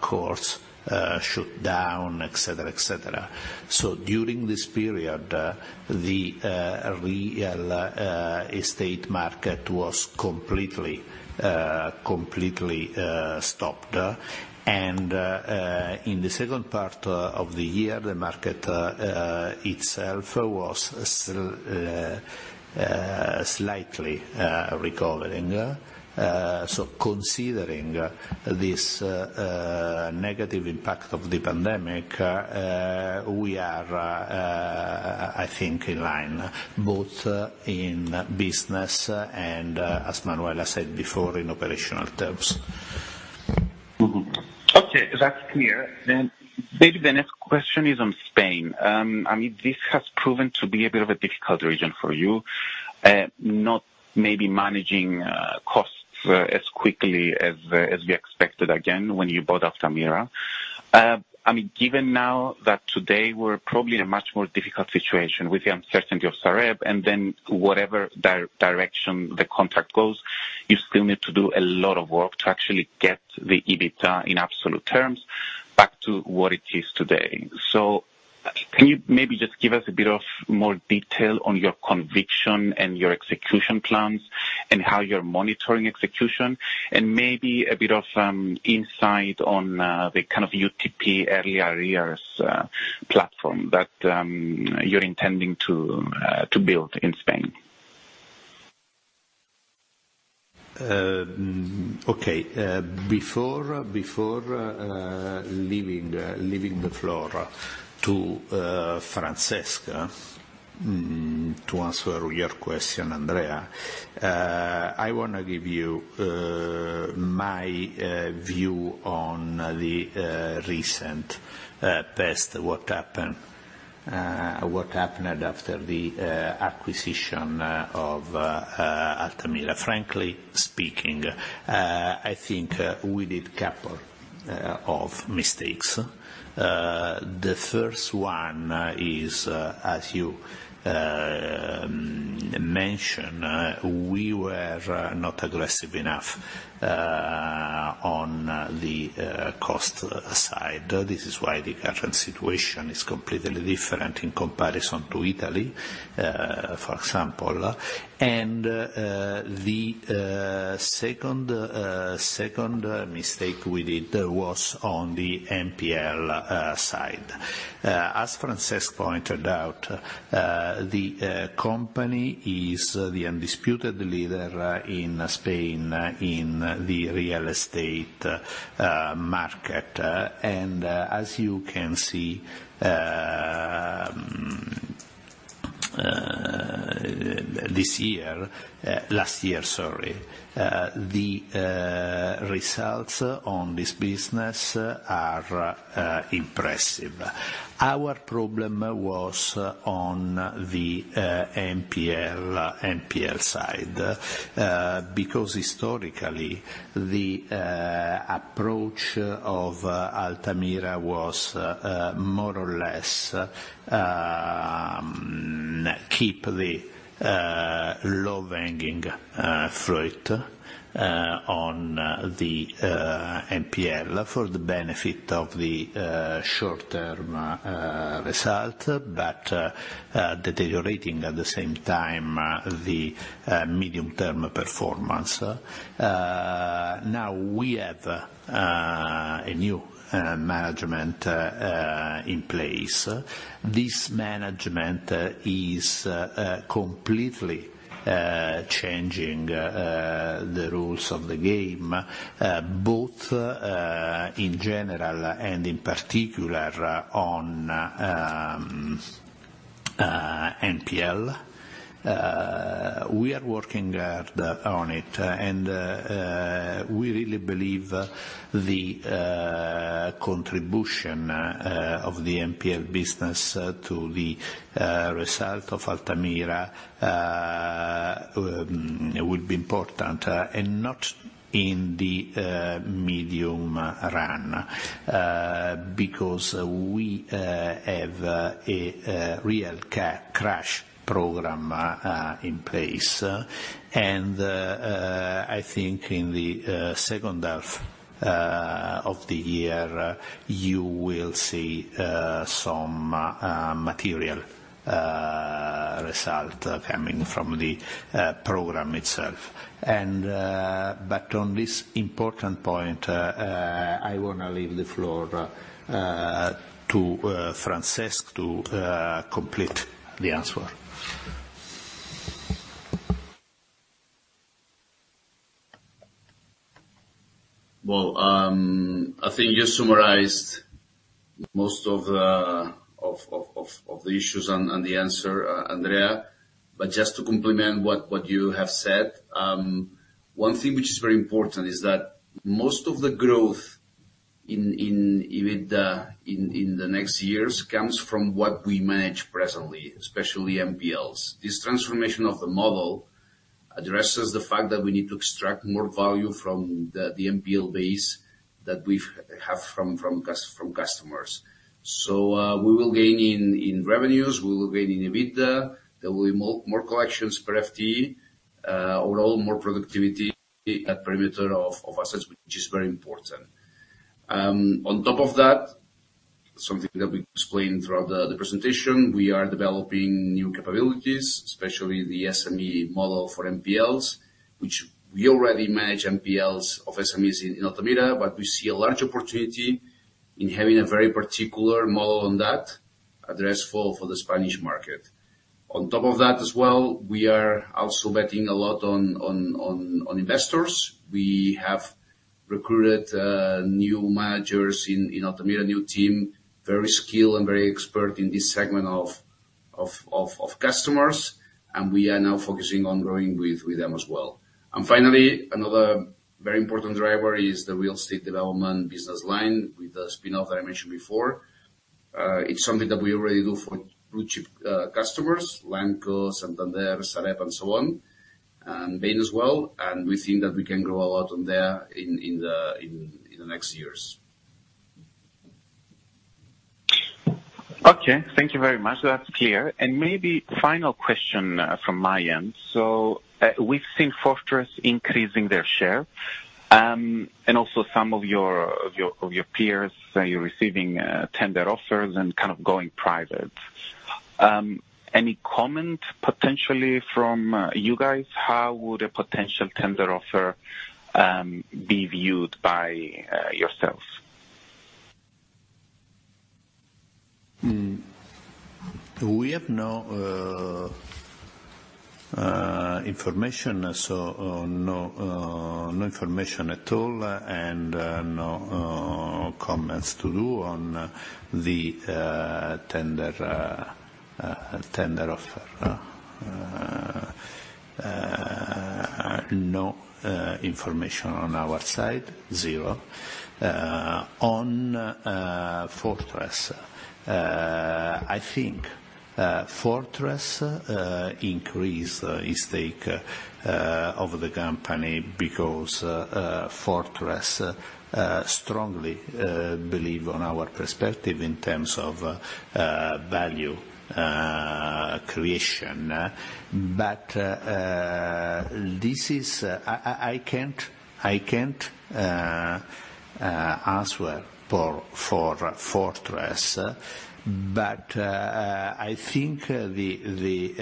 course shut down, et cetera. During this period, the real estate market was completely stopped. In the second part of the year, the market itself was still slightly recovering. Considering this negative impact of the pandemic, we are, I think, in line both in business and as Manuela said before, in operational terms. Mm-hmm. Okay, that's clear. Maybe the next question is on Spain. I mean, this has proven to be a bit of a difficult region for you, not maybe managing costs as quickly as we expected, again, when you bought Altamira. I mean, given now that today we're probably in a much more difficult situation with the uncertainty of Sareb, and then whatever direction the contract goes, you still need to do a lot of work to actually get the EBITDA in absolute terms back to what it is today. Can you maybe just give us a bit of more detail on your conviction and your execution plans and how you're monitoring execution, and maybe a bit of insight on the kind of UTP early arrears platform that you're intending to build in Spain? Okay. Before leaving the floor to Francesc to answer your question, Andrea, I wanna give you my view on the recent test, what happened after the acquisition of Altamira. Frankly speaking, I think we did couple of mistakes. The first one is, as you mention, we were not aggressive enough on the cost side. This is why the current situation is completely different in comparison to Italy, for example. The second mistake we did was on the NPL side. As Francesc pointed out, the company is the undisputed leader in Spain in the real estate market. As you can see, this year, last year, sorry, the results on this business are impressive. Our problem was on the NPL side because historically the approach of Altamira was more or less keep the low-hanging fruit on the NPL for the benefit of the short-term result, but deteriorating at the same time the medium-term performance. Now we have a new management in place. This management is completely changing the rules of the game both in general and in particular on NPL. We are working on it, and we really believe the contribution of the NPL business to the result of Altamira will be important and not in the medium run because we have a real cash program in place. I think in the second half of the year you will see some material result coming from the program itself. On this important point, I wanna leave the floor to Francesc to complete the answer. Well, I think you summarized most of the issues on the answer, Andrea. Just to complement what you have said, one thing which is very important is that most of the growth in EBITDA in the next years comes from what we manage presently, especially NPLs. This transformation of the model addresses the fact that we need to extract more value from the NPL base that we have from customers. We will gain in revenues, we will gain in EBITDA. There will be more collections per FTE, overall more productivity at perimeter of assets, which is very important. On top of that, something that we explained throughout the presentation, we are developing new capabilities, especially the SME model for NPLs, which we already manage NPLs of SMEs in Altamira, but we see a large opportunity in having a very particular model to address fully for the Spanish market. On top of that as well, we are also betting a lot on investors. We have recruited new managers in Altamira, new team, very skilled and very expert in this segment of customers, and we are now focusing on growing with them as well. Finally, another very important driver is the real estate development business line with the spin-off that I mentioned before. It's something that we already do for blue chip customers, Landco, Santander, Sareb, and so on, and Bain as well. We think that we can grow a lot on there in the next years. Okay. Thank you very much. That's clear. Maybe final question from my end. We've seen Fortress increasing their share, and also some of your peers are receiving tender offers and kind of going private. Any comment potentially from you guys, how would a potential tender offer be viewed by yourself? We have no information, no information at all, and no comments to do on the tender offer. No information on our side, zero. On Fortress, I think Fortress increase his stake of the company because Fortress strongly believe on our perspective in terms of value creation. I can't answer for Fortress. I think the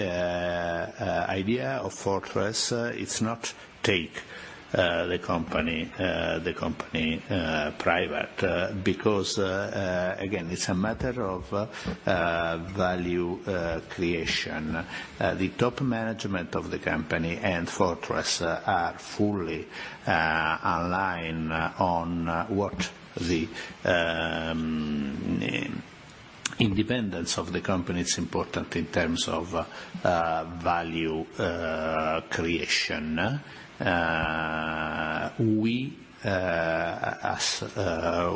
idea of Fortress, it's not take the company private, because again, it's a matter of value creation. The top management of the company and Fortress are fully aligned on what the independence of the company is important in terms of value creation. We, as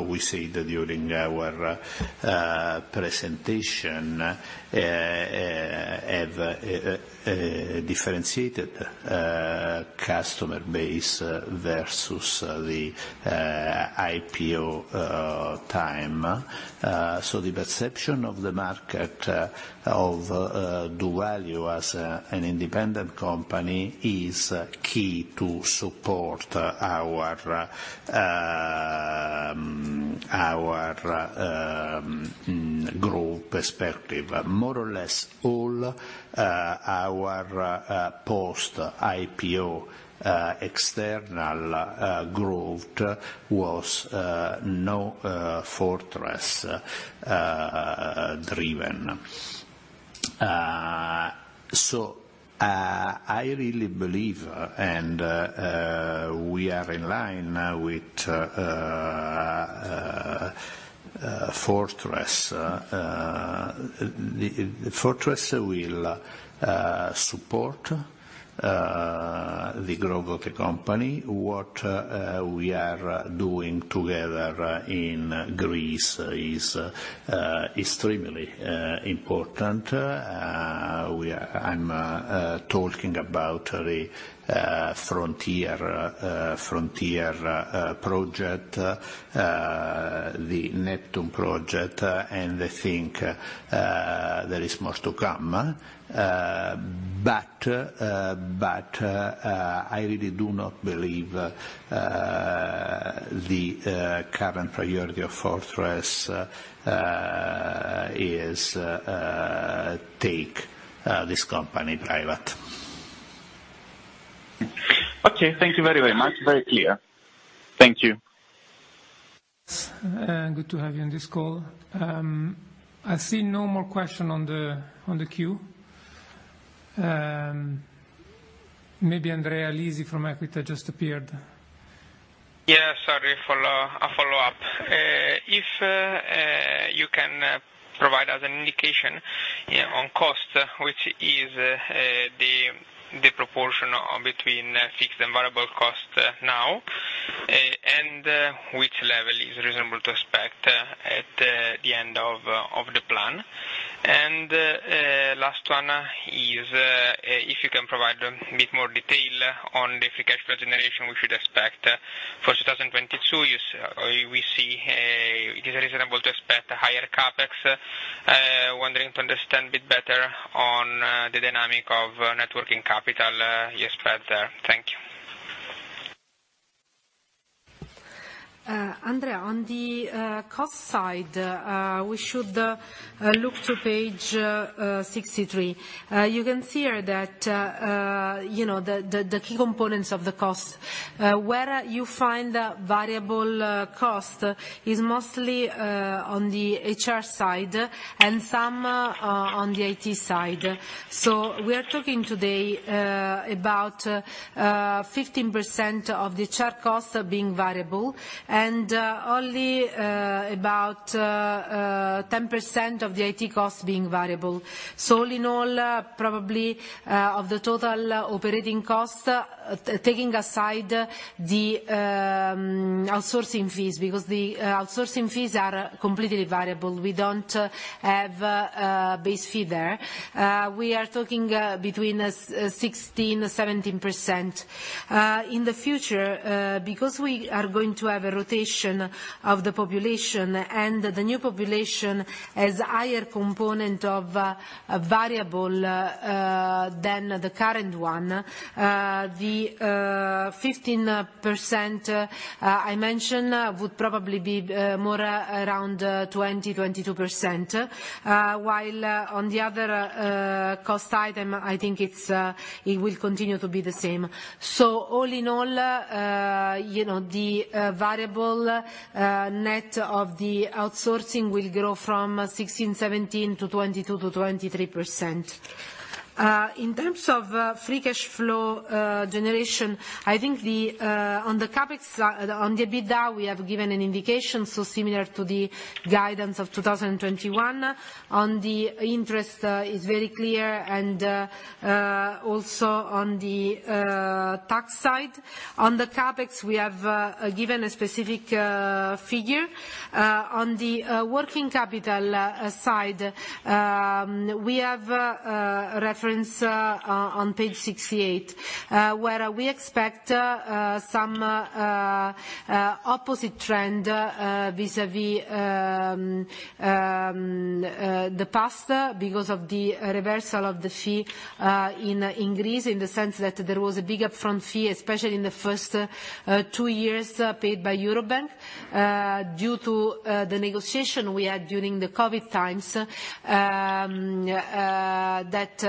we said during our presentation, have a differentiated customer base versus the IPO time. The perception of the market of the value as an independent company is key to support our growth perspective. More or less all our post-IPO external growth was not Fortress driven. I really believe we are in line with Fortress. Fortress will support the growth of the company. What we are doing together in Greece is extremely important. We are... I'm talking about the Frontier project, the Neptune project, and I think there is more to come. I really do not believe the current priority of Fortress is to take this company private. Okay. Thank you very, very much. Very clear. Thank you. Good to have you on this call. I see no more question on the queue. Maybe Andrea Lisi from Equita just appeared. A follow-up. If you can provide us an indication on cost, which is the proportion between fixed and variable cost now, and which level is reasonable to expect at the end of the plan. Last one is if you can provide a bit more detail on the free cash flow generation we should expect for 2022. We see it is reasonable to expect higher CapEx. Wondering to understand a bit better on the dynamic of working capital you spread there. Thank you. Andrea, on the cost side, we should look to page 63. You can see here that, you know, the key components of the cost. Where you find variable cost is mostly on the HR side and some on the IT side. We are talking today about 15% of the HR costs being variable and only about 10% of the IT costs being variable. All in all, probably of the total operating costs, taking aside the outsourcing fees, because the outsourcing fees are completely variable. We don't have a base fee there. We are talking between 6-16, 17%. In the future, because we are going to have a rotation of the population and the new population has higher component of variable than the current one, the 15% I mentioned would probably be more around 20-22%, while on the other cost item, I think it will continue to be the same. All in all, you know, the variable net of the outsourcing will grow from 16%-17% to 22%-23%. In terms of free cash flow generation, I think on the CapEx on the EBITDA, we have given an indication, so similar to the guidance of 2021. On the interest is very clear and also on the tax side. On the CapEx, we have given a specific figure. On the working capital side, we have a reference on page 68, where we expect some opposite trend vis-à-vis the past, because of the reversal of the fee in Greece, in the sense that there was a big upfront fee, especially in the first two years, paid by Eurobank, due to the negotiation we had during the COVID times, that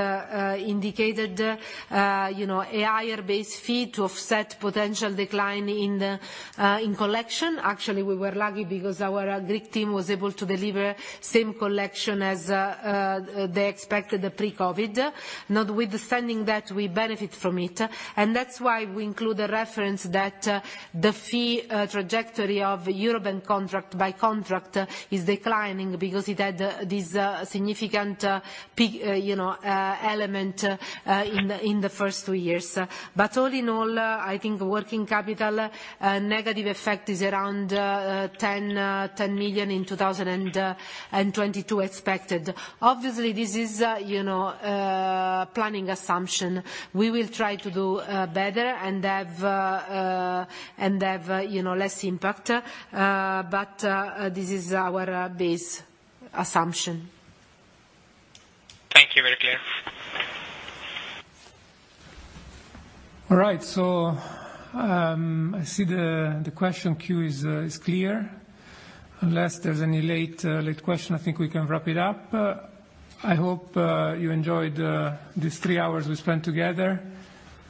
indicated, you know, a higher base fee to offset potential decline in collection. Actually, we were lucky because our Greek team was able to deliver same collection as they expected pre-COVID. Now with the reversal that we benefit from it. That's why we include a reference that the fee trajectory of Eurobank contract by contract is declining because it had this significant peak, you know, element in the first two years. All in all, I think working capital negative effect is around 10 million in 2022 expected. Obviously, this is, you know, a planning assumption. We will try to do better and have, you know, less impact. This is our base assumption. Thank you. Very clear. All right. I see the question queue is clear. Unless there's any late question, I think we can wrap it up. I hope you enjoyed these three hours we spent together.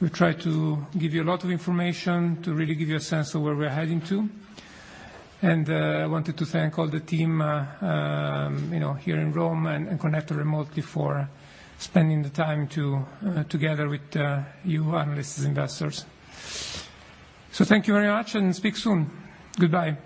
We tried to give you a lot of information to really give you a sense of where we're heading to. I wanted to thank all the team, you know, here in Rome and connected remotely for spending the time together with you analysts investors. Thank you very much and speak soon. Goodbye.